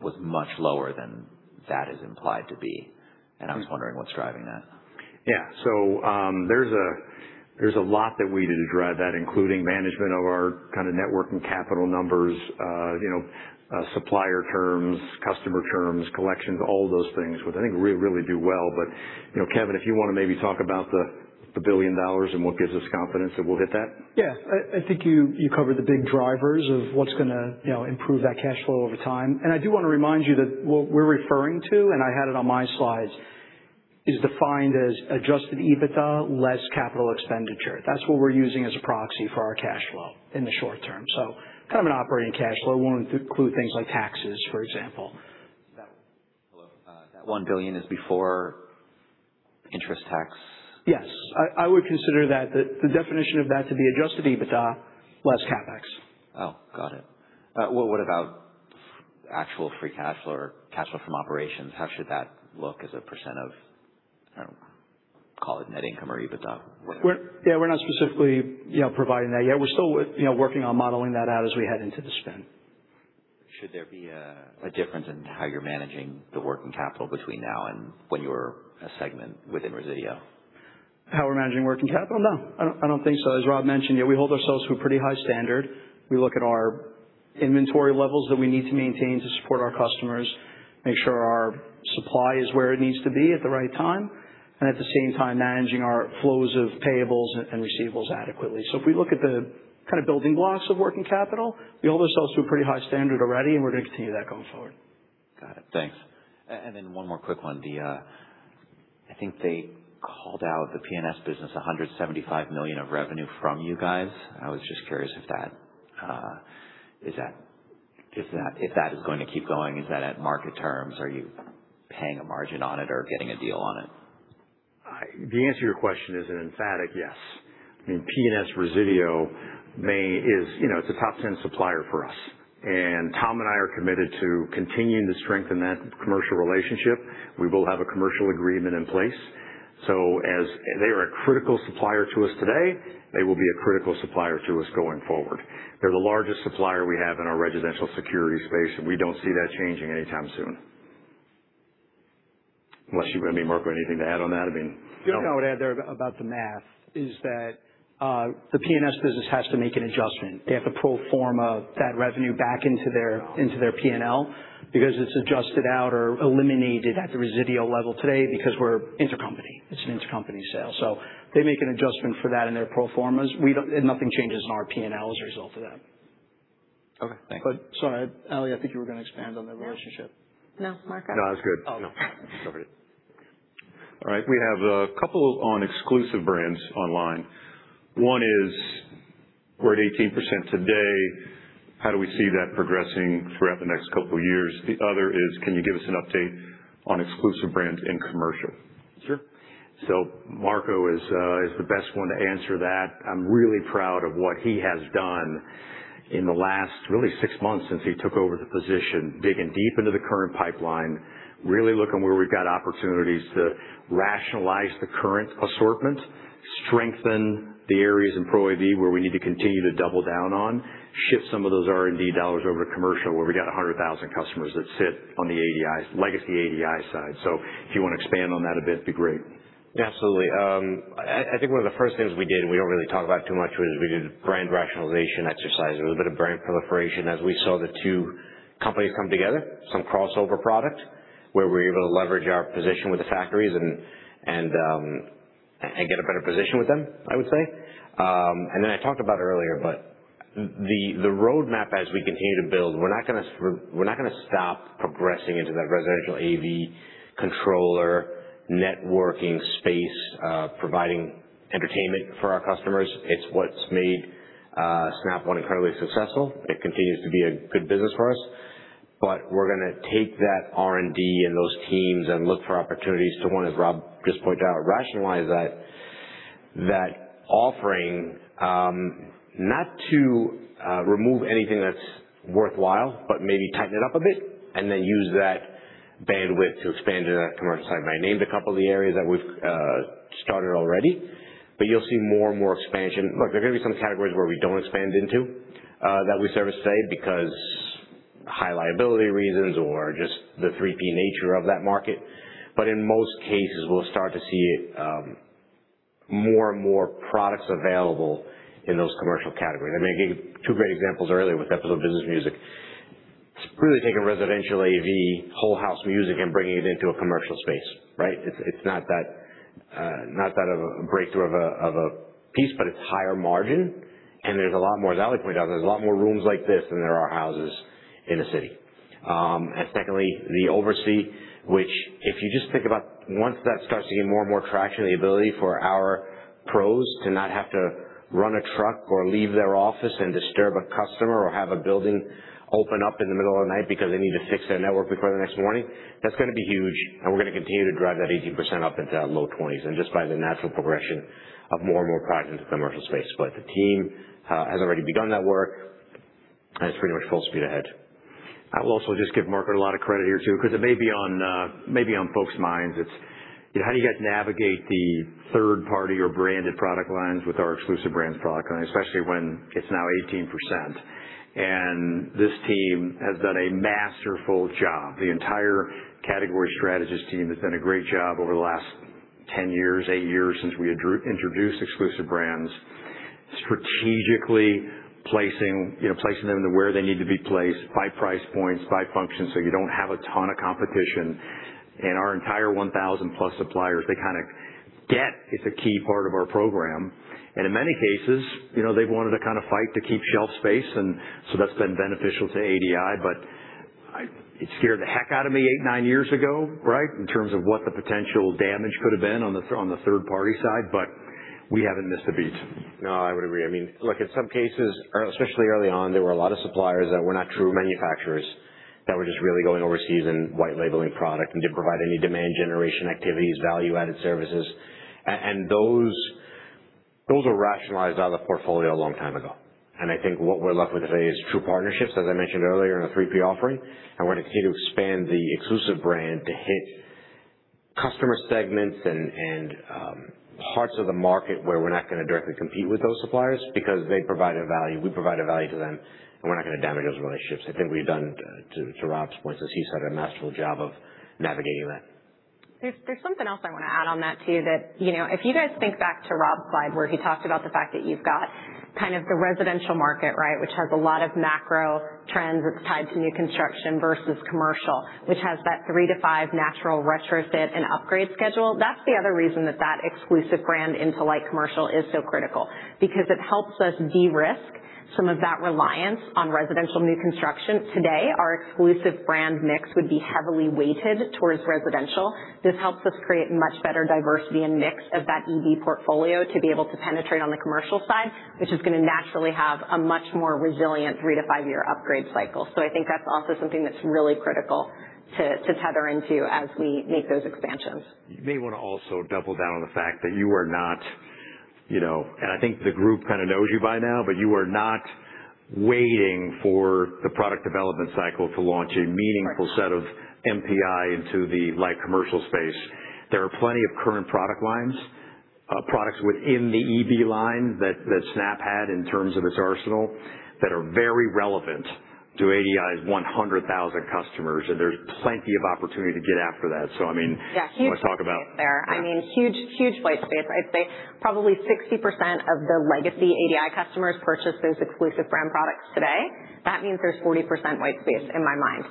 was much lower than that is implied to be, I was wondering what's driving that. Yeah. There's a lot that we did to drive that, including management of our kind of network and capital numbers, supplier terms, customer terms, collections, all those things, which I think we really do well. Kevin, if you want to maybe talk about the $1 billion and what gives us confidence that we'll hit that. Yeah. I think you covered the big drivers of what's going to improve that cash flow over time. I do want to remind you that what we're referring to, and I had it on my slides, is defined as adjusted EBITDA less capital expenditure. That's what we're using as a proxy for our cash flow in the short term. Kind of an operating cash flow, won't include things like taxes, for example. That $1 billion is before interest tax? Yes. I would consider the definition of that to be adjusted EBITDA less CapEx. Oh, got it. What about actual free cash flow or cash flow from operations? How should that look as a % of, call it net income or EBITDA? Yeah, we're not specifically providing that yet. We're still working on modeling that out as we head into the spin. Should there be a difference in how you're managing the working capital between now and when you were a segment within Resideo? How we're managing working capital? I don't think so. As Rob mentioned, we hold ourselves to a pretty high standard. We look at our inventory levels that we need to maintain to support our customers, make sure our supply is where it needs to be at the right time, and at the same time, managing our flows of payables and receivables adequately. If we look at the kind of building blocks of working capital, we hold ourselves to a pretty high standard already, and we're going to continue that going forward. Got it. Thanks. Then one more quick one. I think they called out the P&S business $175 million of revenue from you guys. I was just curious if that is going to keep going. Is that at market terms? Are you paying a margin on it or getting a deal on it? The answer to your question is an emphatic yes. P&S Resideo, it's a top 10 supplier for us. Tom and I are committed to continuing to strengthen that commercial relationship. We will have a commercial agreement in place. As they are a critical supplier to us today, they will be a critical supplier to us going forward. They're the largest supplier we have in our residential security space, and we don't see that changing anytime soon. Unless you, Marco, anything to add on that? The only thing I would add there about the math is that the P&S business has to make an adjustment. They have to pro forma that revenue back into their P&L because it's adjusted out or eliminated at the Resideo level today because we're intercompany. It's an intercompany sale. They make an adjustment for that in their pro formas. Nothing changes in our P&L as a result of that. Okay. Thanks. Sorry, Allie, I think you were going to expand on that relationship. No. Marco? No, that's good. Oh. No. Covered it. All right. We have a couple on Exclusive Brands online. One is, we're at 18% today, how do we see that progressing throughout the next couple of years? The other is, can you give us an update on Exclusive Brands in commercial? Sure. Marco is the best one to answer that. I'm really proud of what he has done in the last really six months since he took over the position, digging deep into the current pipeline, really looking where we've got opportunities to rationalize the current assortment, strengthen the areas in Pro AV where we need to continue to double down on, shift some of those R&D dollars over to commercial, where we've got 100,000 customers that sit on the legacy ADI side. If you want to expand on that a bit, it'd be great. Absolutely. I think one of the first things we did, we don't really talk about it too much, was we did a brand rationalization exercise. There was a bit of brand proliferation as we saw the two companies come together. Some crossover product where we were able to leverage our position with the factories and get a better position with them, I would say. I talked about it earlier, the roadmap as we continue to build, we're not going to stop progressing into that residential AV controller, networking space, providing entertainment for our customers. It's what's made Snap One incredibly successful. It continues to be a good business for us, we're going to take that R&D and those teams and look for opportunities to, one, as Rob just pointed out, rationalize that offering. Not to remove anything that's worthwhile, maybe tighten it up a bit use that bandwidth to expand into that commercial side. I named a couple of the areas that we've started already, you'll see more and more expansion. There are going to be some categories where we don't expand into that we service today because high liability reasons or just the 3P nature of that market. In most cases, we'll start to see more and more products available in those commercial categories. I gave you two great examples earlier with Episode Business Music. Really taking residential AV whole house music and bringing it into a commercial space. Right? It's not that of a breakthrough of a piece, it's higher margin, there's a lot more, as Allie pointed out, there's a lot more rooms like this than there are houses in the city. Secondly, the OvrC, which if you just think about once that starts to get more and more traction, the ability for our pros to not have to run a truck or leave their office and disturb a customer or have a building open up in the middle of the night because they need to fix their network before the next morning, that's going to be huge. We're going to continue to drive that 18% up into that low 20s, just by the natural progression of more and more products into the commercial space. The team has already begun that work, it's pretty much full speed ahead. I will also just give Marco a lot of credit here too, because it may be on folks' minds. It's how do you guys navigate the third party or branded product lines with our exclusive brands product line, especially when it's now 18%? This team has done a masterful job. The entire category strategist team has done a great job over the last 10 years, eight years since we introduced exclusive brands, strategically placing them into where they need to be placed by price points, by function, so you don't have a ton of competition. Our entire 1,000-plus suppliers, they get it's a key part of our program. In many cases, they've wanted to fight to keep shelf space. That's been beneficial to ADI, but it scared the heck out of me eight, nine years ago, right, in terms of what the potential damage could have been on the third party side. We haven't missed a beat. No, I would agree. Look, in some cases, especially early on, there were a lot of suppliers that were not true manufacturers, that were just really going overseas and white-labeling product and didn't provide any demand generation activities, value-added services. Those were rationalized out of the portfolio a long time ago. I think what we're left with today is true partnerships, as I mentioned earlier, in a 3P offering. We're going to continue to expand the exclusive brand to hit customer segments and parts of the market where we're not going to directly compete with those suppliers because they provide a value, we provide a value to them, and we're not going to damage those relationships. I think we've done, to Rob's point, as he said, a masterful job of navigating that. There's something else I want to add on that, too, that if you guys think back to Rob's slide where he talked about the fact that you've got the residential market, right, which has a lot of macro trends that's tied to new construction versus commercial, which has that 3-5 natural retrofit and upgrade schedule. That's the other reason that that exclusive brand into light commercial is so critical, because it helps us de-risk some of that reliance on residential new construction. Today, our exclusive brand mix would be heavily weighted towards residential. This helps us create much better diversity and mix of that EV portfolio to be able to penetrate on the commercial side, which is going to naturally have a much more resilient 3-5-year upgrade cycle. I think that's also something that's really critical to tether into as we make those expansions. You may want to also double down on the fact that you are not, and I think the group kind of knows you by now, but you are not waiting for the product development cycle to launch a meaningful set of NPI into the light commercial space. There are plenty of current product lines, products within the EV line that Snap had in terms of its arsenal that are very relevant to ADI's 100,000 customers. There's plenty of opportunity to get after that. Yeah, huge- You want to talk about- space there. Huge, huge white space. I'd say probably 60% of the legacy ADI customers purchase those exclusive brand products today. That means there's 40% white space in my mind.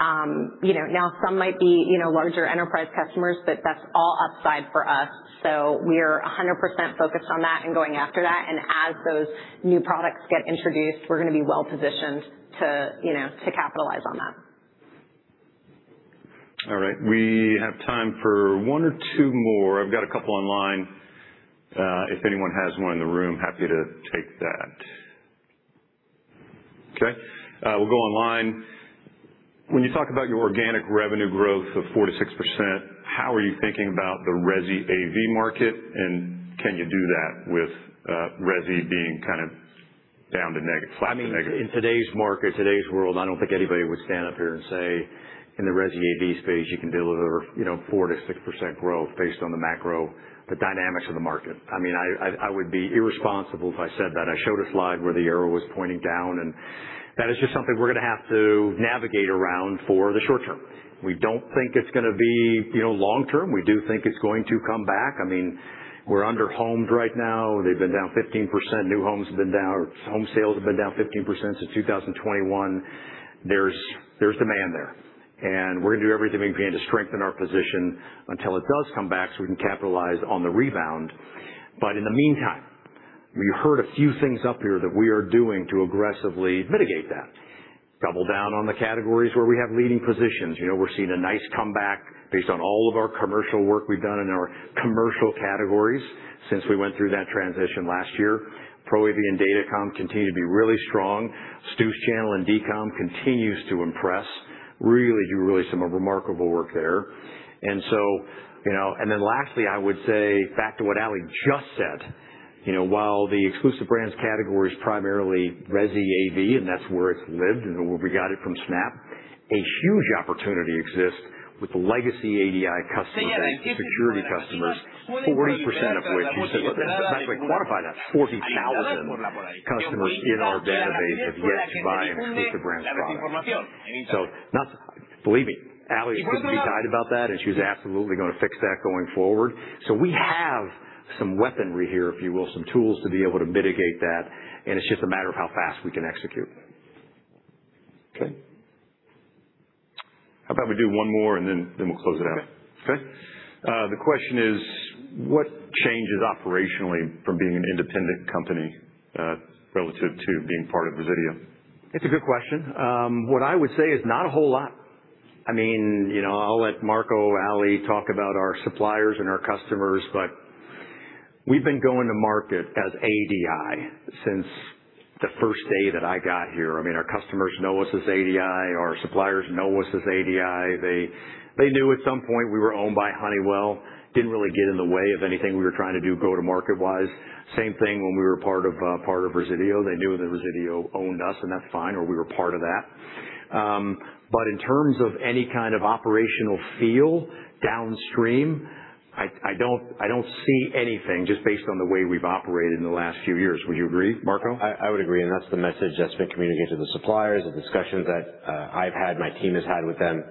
Now some might be larger enterprise customers, but that's all upside for us. So we're 100% focused on that and going after that. As those new products get introduced, we're going to be well-positioned to capitalize on that. All right. We have time for one or two more. I've got a couple online. If anyone has one in the room, happy to take that. Okay. We'll go online. When you talk about your organic revenue growth of 4%-6%, how are you thinking about the resi AV market, and can you do that with resi being kind of down to flat to negative? In today's market, today's world, I don't think anybody would stand up here and say in the resi AV space, you can deliver 4%-6% growth based on the macro, the dynamics of the market. I would be irresponsible if I said that. I showed a slide where the arrow was pointing down, and that is just something we're going to have to navigate around for the short term. We don't think it's going to be long term. We do think it's going to come back. We're under-homed right now. They've been down 15%. New homes have been down. Home sales have been down 15% since 2021. There's demand there, and we're going to do everything we can to strengthen our position until it does come back so we can capitalize on the rebound. In the meantime, you heard a few things up here that we are doing to aggressively mitigate that. Double down on the categories where we have leading positions. We're seeing a nice comeback based on all of our commercial work we've done in our commercial categories since we went through that transition last year. Pro AV and Datacom continue to be really strong. Stu's channel and Datacom continues to impress. Really doing some remarkable work there. Lastly, I would say, back to what Allie just said, while the exclusive brands category is primarily resi AV, and that's where it's lived and where we got it from Snap, a huge opportunity exists with the legacy ADI customer base, the security customers, 40% of which, let's not even quantify that, 40,000 customers in our database have yet to buy an exclusive brands product. Believe me, Allie is pretty tight about that, and she's absolutely going to fix that going forward. We have some weaponry here, if you will, some tools to be able to mitigate that, and it's just a matter of how fast we can execute. Okay. How about we do one more, and then we'll close it out? Okay. Okay. The question is, what changes operationally from being an independent company relative to being part of Resideo? It's a good question. What I would say is not a whole lot. I'll let Marco, Allie talk about our suppliers and our customers. We've been going to market as ADI since the first day that I got here. Our customers know us as ADI. Our suppliers know us as ADI. They knew at some point we were owned by Honeywell. Didn't really get in the way of anything we were trying to do go-to-market wise. Same thing when we were part of Resideo. They knew that Resideo owned us, and that's fine, or we were part of that. In terms of any kind of operational feel downstream, I don't see anything just based on the way we've operated in the last few years. Would you agree, Marco? I would agree. That's the message that's been communicated to the suppliers, the discussions that I've had, my team has had with them.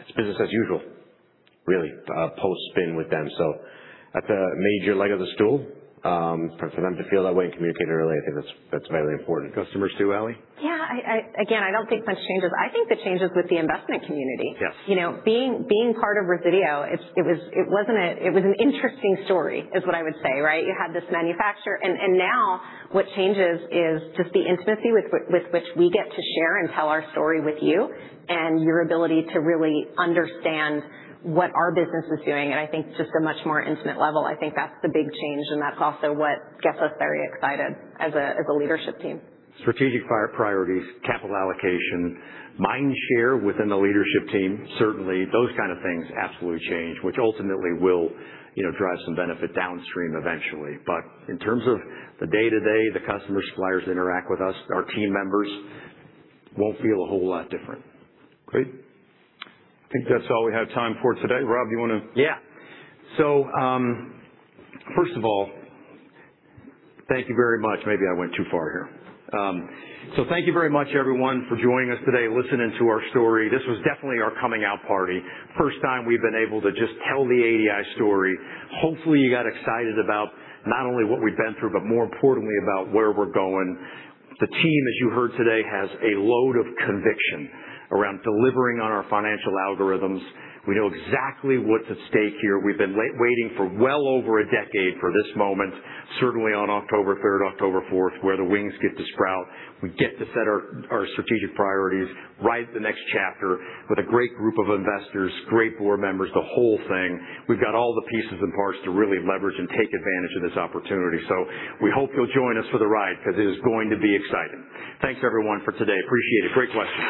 It's business as usual, really, post-spin with them. That's a major leg of the stool. For them to feel that way and communicate it early, I think that's very important. Customers, too, Allie? Yeah. Again, I don't think much changes. I think the change is with the investment community. Yes. Being part of Resideo, it was an interesting story, is what I would say, right? You had this manufacturer. Now what changes is just the intimacy with which we get to share and tell our story with you and your ability to really understand what our business is doing at, I think, just a much more intimate level. That's the big change, and that's also what gets us very excited as a leadership team. Strategic priorities, capital allocation, mind share within the leadership team. Certainly, those kind of things absolutely change, which ultimately will drive some benefit downstream eventually. In terms of the day-to-day, the customers, suppliers that interact with us, our team members won't feel a whole lot different. Great. I think that's all we have time for today. Rob, you want to- First of all, thank you very much. Maybe I went too far here. Thank you very much, everyone, for joining us today, listening to our story. This was definitely our coming out party. First time we've been able to just tell the ADI story. Hopefully, you got excited about not only what we've been through, but more importantly, about where we're going. The team, as you heard today, has a load of conviction around delivering on our financial algorithms. We know exactly what's at stake here. We've been waiting for well over a decade for this moment, certainly on October third, October fourth, where the wings get to sprout. We get to set our strategic priorities, write the next chapter with a great group of investors, great board members, the whole thing. We've got all the pieces and parts to really leverage and take advantage of this opportunity. We hope you'll join us for the ride because it is going to be exciting. Thanks everyone for today. Appreciate it. Great questions.